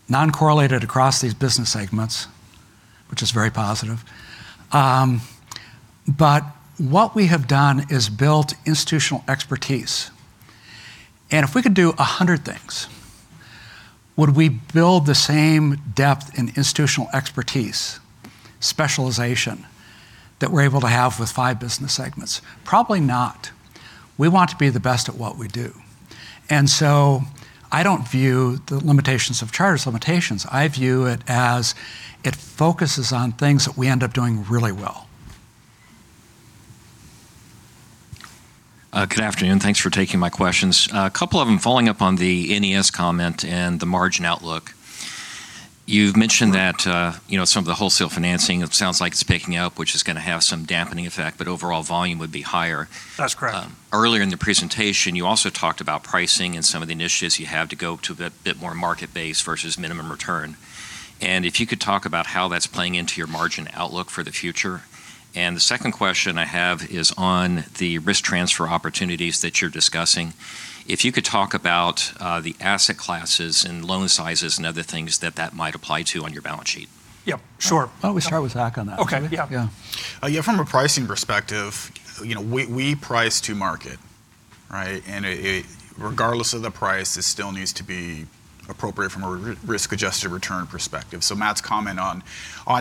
B: non-correlated across these business segments, which is very positive. What we have done is built institutional expertise. If we could do 100 things, would we build the same depth in institutional expertise specialization that we're able to have with 5 business segments? Probably not. We want to be the best at what we do. I don't view the limitations of charter as limitations. I view it as it focuses on things that we end up doing really well.
H: Good afternoon. Thanks for taking my questions. A couple of them following up on the NES comment and the margin outlook. You've mentioned that, you know, some of the wholesale financing, it sounds like it's picking up, which is going to have some dampening effect, but overall volume would be higher.
D: That's correct.
H: Earlier in the presentation, you also talked about pricing and some of the initiatives you have to go to a bit more market-based versus minimum return. If you could talk about how that's playing into your margin outlook for the future. The second question I have is on the risk transfer opportunities that you're discussing. If you could talk about the asset classes and loan sizes and other things that might apply to on your balance sheet.
B: Yeah, sure. Why don't we start with Zach on that?
C: Okay. Yeah.
B: Yeah.
C: Yeah, from a pricing perspective, you know, we price to market, right? It, regardless of the price, it still needs to be appropriate from a risk-adjusted return perspective. Matt's comment on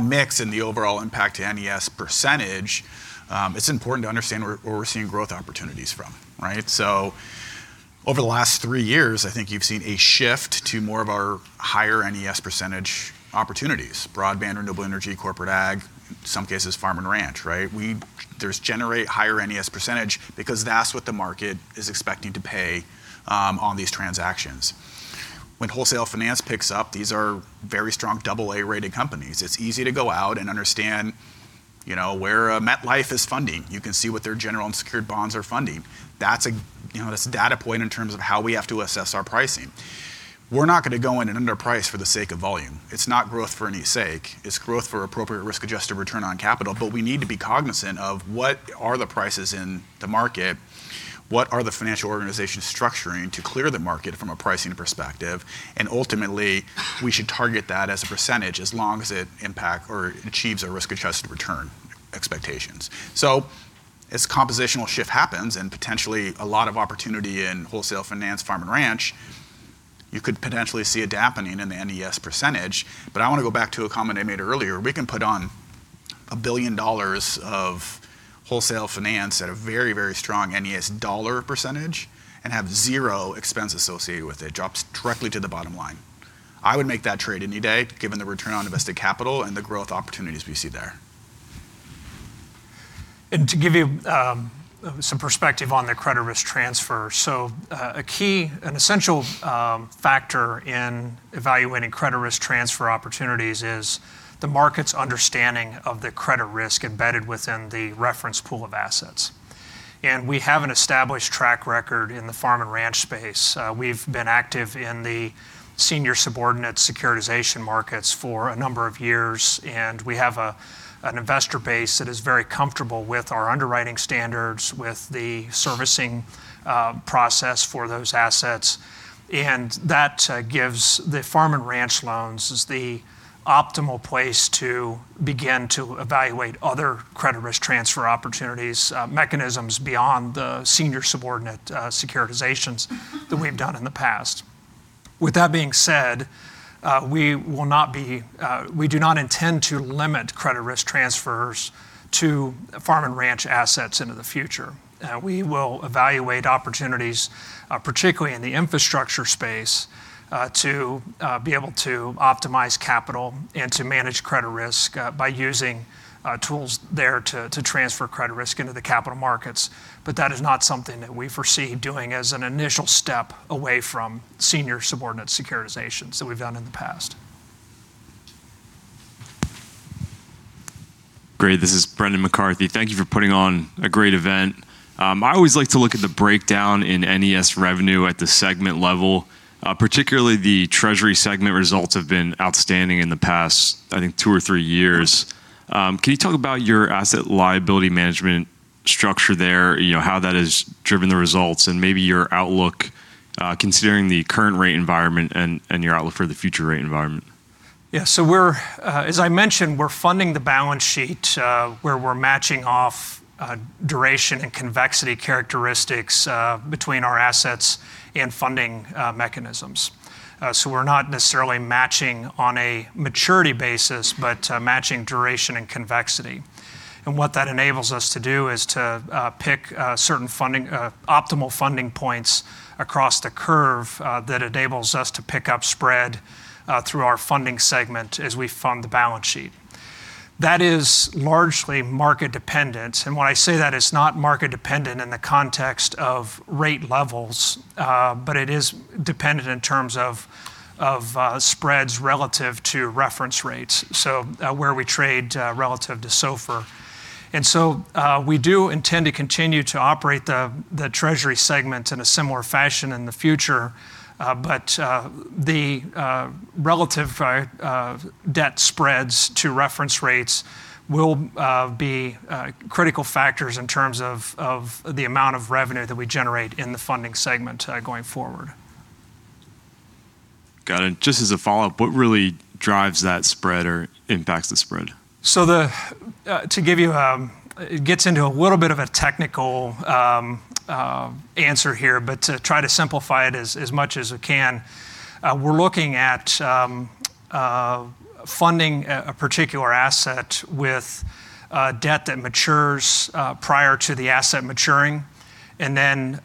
C: mix and the overall impact to NES percentage, it's important to understand where we're seeing growth opportunities from, right? Over the last three years, I think you've seen a shift to more of our higher NES percentage opportunities, broadband, renewable energy, corporate ag, in some cases Farm & Ranch, right? These generate higher NES percentage because that's what the market is expecting to pay on these transactions. When wholesale finance picks up, these are very strong double A-rated companies. It's easy to go out and understand, you know, where MetLife is funding. You can see what their general and secured bonds are funding. That's a, you know, that's a data point in terms of how we have to assess our pricing. We're not going to go in and underprice for the sake of volume. It's not growth for any sake. It's growth for appropriate risk-adjusted return on capital, but we need to be cognizant of what are the prices in the market, what are the financial organizations structuring to clear the market from a pricing perspective, and ultimately, we should target that as a percentage as long as it impact or achieves our risk-adjusted return expectations. As compositional shift happens and potentially a lot of opportunity in Wholesale Finance, Farm & Ranch, you could potentially see it happening in the NES percentage. I want to go back to a comment I made earlier. We can put on $1 billion of Wholesale Finance at a very, very strong NES dollar percentage and have zero expense associated with it. It drops directly to the bottom line. I would make that trade any day given the return on invested capital and the growth opportunities we see there.
D: To give you some perspective on the credit risk transfer. A key and essential factor in evaluating credit risk transfer opportunities is the market's understanding of the credit risk embedded within the reference pool of assets. We have an established track record in the Farm & Ranch space. We've been active in the senior-subordinate securitization markets for a number of years, and we have an investor base that is very comfortable with our underwriting standards, with the servicing process for those assets. That gives the Farm & Ranch loans is the optimal place to begin to evaluate other credit risk transfer opportunities mechanisms beyond the senior-subordinate securitizations that we've done in the past. With that being said, we do not intend to limit credit risk transfers to Farm & Ranch assets into the future. We will evaluate opportunities, particularly in the infrastructure space, to be able to optimize capital and to manage credit risk, by using tools there to transfer credit risk into the capital markets. That is not something that we foresee doing as an initial step away from senior-subordinate securitizations that we've done in the past.
I: Great. This is Brendan McCarthy. Thank you for putting on a great event. I always like to look at the breakdown in NES revenue at the segment level. Particularly the treasury segment results have been outstanding in the past, I think, two or three years. Can you talk about your asset liability management structure there? You know, how that has driven the results and maybe your outlook, considering the current rate environment and your outlook for the future rate environment?
D: Yeah. As I mentioned, we're funding the balance sheet where we're matching duration and convexity characteristics between our assets and funding mechanisms. We're not necessarily matching on a maturity basis, but matching duration and convexity. What that enables us to do is to pick certain optimal funding points across the curve that enables us to pick up spread through our funding segment as we fund the balance sheet. That is largely market dependent. When I say that it's not market dependent in the context of rate levels, but it is dependent in terms of spreads relative to reference rates, where we trade relative to SOFR. We do intend to continue to operate the treasury segment in a similar fashion in the future. The relative debt spreads to reference rates will be critical factors in terms of the amount of revenue that we generate in the funding segment going forward.
I: Got it. Just as a follow-up, what really drives that spread or impacts the spread?
D: To give you, it gets into a little bit of a technical answer here, but to try to simplify it as much as we can, we're looking at funding a particular asset with debt that matures prior to the asset maturing, and then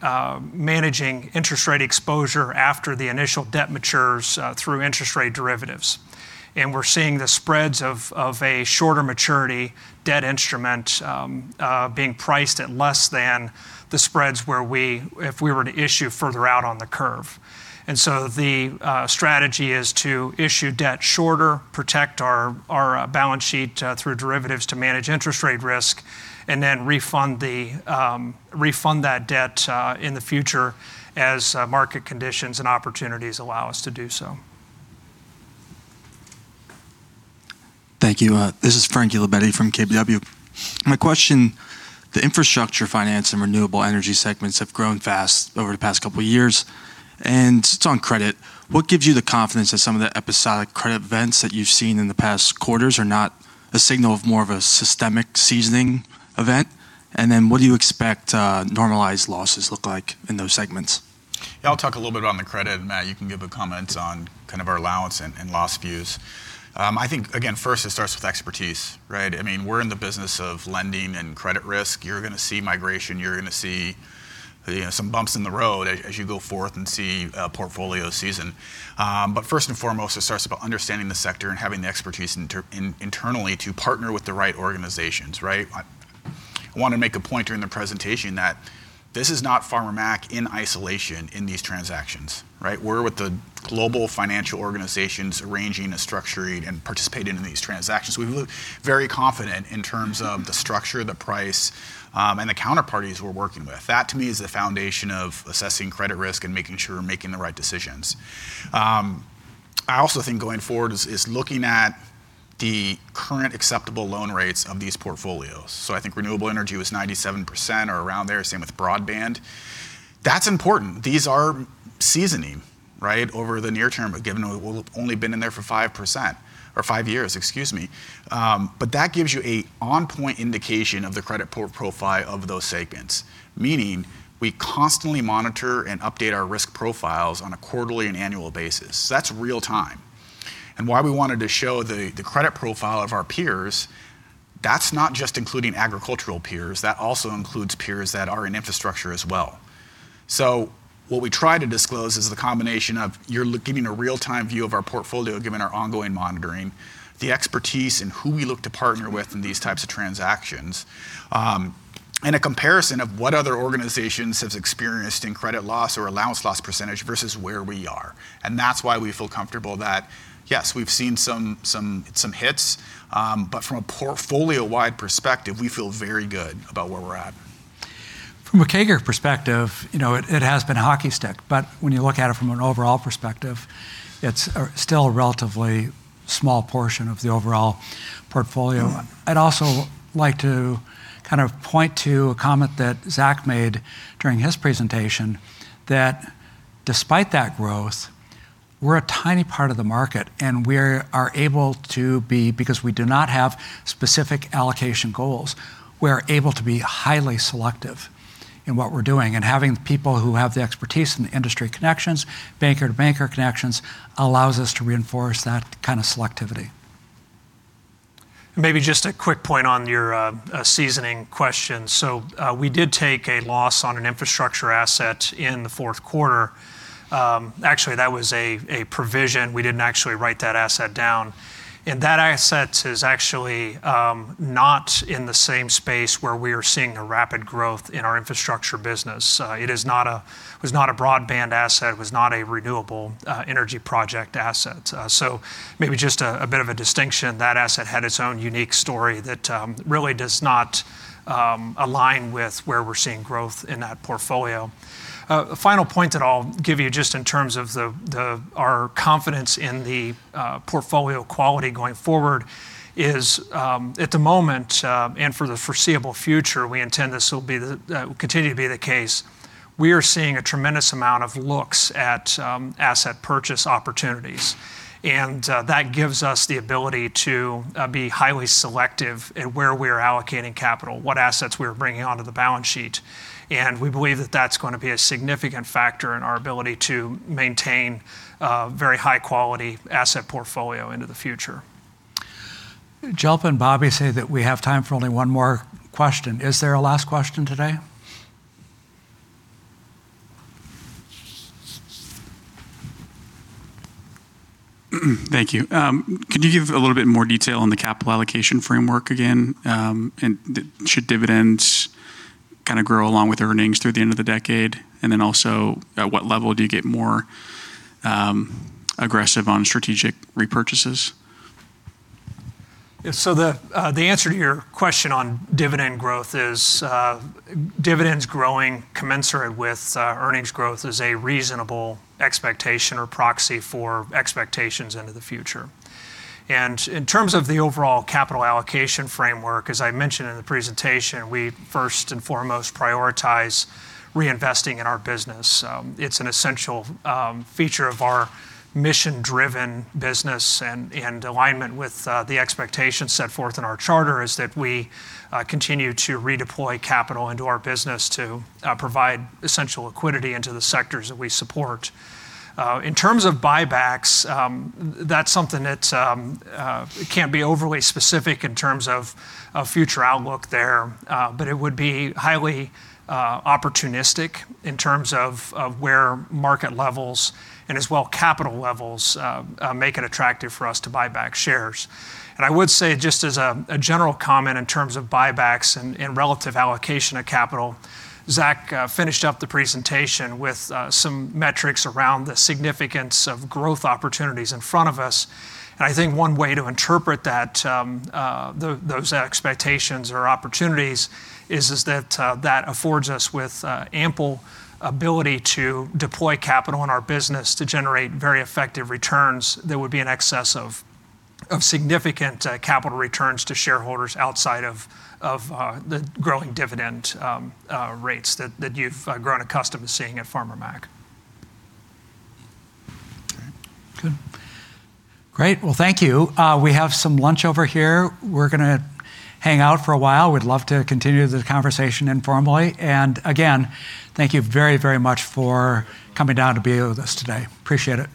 D: managing interest rate exposure after the initial debt matures through interest rate derivatives. We're seeing the spreads of a shorter maturity debt instrument being priced at less than the spreads if we were to issue further out on the curve. The strategy is to issue debt shorter, protect our balance sheet through derivatives to manage interest rate risk, and then refund that debt in the future as market conditions and opportunities allow us to do so.
J: Thank you. This is Frank Libetti from KBW. My question, the Infrastructure Finance and Renewable Energy segments have grown fast over the past couple of years. It's on credit. What gives you the confidence that some of the episodic credit events that you've seen in the past quarters are not a signal of more of a systemic seasoning event? Then what do you expect, normalized losses look like in those segments?
C: Yeah, I'll talk a little bit on the credit, and Matt, you can give the comments on kind of our allowance and loss views. I think, again, first it starts with expertise, right? I mean, we're in the business of lending and credit risk. You're going to see migration. You're going to see, you know, some bumps in the road as you go forth and see a portfolio seasoning. But first and foremost, it starts about understanding the sector and having the expertise internally to partner with the right organizations, right? I want to make a point during the presentation that this is not Farmer Mac in isolation in these transactions, right? We're with the global financial organizations arranging and structuring and participating in these transactions. We look very confident in terms of the structure, the price, and the counterparties we're working with. That to me is the foundation of assessing credit risk and making sure we're making the right decisions. I also think going forward is looking at the current acceptance rates of these portfolios. I think Renewable Energy was 97% or around there, same with Broadband. That's important. These are seasoning.
D: Right? Over the near term, given that we've only been in there for 5%, or five years, excuse me. That gives you an on-point indication of the credit portfolio profile of those segments, meaning we constantly monitor and update our risk profiles on a quarterly and annual basis. That's real-time. Why we wanted to show the credit profile of our peers, that's not just including agricultural peers, that also includes peers that are in infrastructure as well. What we try to disclose is the combination of giving a real-time view of our portfolio, given our ongoing monitoring, the expertise in who we look to partner with in these types of transactions, and a comparison of what other organizations have experienced in credit loss or allowance loss percentage versus where we are. That's why we feel comfortable that, yes, we've seen some hits, but from a portfolio-wide perspective, we feel very good about where we're at.
B: From a CAGR perspective, you know, it has been a hockey stick, but when you look at it from an overall perspective, it's still a relatively small portion of the overall portfolio. I'd also like to kind of point to a comment that Zachary made during his presentation that despite that growth, we're a tiny part of the market, and we're able to be because we do not have specific allocation goals, we're able to be highly selective in what we're doing. Having people who have the expertise and the industry connections, banker to banker connections, allows us to reinforce that kind of selectivity.
D: Maybe just a quick point on your seasoning question. We did take a loss on an infrastructure asset in the fourth quarter. Actually, that was a provision. We didn't actually write that asset down. That asset is actually not in the same space where we are seeing a rapid growth in our infrastructure business. It was not a broadband asset. It was not a renewable energy project asset. Maybe just a bit of a distinction. That asset had its own unique story that really does not align with where we're seeing growth in that portfolio. A final point that I'll give you just in terms of our confidence in the portfolio quality going forward is at the moment and for the foreseeable future, we intend this will continue to be the case. We are seeing a tremendous amount of looks at asset purchase opportunities, and that gives us the ability to be highly selective in where we're allocating capital, what assets we're bringing onto the balance sheet, and we believe that that's gonna be a significant factor in our ability to maintain a very high-quality asset portfolio into the future.
B: Jalpa and Bobby say that we have time for only one more question. Is there a last question today?
H: Thank you. Could you give a little bit more detail on the capital allocation framework again, and should dividends kinda grow along with earnings through the end of the decade? At what level do you get more aggressive on strategic repurchases?
D: The answer to your question on dividend growth is, dividends growing commensurate with earnings growth is a reasonable expectation or proxy for expectations into the future. In terms of the overall capital allocation framework, as I mentioned in the presentation, we first and foremost prioritize reinvesting in our business. It's an essential feature of our mission-driven business and alignment with the expectations set forth in our charter is that we continue to redeploy capital into our business to provide essential liquidity into the sectors that we support. In terms of buybacks, that's something that can't be overly specific in terms of future outlook there, but it would be highly opportunistic in terms of where market levels and as well capital levels make it attractive for us to buy back shares. I would say just as a general comment in terms of buybacks and relative allocation of capital, Zachary finished up the presentation with some metrics around the significance of growth opportunities in front of us. I think one way to interpret that those expectations or opportunities is that that affords us with ample ability to deploy capital in our business to generate very effective returns that would be in excess of significant capital returns to shareholders outside of the growing dividend rates that you've grown accustomed to seeing at Farmer Mac.
B: All right. Good. Great. Well, thank you. We have some lunch over here. We're gonna hang out for a while. We'd love to continue this conversation informally. Again, thank you very, very much for coming down to be with us today. Appreciate it.